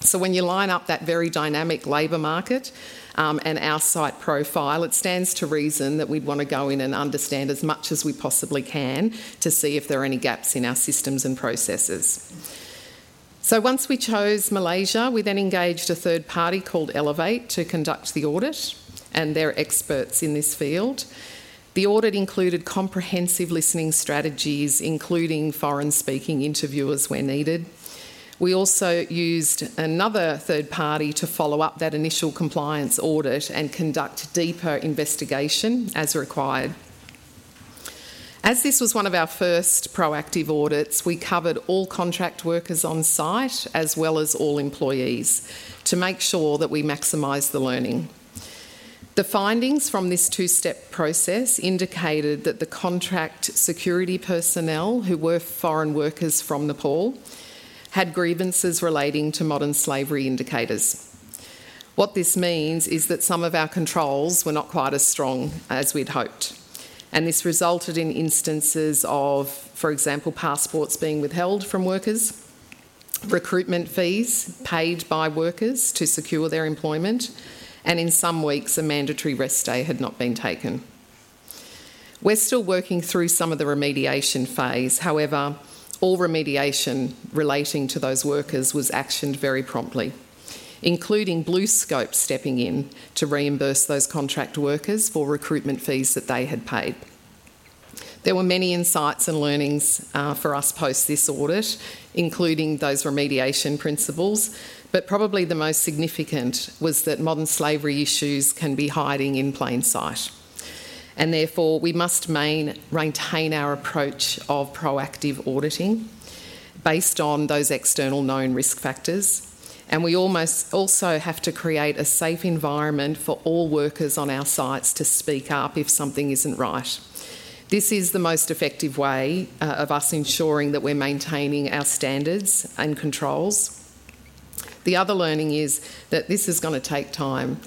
So when you line up that very dynamic labor market, and our site profile, it stands to reason that we'd want to go in and understand as much as we possibly can to see if there are any gaps in our systems and processes. Once we chose Malaysia, we then engaged a third party called Elevate to conduct the audit, and they're experts in this field. The audit included comprehensive listening strategies, including foreign-speaking interviewers where needed. We also used another third party to follow up that initial compliance audit and conduct deeper investigation as required. As this was one of our first proactive audits, we covered all contract workers on site, as well as all employees, to make sure that we maximize the learning. The findings from this two-step process indicated that the contract security personnel, who were foreign workers from Nepal, had grievances relating to modern slavery indicators. What this means is that some of our controls were not quite as strong as we'd hoped, and this resulted in instances of, for example, passports being withheld from workers, recruitment fees paid by workers to secure their employment, and in some weeks, a mandatory rest day had not been taken. We're still working through some of the remediation phase. However, all remediation relating to those workers was actioned very promptly, including BlueScope stepping in to reimburse those contract workers for recruitment fees that they had paid. There were many insights and learnings for us post this audit, including those remediation principles, but probably the most significant was that modern slavery issues can be hiding in plain sight. Therefore, we must maintain our approach of proactive auditing based on those external known risk factors, and we almost also have to create a safe environment for all workers on our sites to speak up if something isn't right. This is the most effective way of us ensuring that we're maintaining our standards and controls. The other learning is that this is gonna take time.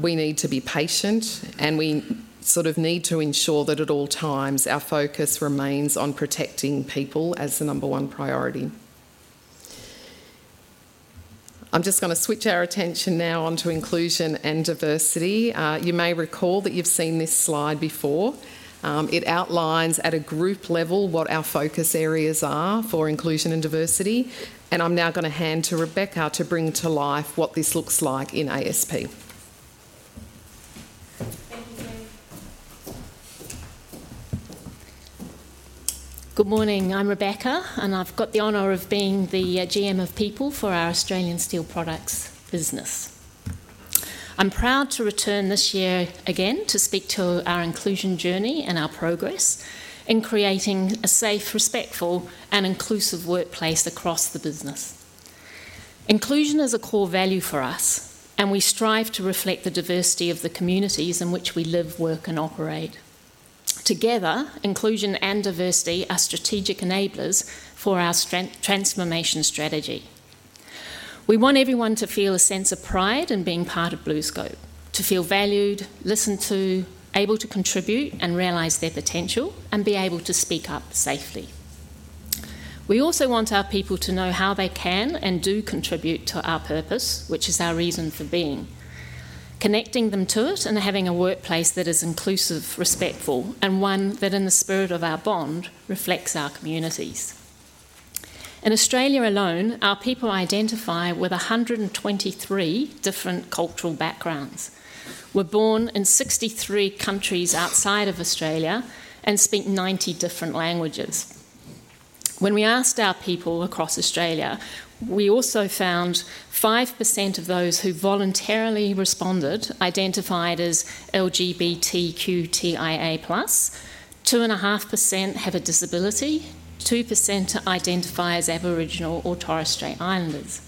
We need to be patient, and we sort of need to ensure that at all times, our focus remains on protecting people as the number one priority. I'm just gonna switch our attention now on to inclusion and diversity. You may recall that you've seen this slide before. It outlines at a group level what our focus areas are for inclusion and diversity, and I'm now gonna hand to Rebecca to bring to life what this looks like in ASP. Good morning. I'm Rebecca, and I've got the honor of being the GM of People for our Australian Steel Products business. I'm proud to return this year again to speak to our inclusion journey and our progress in creating a safe, respectful, and inclusive workplace across the business. Inclusion is a core value for us, and we strive to reflect the diversity of the communities in which we live, work, and operate. Together, inclusion and diversity are strategic enablers for our strength transformation strategy. We want everyone to feel a sense of pride in being part of BlueScope, to feel valued, listened to, able to contribute and realize their potential, and be able to speak up safely. We also want our people to know how they can and do contribute to our purpose, which is our reason for being. Connecting them to it, and having a workplace that is inclusive, respectful, and one that, in the spirit of our bond, reflects our communities. In Australia alone, our people identify with 123 different cultural backgrounds, were born in 63 countries outside of Australia, and speak 90 different languages. When we asked our people across Australia, we also found 5% of those who voluntarily responded identified as LGBTQTIA+, 2.5% have a disability, 2% identify as Aboriginal or Torres Strait Islanders.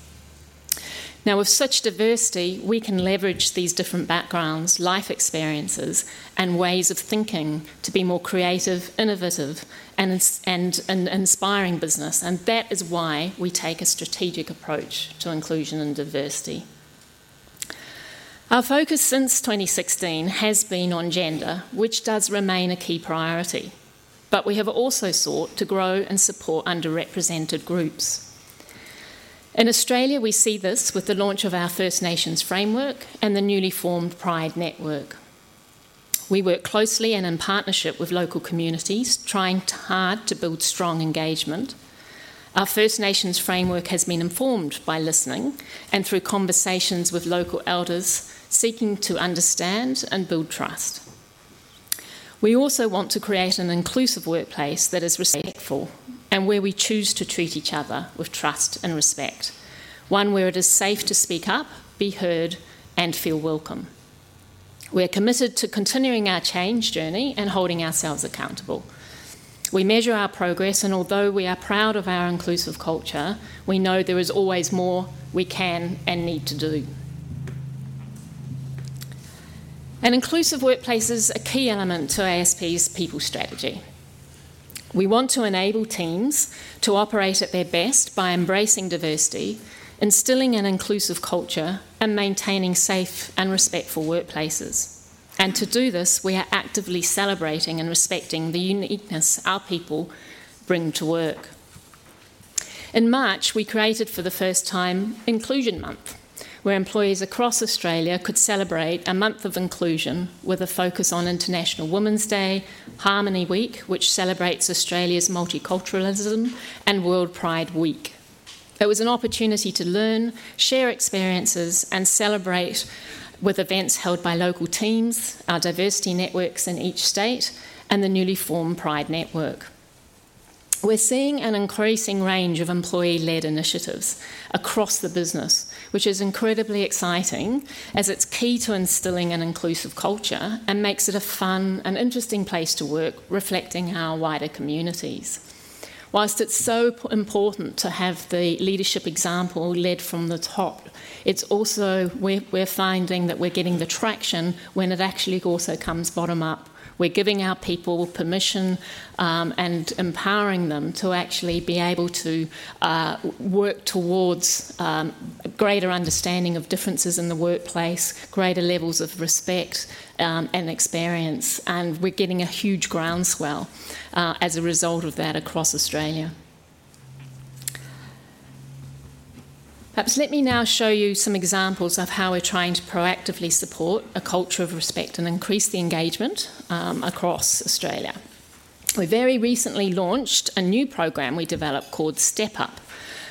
Now, with such diversity, we can leverage these different backgrounds, life experiences, and ways of thinking to be more creative, innovative, and inspiring business, and that is why we take a strategic approach to inclusion and diversity. Our focus since 2016 has been on gender, which does remain a key priority, but we have also sought to grow and support underrepresented groups. In Australia, we see this with the launch of our First Nations Framework and the newly formed Pride Network. We work closely and in partnership with local communities, trying hard to build strong engagement. Our First Nations Framework has been informed by listening and through conversations with local elders, seeking to understand and build trust. We also want to create an inclusive workplace that is respectful, and where we choose to treat each other with trust and respect. One where it is safe to speak up, be heard, and feel welcome. We are committed to continuing our change journey and holding ourselves accountable. We measure our progress, and although we are proud of our inclusive culture, we know there is always more we can and need to do. An inclusive workplace is a key element to ASP's people strategy. We want to enable teams to operate at their best by embracing diversity, instilling an inclusive culture, and maintaining safe and respectful workplaces. And to do this, we are actively celebrating and respecting the uniqueness our people bring to work. In March, we created, for the first time, Inclusion Month, where employees across Australia could celebrate a month of inclusion with a focus on International Women's Day, Harmony Week, which celebrates Australia's multiculturalism, and World Pride Week. It was an opportunity to learn, share experiences, and celebrate with events held by local teams, our diversity networks in each state, and the newly formed Pride Network. We're seeing an increasing range of employee-led initiatives across the business, which is incredibly exciting, as it's key to instilling an inclusive culture and makes it a fun and interesting place to work, reflecting our wider communities. Whilst it's so important to have the leadership example led from the top, we're finding that we're getting the traction when it actually also comes bottom up. We're giving our people permission, and empowering them to actually be able to work towards a greater understanding of differences in the workplace, greater levels of respect, and experience, and we're getting a huge groundswell as a result of that across Australia. Perhaps let me now show you some examples of how we're trying to proactively support a culture of respect and increase the engagement across Australia. We very recently launched a new program we developed called Step Up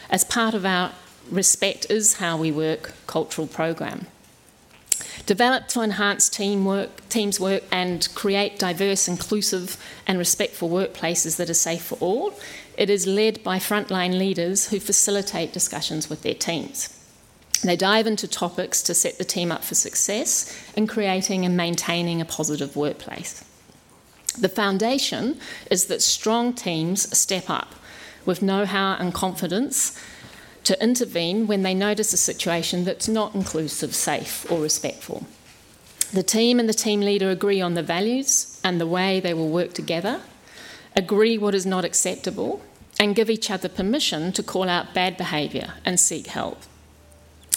as part of our Respect Is How We Work cultural program. Developed to enhance teamwork, teams work, and create diverse, inclusive, and respectful workplaces that are safe for all, it is led by frontline leaders who facilitate discussions with their teams. They dive into topics to set the team up for success in creating and maintaining a positive workplace. The foundation is that strong teams Step Up with know-how and confidence to intervene when they notice a situation that's not inclusive, safe, or respectful. The team and the team leader agree on the values and the way they will work together, agree what is not acceptable, and give each other permission to call out bad behavior and seek help.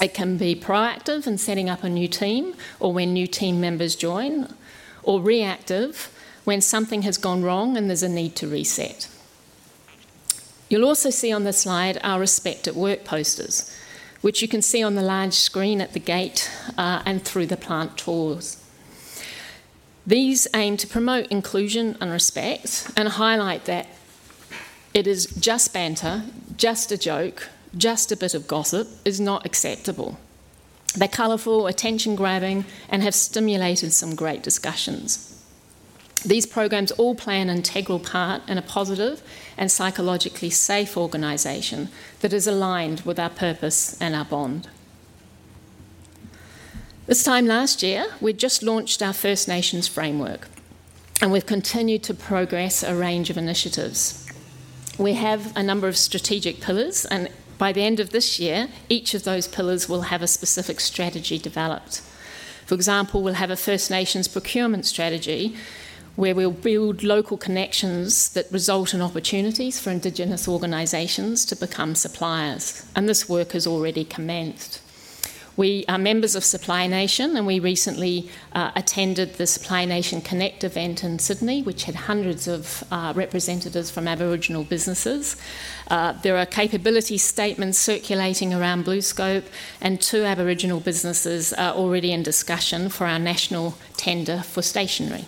It can be proactive in setting up a new team or when new team members join, or reactive when something has gone wrong and there's a need to reset. You'll also see on the slide our Respect at Work posters, which you can see on the large screen at the gate, and through the plant tours. These aim to promote inclusion and respect, and highlight that it is just banter, just a joke, just a bit of gossip is not acceptable. They're colorful, attention-grabbing, and have stimulated some great discussions. These programs all play an integral part in a positive and psychologically safe organization that is aligned with our purpose and our bond. This time last year, we'd just launched our First Nations framework, and we've continued to progress a range of initiatives. We have a number of strategic pillars, and by the end of this year, each of those pillars will have a specific strategy developed. For example, we'll have a First Nations procurement strategy, where we'll build local connections that result in opportunities for Indigenous organizations to become suppliers, and this work has already commenced. We are members of Supply Nation, and we recently attended the Supply Nation Connect event in Sydney, which had hundreds of representatives from Aboriginal businesses. There are capability statements circulating around BlueScope, and two Aboriginal businesses are already in discussion for our national tender for stationery.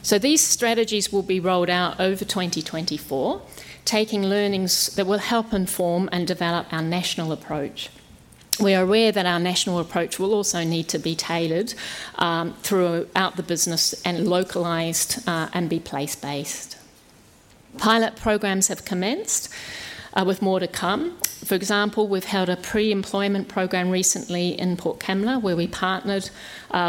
So these strategies will be rolled out over 2024, taking learnings that will help inform and develop our national approach. We are aware that our national approach will also need to be tailored throughout the business and localized, and be place-based. Pilot programs have commenced, with more to come. For example, we've held a pre-employment program recently in Port Kembla, where we partnered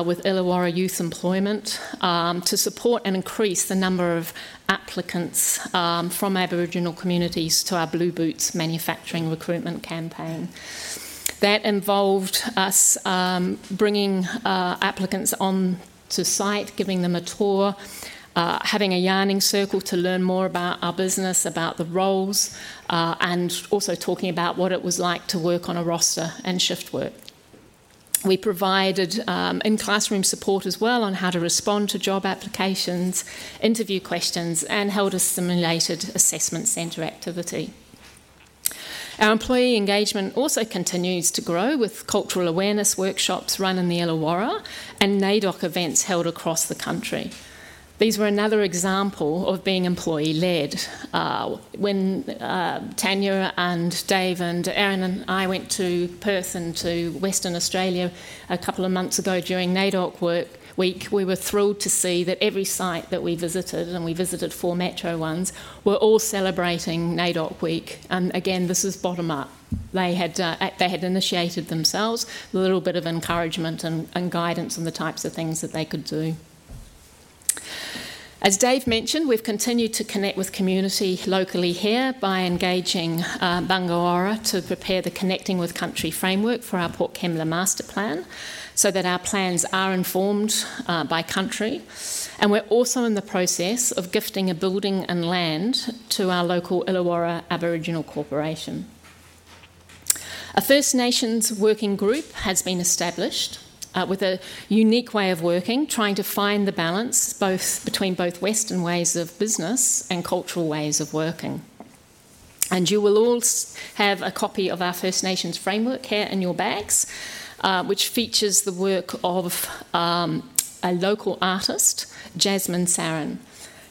with Illawarra Youth Employment to support and increase the number of applicants from Aboriginal communities to our BlueBoots manufacturing recruitment campaign. That involved us bringing applicants on to site, giving them a tour, having a yarning circle to learn more about our business, about the roles, and also talking about what it was like to work on a roster and shift work. We provided in-classroom support as well on how to respond to job applications, interview questions, and held a simulated assessment center activity. Our employee engagement also continues to grow, with cultural awareness workshops run in the Illawarra, and NAIDOC events held across the country. These were another example of being employee-led. When Tania and Dave and Aaron and I went to Perth and to Western Australia a couple of months ago during NAIDOC Week, we were thrilled to see that every site that we visited, and we visited four metro ones, were all celebrating NAIDOC Week. And again, this is bottom up. They had initiated themselves with a little bit of encouragement and guidance on the types of things that they could do. As Dave mentioned, we've continued to connect with community locally here by engaging Bangawarra to prepare the Connecting with Country framework for our Port Kembla Master Plan, so that our plans are informed by country. And we're also in the process of gifting a building and land to our local Illawarra Aboriginal Corporation. A First Nations working group has been established with a unique way of working, trying to find the balance between both Western ways of business and cultural ways of working. And you will all have a copy of our First Nations framework here in your bags, which features the work of a local artist, Jasmine Sarin.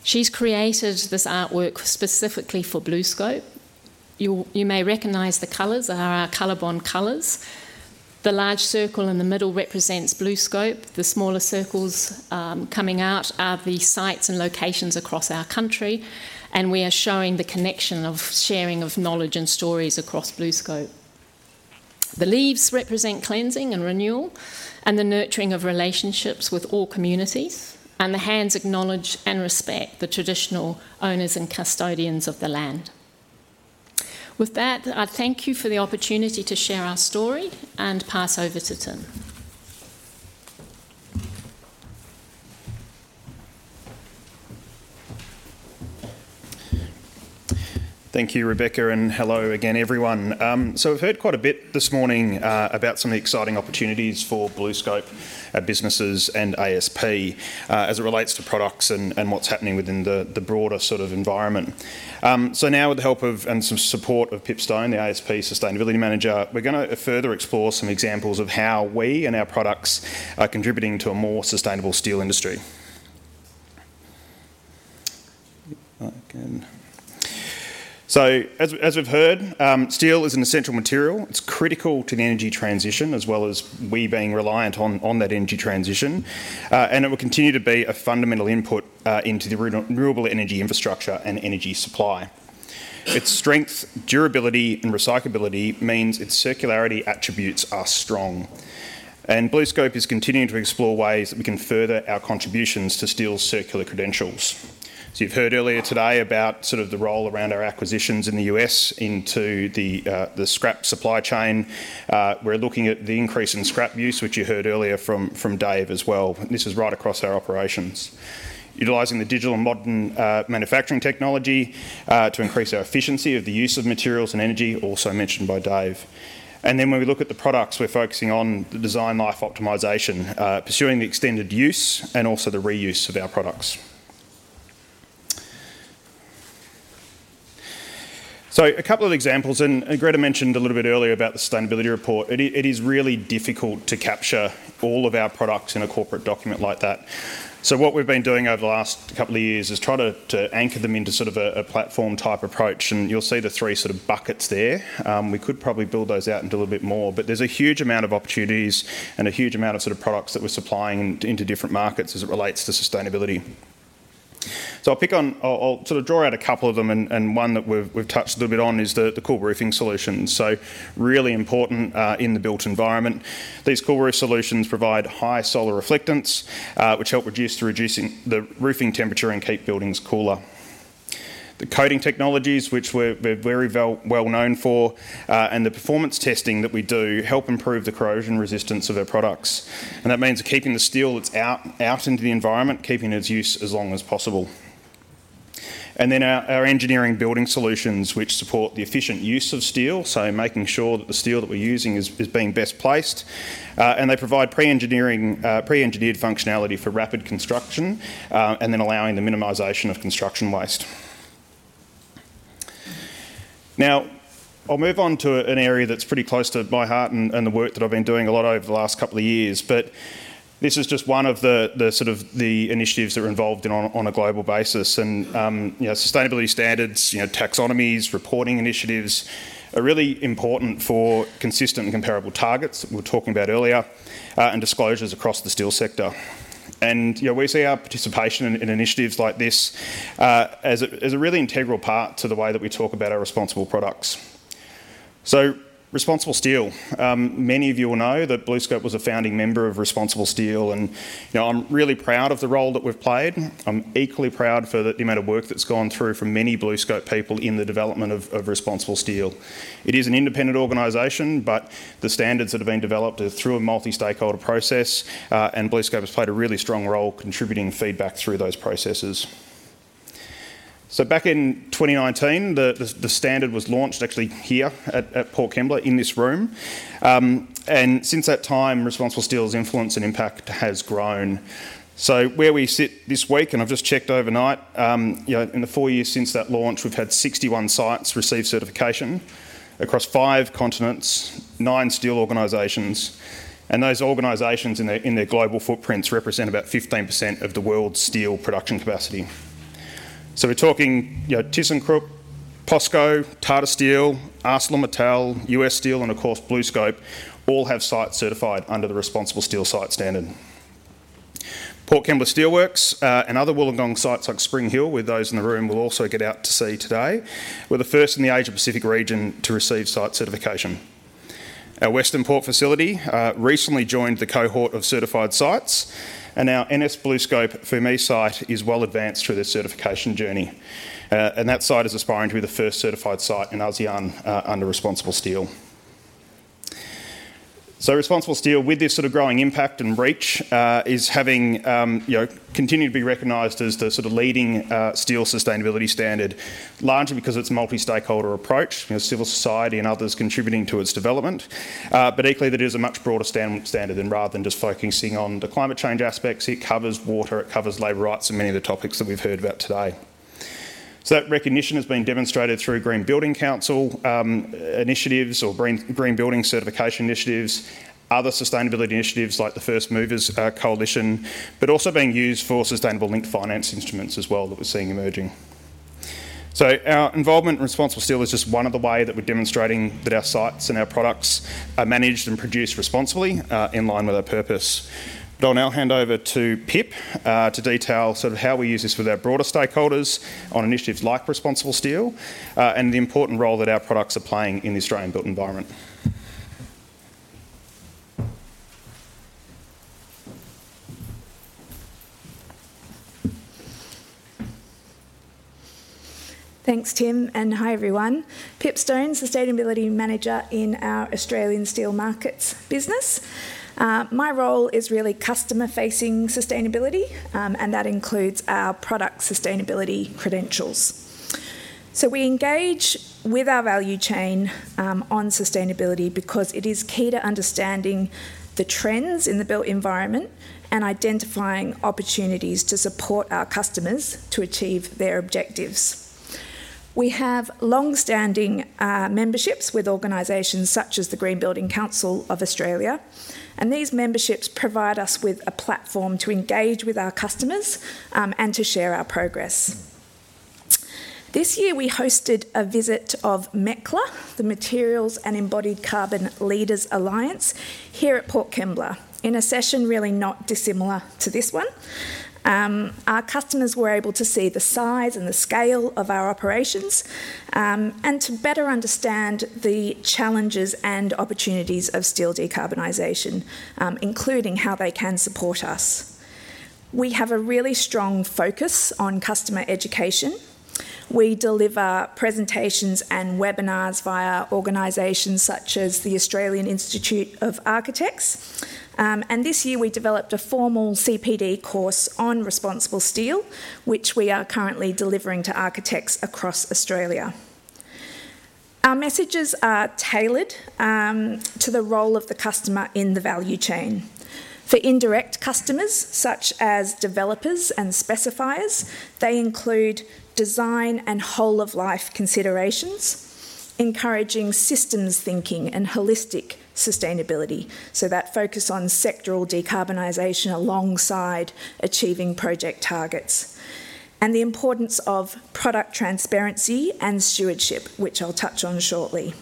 She's created this artwork specifically for BlueScope. You may recognize the colors are our COLORBOND colors. The large circle in the middle represents BlueScope. The smaller circles coming out are the sites and locations across our country, and we are showing the connection of sharing of knowledge and stories across BlueScope. The leaves represent cleansing and renewal, and the nurturing of relationships with all communities, and the hands acknowledge and respect the traditional owners and custodians of the land. With that, I thank you for the opportunity to share our story, and pass over to Tim. Thank you, Rebecca, and hello again, everyone. So we've heard quite a bit this morning about some of the exciting opportunities for BlueScope, our businesses, and ASP, as it relates to products and, and what's happening within the, the broader sort of environment. So now with the help of, and some support of Pip Stone, the ASP Sustainability Manager, we're gonna further explore some examples of how we and our products are contributing to a more sustainable steel industry. So as, as we've heard, steel is an essential material. It's critical to the energy transition, as well as we being reliant on, on that energy transition, and it will continue to be a fundamental input, into the renewable energy infrastructure and energy supply. Its strength, durability, and recyclability means its circularity attributes are strong, and BlueScope is continuing to explore ways that we can further our contributions to steel's circular credentials. So you've heard earlier today about sort of the role around our acquisitions in the U.S. into the scrap supply chain. We're looking at the increase in scrap use, which you heard earlier from Dave as well. This is right across our operations. Utilizing the digital and modern manufacturing technology to increase our efficiency of the use of materials and energy, also mentioned by Dave. And then when we look at the products, we're focusing on the design life optimization, pursuing the extended use and also the reuse of our products. So a couple of examples, and Gretta mentioned a little bit earlier about the sustainability report. It is really difficult to capture all of our products in a corporate document like that. So what we've been doing over the last couple of years is try to anchor them into sort of a platform-type approach, and you'll see the three sort of buckets there. We could probably build those out and do a bit more, but there's a huge amount of opportunities and a huge amount of sort of products that we're supplying into different markets as it relates to sustainability. So I'll pick on, I'll sort of draw out a couple of them, and one that we've touched a little bit on is the cool roofing solutions. So really important in the built environment. These cool roof solutions provide high solar reflectance, which help reduce to reducing the roofing temperature and keep buildings cooler. The coating technologies, which we're very well known for, and the performance testing that we do, help improve the corrosion resistance of our products. That means keeping the steel that's out into the environment, keeping its use as long as possible. Then our engineering building solutions, which support the efficient use of steel, so making sure that the steel that we're using is being best placed. And they provide pre-engineered functionality for rapid construction, and then allowing the minimization of construction waste. Now, I'll move on to an area that's pretty close to my heart, and the work that I've been doing a lot over the last couple of years, but this is just one of the sort of initiatives that we're involved in on a global basis. You know, sustainability standards, you know, taxonomies, reporting initiatives, are really important for consistent and comparable targets that we were talking about earlier, and disclosures across the steel sector. You know, we see our participation in initiatives like this as a really integral part to the way that we talk about our responsible products. ResponsibleSteel. Many of you will know that BlueScope was a founding member of ResponsibleSteel, and you know, I'm really proud of the role that we've played. I'm equally proud for the amount of work that's gone through from many BlueScope people in the development of ResponsibleSteel. It is an independent organization, but the standards that have been developed are through a multi-stakeholder process, and BlueScope has played a really strong role contributing feedback through those processes. So back in 2019, the standard was launched actually here at Port Kembla, in this room. And since that time, ResponsibleSteel's influence and impact has grown. So where we sit this week, and I've just checked overnight, you know, in the four years since that launch, we've had 61 sites receive certification across five continents, nine steel organizations, and those organizations in their, in their global footprints represent about 15% of the world's steel production capacity. So we're talking, you know, thyssenkrupp, POSCO, Tata Steel, ArcelorMittal, U.S. Steel, and of course, BlueScope, all have sites certified under the ResponsibleSteel site standard. Port Kembla Steelworks, and other Wollongong sites like Spring Hill, with those in the room, we'll also get out to see today, were the first in the Asia-Pacific region to receive site certification. Our Western Port facility recently joined the cohort of certified sites, and our NS BlueScope Phu My site is well advanced through their certification journey. That site is aspiring to be the first certified site in ASEAN under ResponsibleSteel. ResponsibleSteel, with this sort of growing impact and reach, is having, you know, continued to be recognized as the sort of leading, you know, steel sustainability standard, largely because it's a multi-stakeholder approach, you know, civil society and others contributing to its development. Equally, it is a much broader standard, and rather than just focusing on the climate change aspects, it covers water, it covers labor rights, and many of the topics that we've heard about today. So that recognition has been demonstrated through Green Building Council initiatives, or Green, Green Building Certification initiatives, other sustainability initiatives like the First Movers Coalition, but also being used for sustainable linked finance instruments as well that we're seeing emerging. So our involvement in ResponsibleSteel is just one of the way that we're demonstrating that our sites and our products are managed and produced responsibly, in line with our purpose. But I'll now hand over to Pip, to detail sort of how we use this with our broader stakeholders on initiatives like ResponsibleSteel, and the important role that our products are playing in the Australian built environment. Thanks, Tim, and hi, everyone. Pip Stone, Sustainability Manager in our Australian Steel Markets business. My role is really customer-facing sustainability, and that includes our product sustainability credentials. So we engage with our value chain on sustainability because it is key to understanding the trends in the built environment and identifying opportunities to support our customers to achieve their objectives. We have long-standing memberships with organizations such as the Green Building Council of Australia, and these memberships provide us with a platform to engage with our customers, and to share our progress. This year, we hosted a visit of MECLA, the Materials and Embodied Carbon Leaders Alliance, here at Port Kembla, in a session really not dissimilar to this one. Our customers were able to see the size and the scale of our operations, and to better understand the challenges and opportunities of steel decarbonisation, including how they can support us. We have a really strong focus on customer education. We deliver presentations and webinars via organizations such as the Australian Institute of Architects. This year we developed a formal CPD course on ResponsibleSteel, which we are currently delivering to architects across Australia. Our messages are tailored to the role of the customer in the value chain. For indirect customers, such as developers and specifiers, they include design and whole of life considerations, encouraging systems thinking and holistic sustainability, that focus on sectoral decarbonisation alongside achieving project targets, and the importance of product transparency and stewardship, which I'll touch on shortly....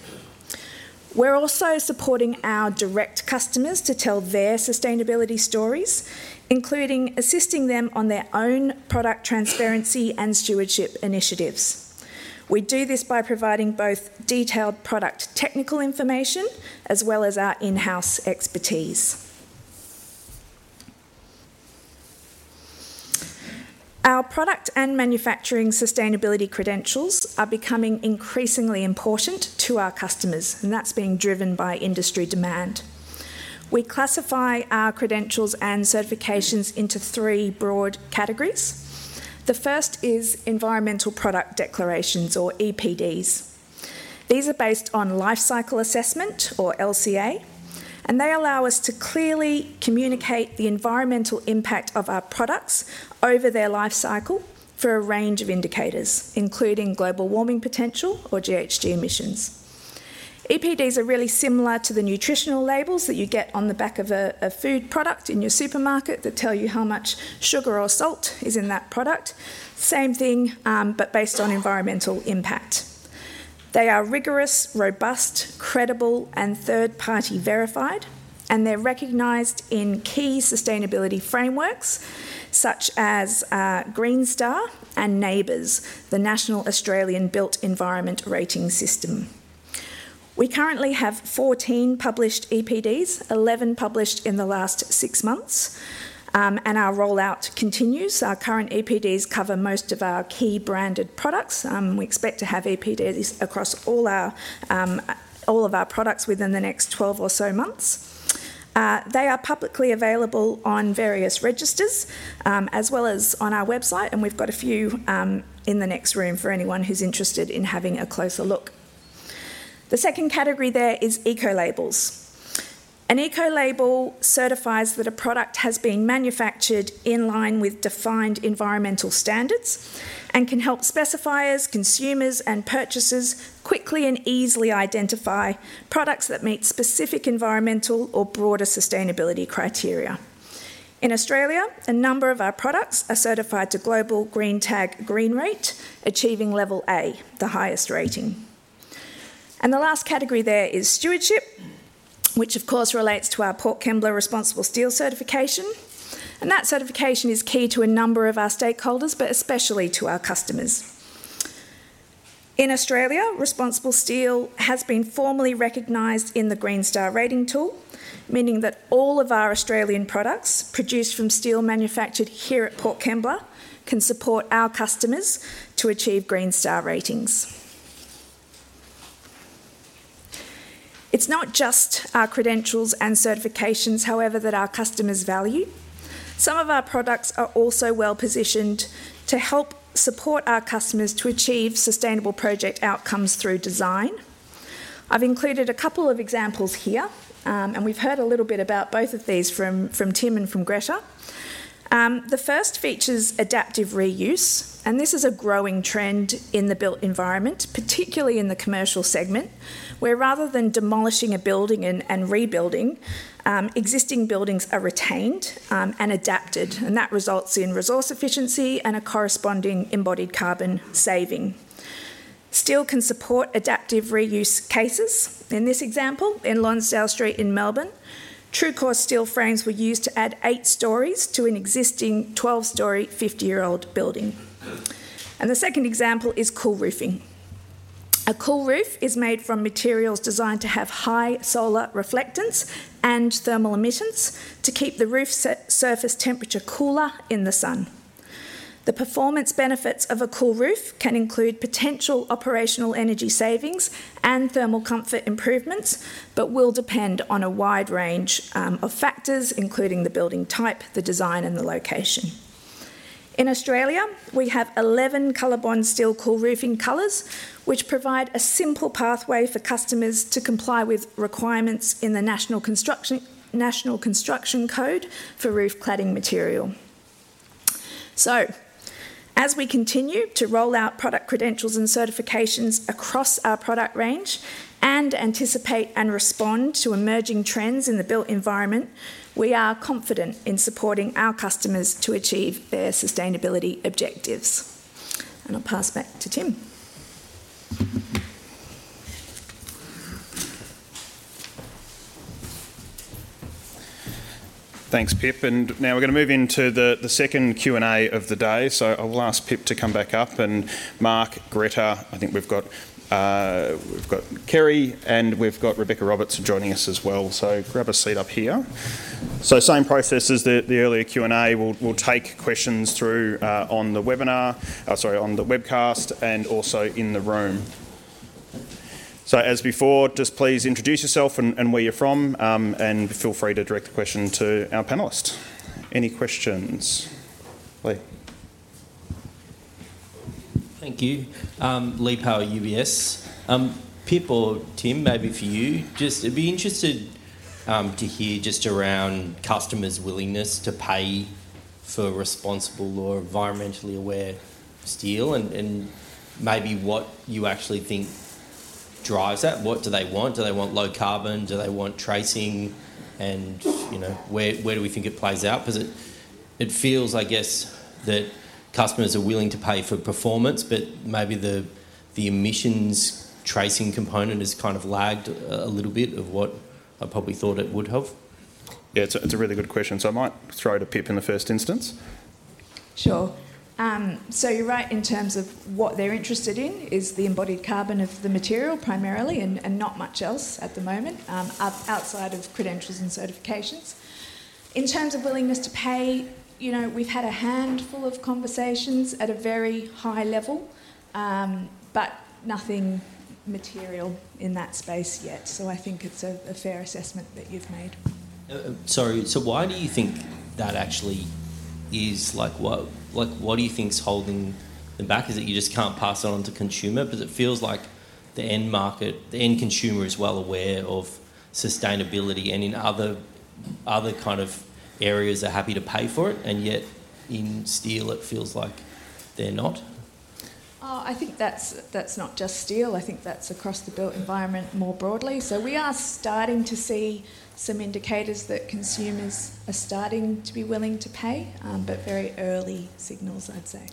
We're also supporting our direct customers to tell their sustainability stories, including assisting them on their own product transparency and stewardship initiatives. We do this by providing both detailed product technical information, as well as our in-house expertise. Our product and manufacturing sustainability credentials are becoming increasingly important to our customers, and that's being driven by industry demand. We classify our credentials and certifications into three broad categories. The first is Environmental Product Declarations, or EPDs. These are based on life cycle assessment, or LCA, and they allow us to clearly communicate the environmental impact of our products over their life cycle for a range of indicators, including global warming potential or GHG emissions. EPDs are really similar to the nutritional labels that you get on the back of a food product in your supermarket that tell you how much sugar or salt is in that product. Same thing, but based on environmental impact. They are rigorous, robust, credible, and third-party verified, and they're recognized in key sustainability frameworks, such as Green Star and NABERS, the National Australian Built Environment Rating System. We currently have 14 published EPDs, 11 published in the last six months, and our rollout continues. Our current EPDs cover most of our key branded products. We expect to have EPDs across all our, all of our products within the next 12 or so months. They are publicly available on various registers, as well as on our website, and we've got a few in the next room for anyone who's interested in having a closer look. The second category there is eco labels. An eco label certifies that a product has been manufactured in line with defined environmental standards, and can help specifiers, consumers, and purchasers quickly and easily identify products that meet specific environmental or broader sustainability criteria. In Australia, a number of our products are certified to Global GreenTag GreenRate, achieving level A, the highest rating. The last category there is stewardship, which of course relates to our Port Kembla ResponsibleSteel certification, and that certification is key to a number of our stakeholders, but especially to our customers. In Australia, ResponsibleSteel has been formally recognized in the Green Star rating tool, meaning that all of our Australian products produced from steel manufactured here at Port Kembla can support our customers to achieve Green Star ratings. It's not just our credentials and certifications, however, that our customers value. Some of our products are also well-positioned to help support our customers to achieve sustainable project outcomes through design. I've included a couple of examples here, and we've heard a little bit about both of these from Tim and from Gretta. The first features adaptive reuse, and this is a growing trend in the built environment, particularly in the commercial segment, where rather than demolishing a building and rebuilding, existing buildings are retained and adapted, and that results in resource efficiency and a corresponding embodied carbon saving. Steel can support adaptive reuse cases. In this example, in Lonsdale Street in Melbourne, TRUECORE steel frames were used to add 8-storeys to an existing 12-storey, 50-year-old building. The second example is cool roofing. A cool roof is made from materials designed to have high solar reflectance and thermal emissions to keep the roof surface temperature cooler in the sun. The performance benefits of a cool roof can include potential operational energy savings and thermal comfort improvements, but will depend on a wide range of factors, including the building type, the design, and the location. In Australia, we have 11 COLORBOND steel cool roofing colors, which provide a simple pathway for customers to comply with requirements in the National Construction Code for roof cladding material. As we continue to roll out product credentials and certifications across our product range and anticipate and respond to emerging trends in the built environment, we are confident in supporting our customers to achieve their sustainability objectives. I'll pass back to Tim. Thanks, Pip, and now we're going to move into the second Q&A of the day. So I will ask Pip to come back up, and Mark, Gretta, I think we've got we've got Kerri, and we've got Rebecca Roberts joining us as well. So grab a seat up here. So same process as the earlier Q&A. We'll we'll take questions through on the webcast, and also in the room. So as before, just please introduce yourself and where you're from, and feel free to direct the question to our panelist. Any questions? Lee. Thank you. Lee Power, UBS. Pip or Tim, maybe for you, just I'd be interested to hear just around customers' willingness to pay for responsible or environmentally aware steel and, and maybe what you actually think drives that. What do they want? Do they want low carbon? Do they want tracing? And, you know, where, where do we think it plays out? It feels, I guess, that customers are willing to pay for performance, but maybe the, the emissions tracing component has kind of lagged a little bit of what I probably thought it would have? Yeah, it's a really good question, so I might throw to Pip in the first instance. Sure. So you're right in terms of what they're interested in, is the embodied carbon of the material primarily, and not much else at the moment, outside of credentials and certifications. In terms of willingness to pay, you know, we've had a handful of conversations at a very high level, but nothing material in that space yet, so I think it's a fair assessment that you've made. Sorry, so why do you think that actually is? Like, what, like, what do you think is holding them back? Is it you just can't pass it on to consumer? Because it feels like the end market, the end consumer is well aware of sustainability, and in other, other kind of areas are happy to pay for it, and yet in steel it feels like they're not. I think that's not just steel. I think that's across the built environment more broadly. So we are starting to see some indicators that consumers are starting to be willing to pay, but very early signals, I'd say.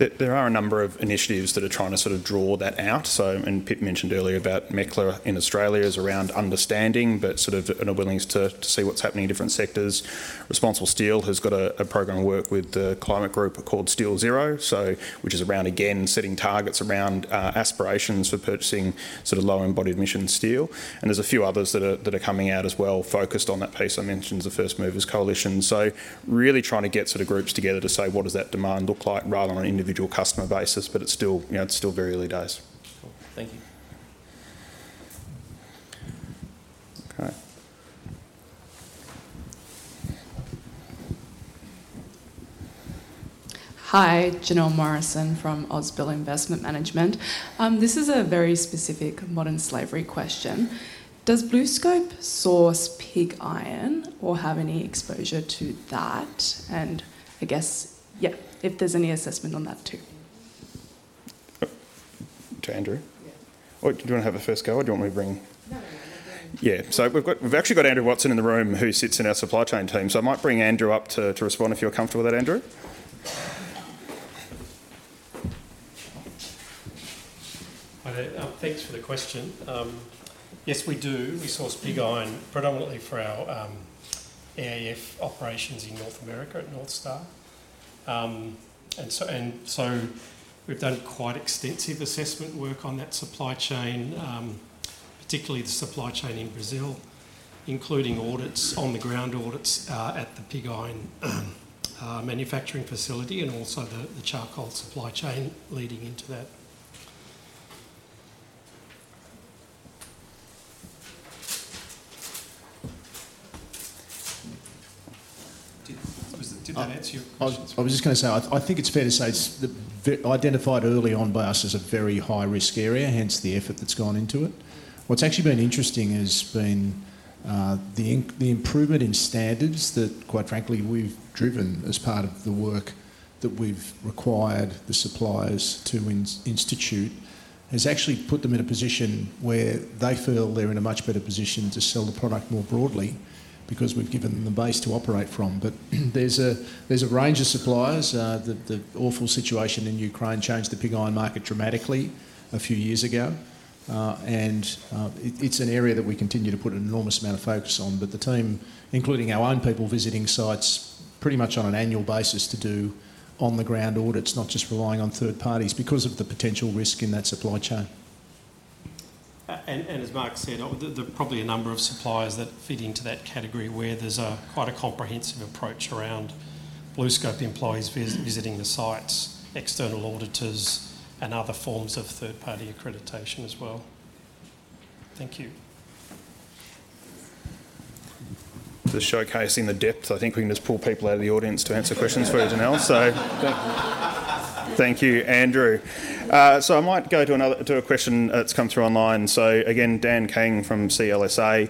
There are a number of initiatives that are trying to sort of draw that out, so, and Pip mentioned earlier about MECLA in Australia is around understanding, but sort of, and a willingness to, to see what's happening in different sectors. ResponsibleSteel has got a program of work with The Climate Group called SteelZero, so which is around, again, setting targets around aspirations for purchasing sort of low-embodied emission steel. And there's a few others that are, that are coming out as well, focused on that piece. I mentioned the First Movers Coalition. So really trying to get sort of groups together to say: What does that demand look like? Rather than on an individual customer basis, but it's still, you know, it's still very early days. Thank you. All right. Hi, Janelle Morrison from Ausbil Investment Management. This is a very specific modern slavery question: Does BlueScope source pig iron or have any exposure to that? And I guess, yeah, if there's any assessment on that too. To Andrew? Yeah. Or do you want to have a first go, or do you want me to bring- No, you bring him. Yeah. So we've actually got Andrew Watson in the room, who sits in our supply chain team. So I might bring Andrew up to respond, if you're comfortable with that, Andrew? Hi there. Thanks for the question. Yes, we do. We source pig iron predominantly for our EAF operations in North America at North Star. And so we've done quite extensive assessment work on that supply chain, particularly the supply chain in Brazil, including audits, on-the-ground audits, at the pig iron manufacturing facility, and also the charcoal supply chain leading into that. Did that answer your questions? I was just going to say, I think it's fair to say it was identified early on by us as a very high-risk area, hence the effort that's gone into it. What's actually been interesting has been the improvement in standards that, quite frankly, we've driven as part of the work that we've required the suppliers to institute, has actually put them in a position where they feel they're in a much better position to sell the product more broadly because we've given them the base to operate from. But there's a range of suppliers. The awful situation in Ukraine changed the pig iron market dramatically a few years ago. It's an area that we continue to put an enormous amount of focus on. The team, including our own people, visiting sites pretty much on an annual basis to do on-the-ground audits, not just relying on third parties because of the potential risk in that supply chain. As Mark said, probably a number of suppliers that fit into that category, where there's quite a comprehensive approach around BlueScope employees visiting the sites, external auditors, and other forms of third-party accreditation as well. Thank you. Just showcasing the depth. I think we can just pull people out of the audience to answer questions for you, Janelle, so- Thank you. Thank you, Andrew. I might go to another question that's come through online. Again, Dan Kang from CLSA: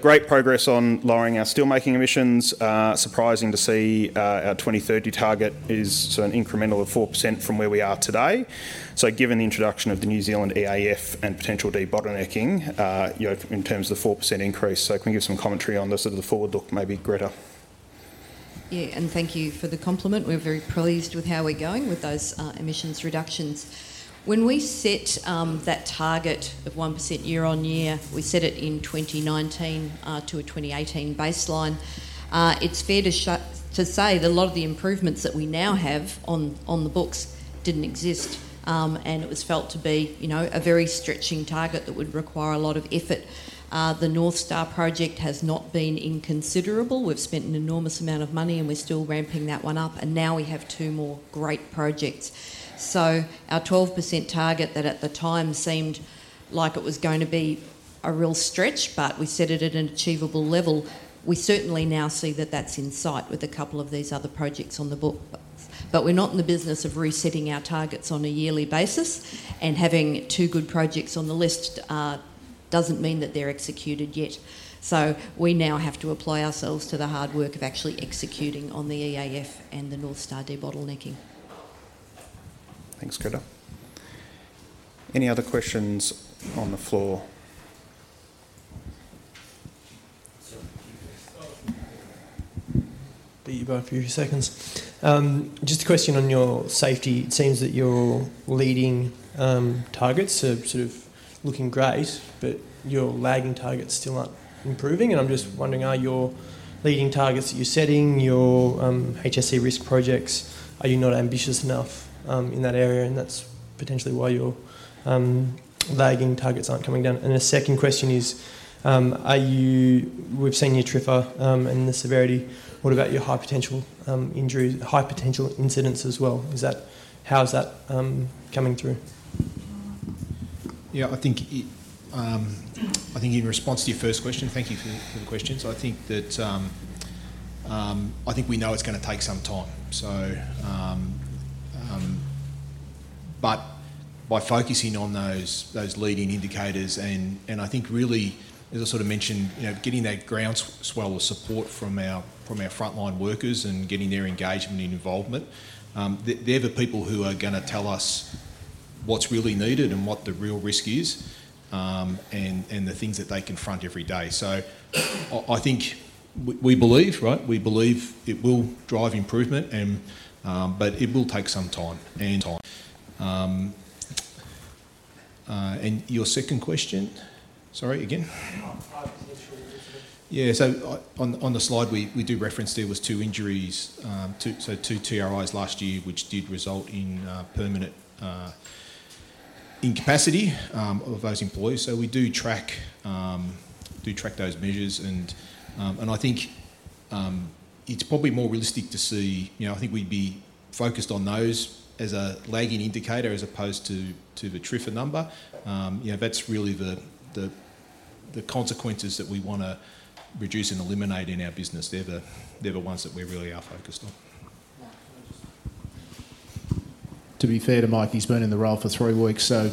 Great progress on lowering our steelmaking emissions. Surprising to see our 2030 target is an incremental 4% from where we are today. Given the introduction of the New Zealand EAF and potential debottlenecking, you know, in terms of the 4% increase, can you give some commentary on the sort of the forward look, maybe, Gretta? Yeah, and thank you for the compliment. We're very pleased with how we're going with those emissions reductions. When we set that target of 1% year-on-year, we set it in 2019 to a 2018 baseline. It's fair to say that a lot of the improvements that we now have on the books didn't exist, and it was felt to be, you know, a very stretching target that would require a lot of effort. The North Star project has not been inconsiderable. We've spent an enormous amount of money, and we're still ramping that one up, and now we have two more great projects. Our 12% target that at the time seemed like it was going to be a real stretch, but we set it at an achievable level, we certainly now see that that's in sight with a couple of these other projects on the books. We're not in the business of resetting our targets on a yearly basis, and having two good projects on the list doesn't mean that they're executed yet. We now have to apply ourselves to the hard work of actually executing on the EAF and the North Star debottlenecking. Thanks, Gretta. Any other questions on the floor? Beat you by a few seconds. Just a question on your safety. It seems that your leading targets are sort of looking great, but your lagging targets still aren't improving. I'm just wondering, are your leading targets that you're setting, your HSE risk projects, are you not ambitious enough in that area, and that's potentially why your lagging targets aren't coming down? The second question is, we've seen your TRIFR and the severity, what about your high potential injuries, high potential incidents as well? Is that, how is that coming through? Yeah, I think it, I think in response to your first question, thank you for the questions. I think that, I think we know it's gonna take some time. So, but by focusing on those leading indicators and, and I think really, as I sort of mentioned, you know, getting that groundswell of support from our frontline workers and getting their engagement and involvement, they're the people who are gonna tell us what's really needed and what the real risk is, and the things that they confront every day. So, I think we believe, right? We believe it will drive improvement and, but it will take some time and time. And your second question? Sorry, again. High potential incidents. Yeah, I, on the slide, we do reference there were two injuries, two, so two TRIs last year, which did result in permanent incapacity of those employees. We do track, do track those measures and I think it's probably more realistic to see... You know, I think we'd be focused on those as a lagging indicator as opposed to the TRIFR number. You know, that's really the consequences that we wanna reduce and eliminate in our business. They're the ones that we really are focused on. Yeah, thanks. To be fair to Mike, he's been in the role for three weeks, so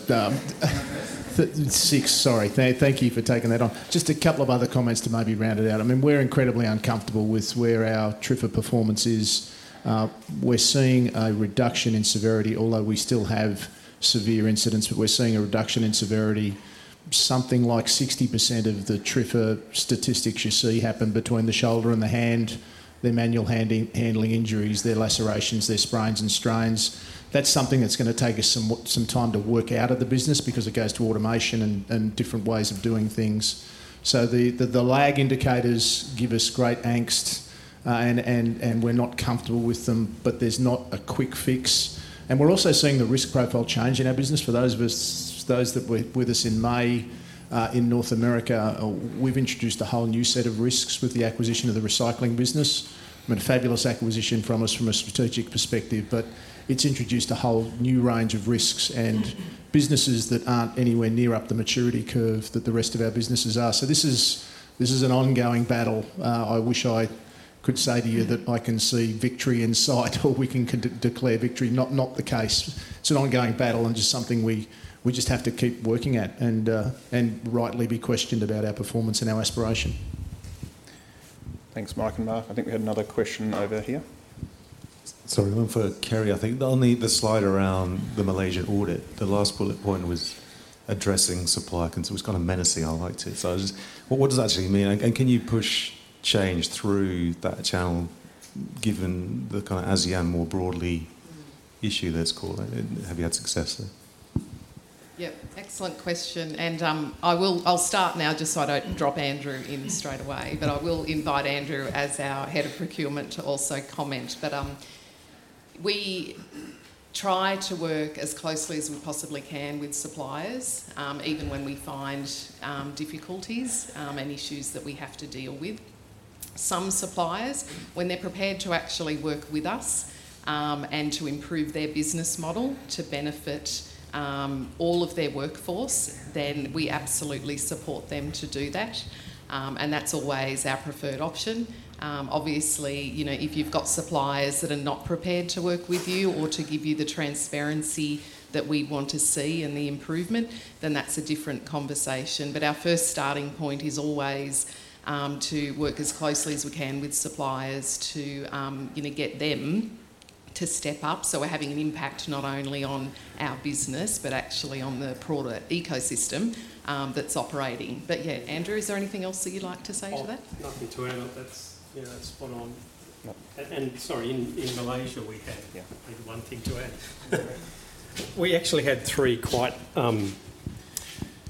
six, sorry. Thank you for taking that on. Just a couple of other comments to maybe round it out. I mean, we're incredibly uncomfortable with where our TRIFR performance is. We're seeing a reduction in severity, although we still have severe incidents, but we're seeing a reduction in severity. Something like 60% of the TRIFR statistics you see happen between the shoulder and the hand, they're manual handling, handling injuries, they're lacerations, they're sprains and strains. That's something that's gonna take us some time to work out of the business because it goes to automation and different ways of doing things. So the lag indicators give us great angst, and we're not comfortable with them, but there's not a quick fix. We're also seeing the risk profile change in our business. For those of us, those that were with us in May, in North America, we've introduced a whole new set of risks with the acquisition of the recycling business. I mean, a fabulous acquisition from us from a strategic perspective, but it's introduced a whole new range of risks and businesses that aren't anywhere near up the maturity curve that the rest of our businesses are. So this is, this is an ongoing battle. I wish I could say to you that I can see victory in sight or we can declare victory. Not, not the case. It's an ongoing battle and just something we, we just have to keep working at and, and rightly be questioned about our performance and our aspiration. Thanks, Mike and Mark. I think we had another question over here. Sorry, one for Kerri. I think on the slide around the Malaysia audit, the last bullet point was addressing supply concerns. It was kind of menacing. I liked it. So I just... What does that actually mean? And can you push change through that channel, given the kind of ASEAN more broadly issue, let's call it? Have you had success there? Yep. Excellent question, and I'll start now just so I don't drop Andrew in straight away, but I will invite Andrew as our Head of Procurement to also comment. But we try to work as closely as we possibly can with suppliers, even when we find difficulties and issues that we have to deal with. Some suppliers, when they're prepared to actually work with us and to improve their business model to benefit all of their workforce, then we absolutely support them to do that, and that's always our preferred option. Obviously, you know, if you've got suppliers that are not prepared to work with you or to give you the transparency that we want to see and the improvement, then that's a different conversation. But our first starting point is always to work as closely as we can with suppliers to, you know, get them to Step Up, so we're having an impact not only on our business, but actually on the broader ecosystem that's operating. But yeah, Andrew, is there anything else that you'd like to say to that? Nothing to add. That's, you know, spot on. Yep. Sorry, in Malaysia, we had- Yeah... maybe one thing to add. We actually had three quite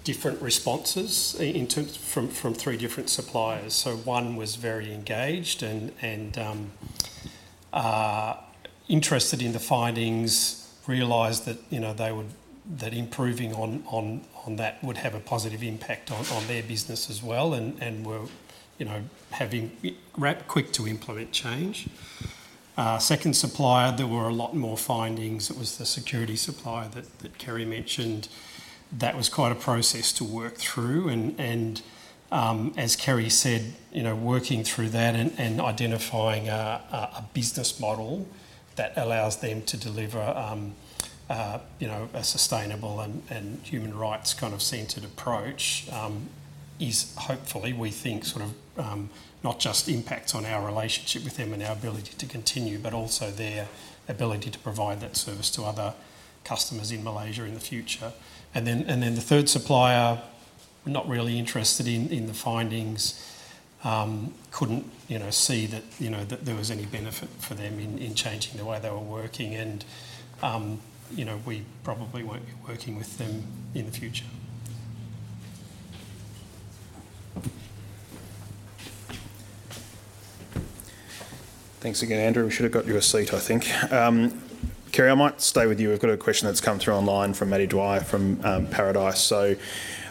different responses in terms from, from three different suppliers. So one was very engaged and interested in the findings, realized that, you know, they would, that improving on that would have a positive impact on their business as well and were, you know, having quick to implement change. Second supplier, there were a lot more findings. It was the security supplier that Kerri mentioned. That was quite a process to work through, and as Kerri said, you know, working through that and identifying a business model that allows them to deliver, you know, a sustainable and human rights kind of centered approach, is hopefully, we think, sort of, not just impacts on our relationship with them and our ability to continue, but also their ability to provide that service to other customers in Malaysia in the future. And then the third supplier not really interested in the findings, couldn't, you know, see that, you know, that there was any benefit for them in changing the way they were working. You know, we probably won't be working with them in the future. Thanks again, Andrew. We should have got you a seat, I think. Kerri, I might stay with you. I've got a question that's come through online from Maddy Dwyer from Paradise. So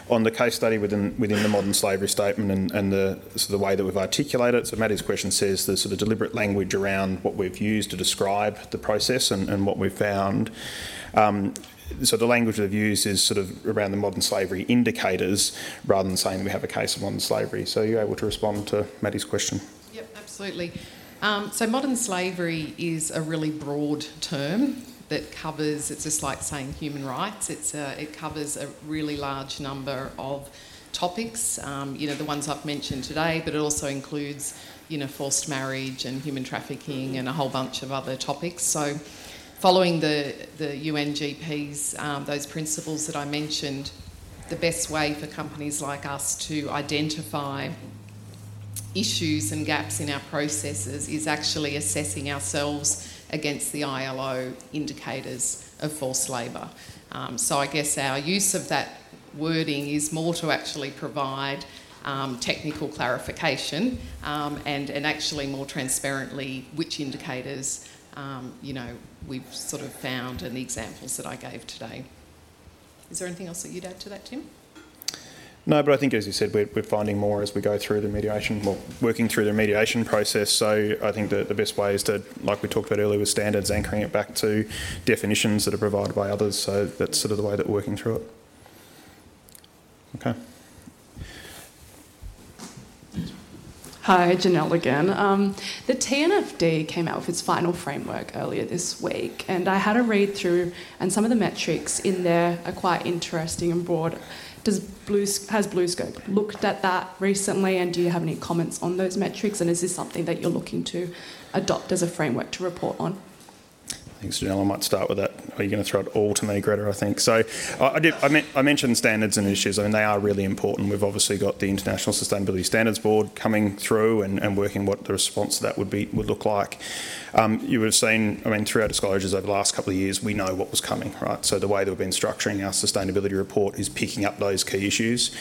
on the case study within the modern slavery statement and the sort of way that we've articulated it. So Maddy's question says, the sort of deliberate language around what we've used to describe the process and what we've found. So the language we've used is sort of around the modern slavery indicators, rather than saying we have a case of modern slavery. So are you able to respond to Maddy's question? Yep, absolutely. So modern slavery is a really broad term that covers—it's just like saying human rights. It's, it covers a really large number of topics, you know, the ones I've mentioned today, but it also includes, you know, forced marriage and human trafficking and a whole bunch of other topics. So following the, the UNGPs, those principles that I mentioned, the best way for companies like us to identify issues and gaps in our processes is actually assessing ourselves against the ILO indicators of forced labor. So I guess our use of that wording is more to actually provide, technical clarification, and, and actually more transparently, which indicators, you know, we've sort of found and the examples that I gave today. Is there anything else that you'd add to that, Tim? No, but I think, as you said, we're, we're finding more as we go through the remediation, well, working through the remediation process. So I think the, the best way is to, like we talked about earlier, with standards, anchoring it back to definitions that are provided by others. So that's sort of the way that we're working through it. Okay. Hi, Janelle again. The TNFD came out with its final framework earlier this week, and I had a read through, and some of the metrics in there are quite interesting and broad. Has BlueScope looked at that recently, and do you have any comments on those metrics, and is this something that you're looking to adopt as a framework to report on? Thanks, Janelle. I might start with that. Are you going to throw it all to me, Gretta, I think? So I did, I mentioned standards and issues, and they are really important. We've obviously got the International Sustainability Standards Board coming through and working what the response to that would be, would look like. You would have seen, I mean, through our disclosures over the last couple of years, we know what was coming, right? So the way that we've been structuring our sustainability report is picking up those key issues.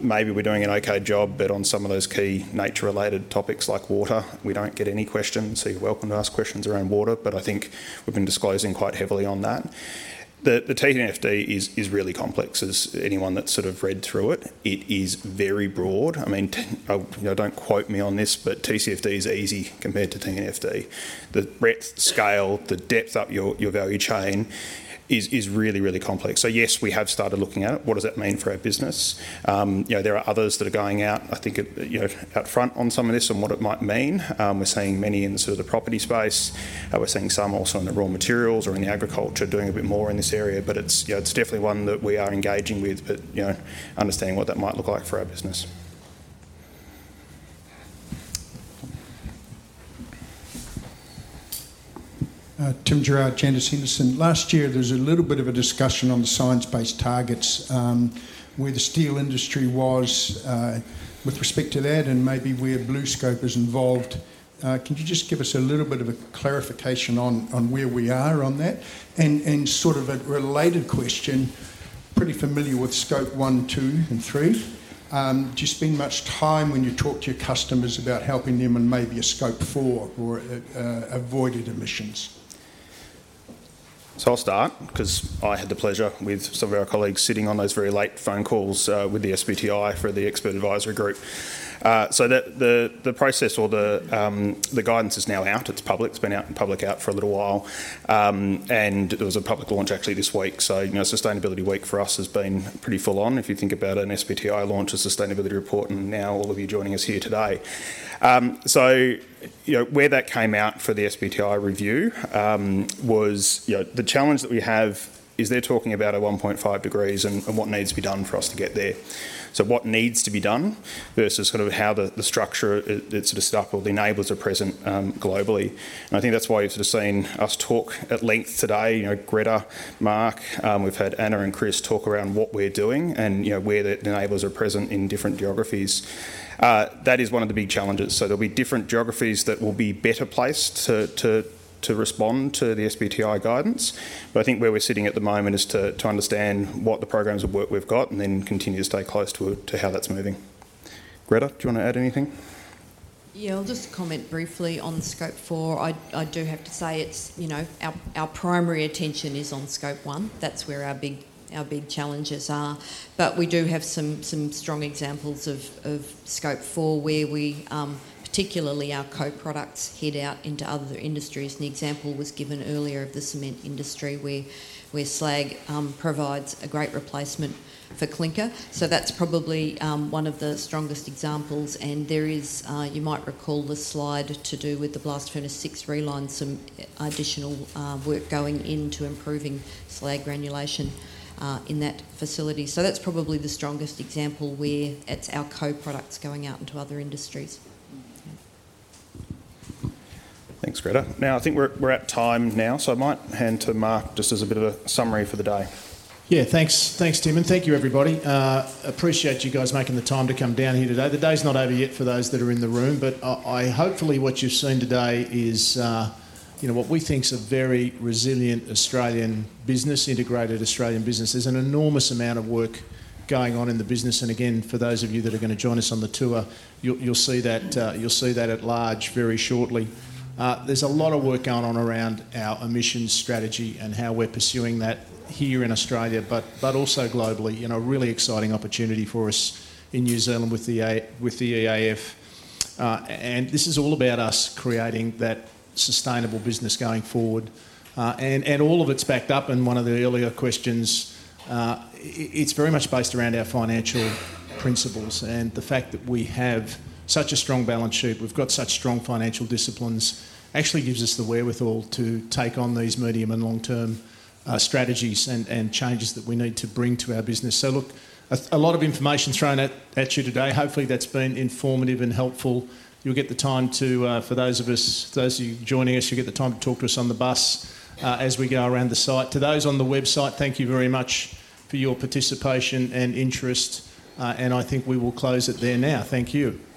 Maybe we're doing an okay job, but on some of those key nature-related topics like water, we don't get any questions, so you're welcome to ask questions around water. But I think we've been disclosing quite heavily on that. The TNFD is really complex, as anyone that's sort of read through it. It is very broad. I mean, you know, don't quote me on this, but TCFD is easy compared to TNFD. The breadth, the scale, the depth up your value chain is really, really complex. Yes, we have started looking at it. What does that mean for our business? You know, there are others that are going out, I think, you know, out front on some of this and what it might mean. We're seeing many in the sort of the property space, and we're seeing some also in the raw materials or in the agriculture doing a bit more in this area. It's definitely one that we are engaging with, but, you know, understanding what that might look like for our business. Tim Gerrard, Janus Henderson. Last year, there was a little bit of a discussion on the Science Based Targets, where the steel industry was, with respect to that and maybe where BlueScope is involved. Can you just give us a little bit of a clarification on where we are on that? And sort of a related question, pretty familiar with Scope 1, 2, and 3, do you spend much time when you talk to your customers about helping them and maybe a Scope 4 or avoided emissions? So I'll start, 'cause I had the pleasure with some of our colleagues sitting on those very late phone calls with the SBTi for the expert advisory group. So the process or the guidance is now out, it's public. It's been out in public for a little while. And there was a public launch actually this week. So, you know, sustainability week for us has been pretty full on. If you think about an SBTi launch, a sustainability report, and now all of you joining us here today. So you know, where that came out for the SBTi review was, you know, the challenge that we have is they're talking about a 1.5 degrees and what needs to be done for us to get there. So what needs to be done versus sort of how the structure, it sort of stuck or the enablers are present globally. And I think that's why you've sort of seen us talk at length today, you know, Gretta, Mark, we've had Anna and Chris talk around what we're doing and, you know, where the enablers are present in different geographies. That is one of the big challenges. So there'll be different geographies that will be better placed to respond to the SBTi guidance. But I think where we're sitting at the moment is to understand what the programs of work we've got and then continue to stay close to how that's moving. Gretta, do you want to add anything? Yeah, I'll just comment briefly on Scope 4. I do have to say it's, you know, our primary attention is on Scope 1. That's where our big challenges are. But we do have some strong examples of Scope 4, where we particularly our co-products head out into other industries. An example was given earlier of the cement industry, where slag provides a great replacement for clinker. So that's probably one of the strongest examples. And there is, you might recall the slide to do with the blast furnace six reline, some additional work going into improving slag granulation in that facility. So that's probably the strongest example where it's our co-products going out into other industries. Thanks, Gretta. Now, I think we're at time now, so I might hand to Mark just as a bit of a summary for the day. Yeah, thanks. Thanks, Tim, and thank you, everybody. Appreciate you guys making the time to come down here today. The day is not over yet for those that are in the room, but hopefully what you've seen today is, you know, what we think is a very resilient Australian business, integrated Australian business. There's an enormous amount of work going on in the business. And again, for those of you that are going to join us on the tour, you'll see that at large very shortly. There's a lot of work going on around our emissions strategy and how we're pursuing that here in Australia, but also globally. You know, really exciting opportunity for us in New Zealand with the EAF. And this is all about us creating that sustainable business going forward. And all of it's backed up in one of the earlier questions. It's very much based around our financial principles, and the fact that we have such a strong balance sheet, we've got such strong financial disciplines, actually gives us the wherewithal to take on these medium and long-term strategies and changes that we need to bring to our business. So look, a lot of information thrown at you today. Hopefully, that's been informative and helpful. You'll get the time to, for those of you joining us, you'll get the time to talk to us on the bus as we go around the site. To those on the website, thank you very much for your participation and interest, and I think we will close it there now. Thank you.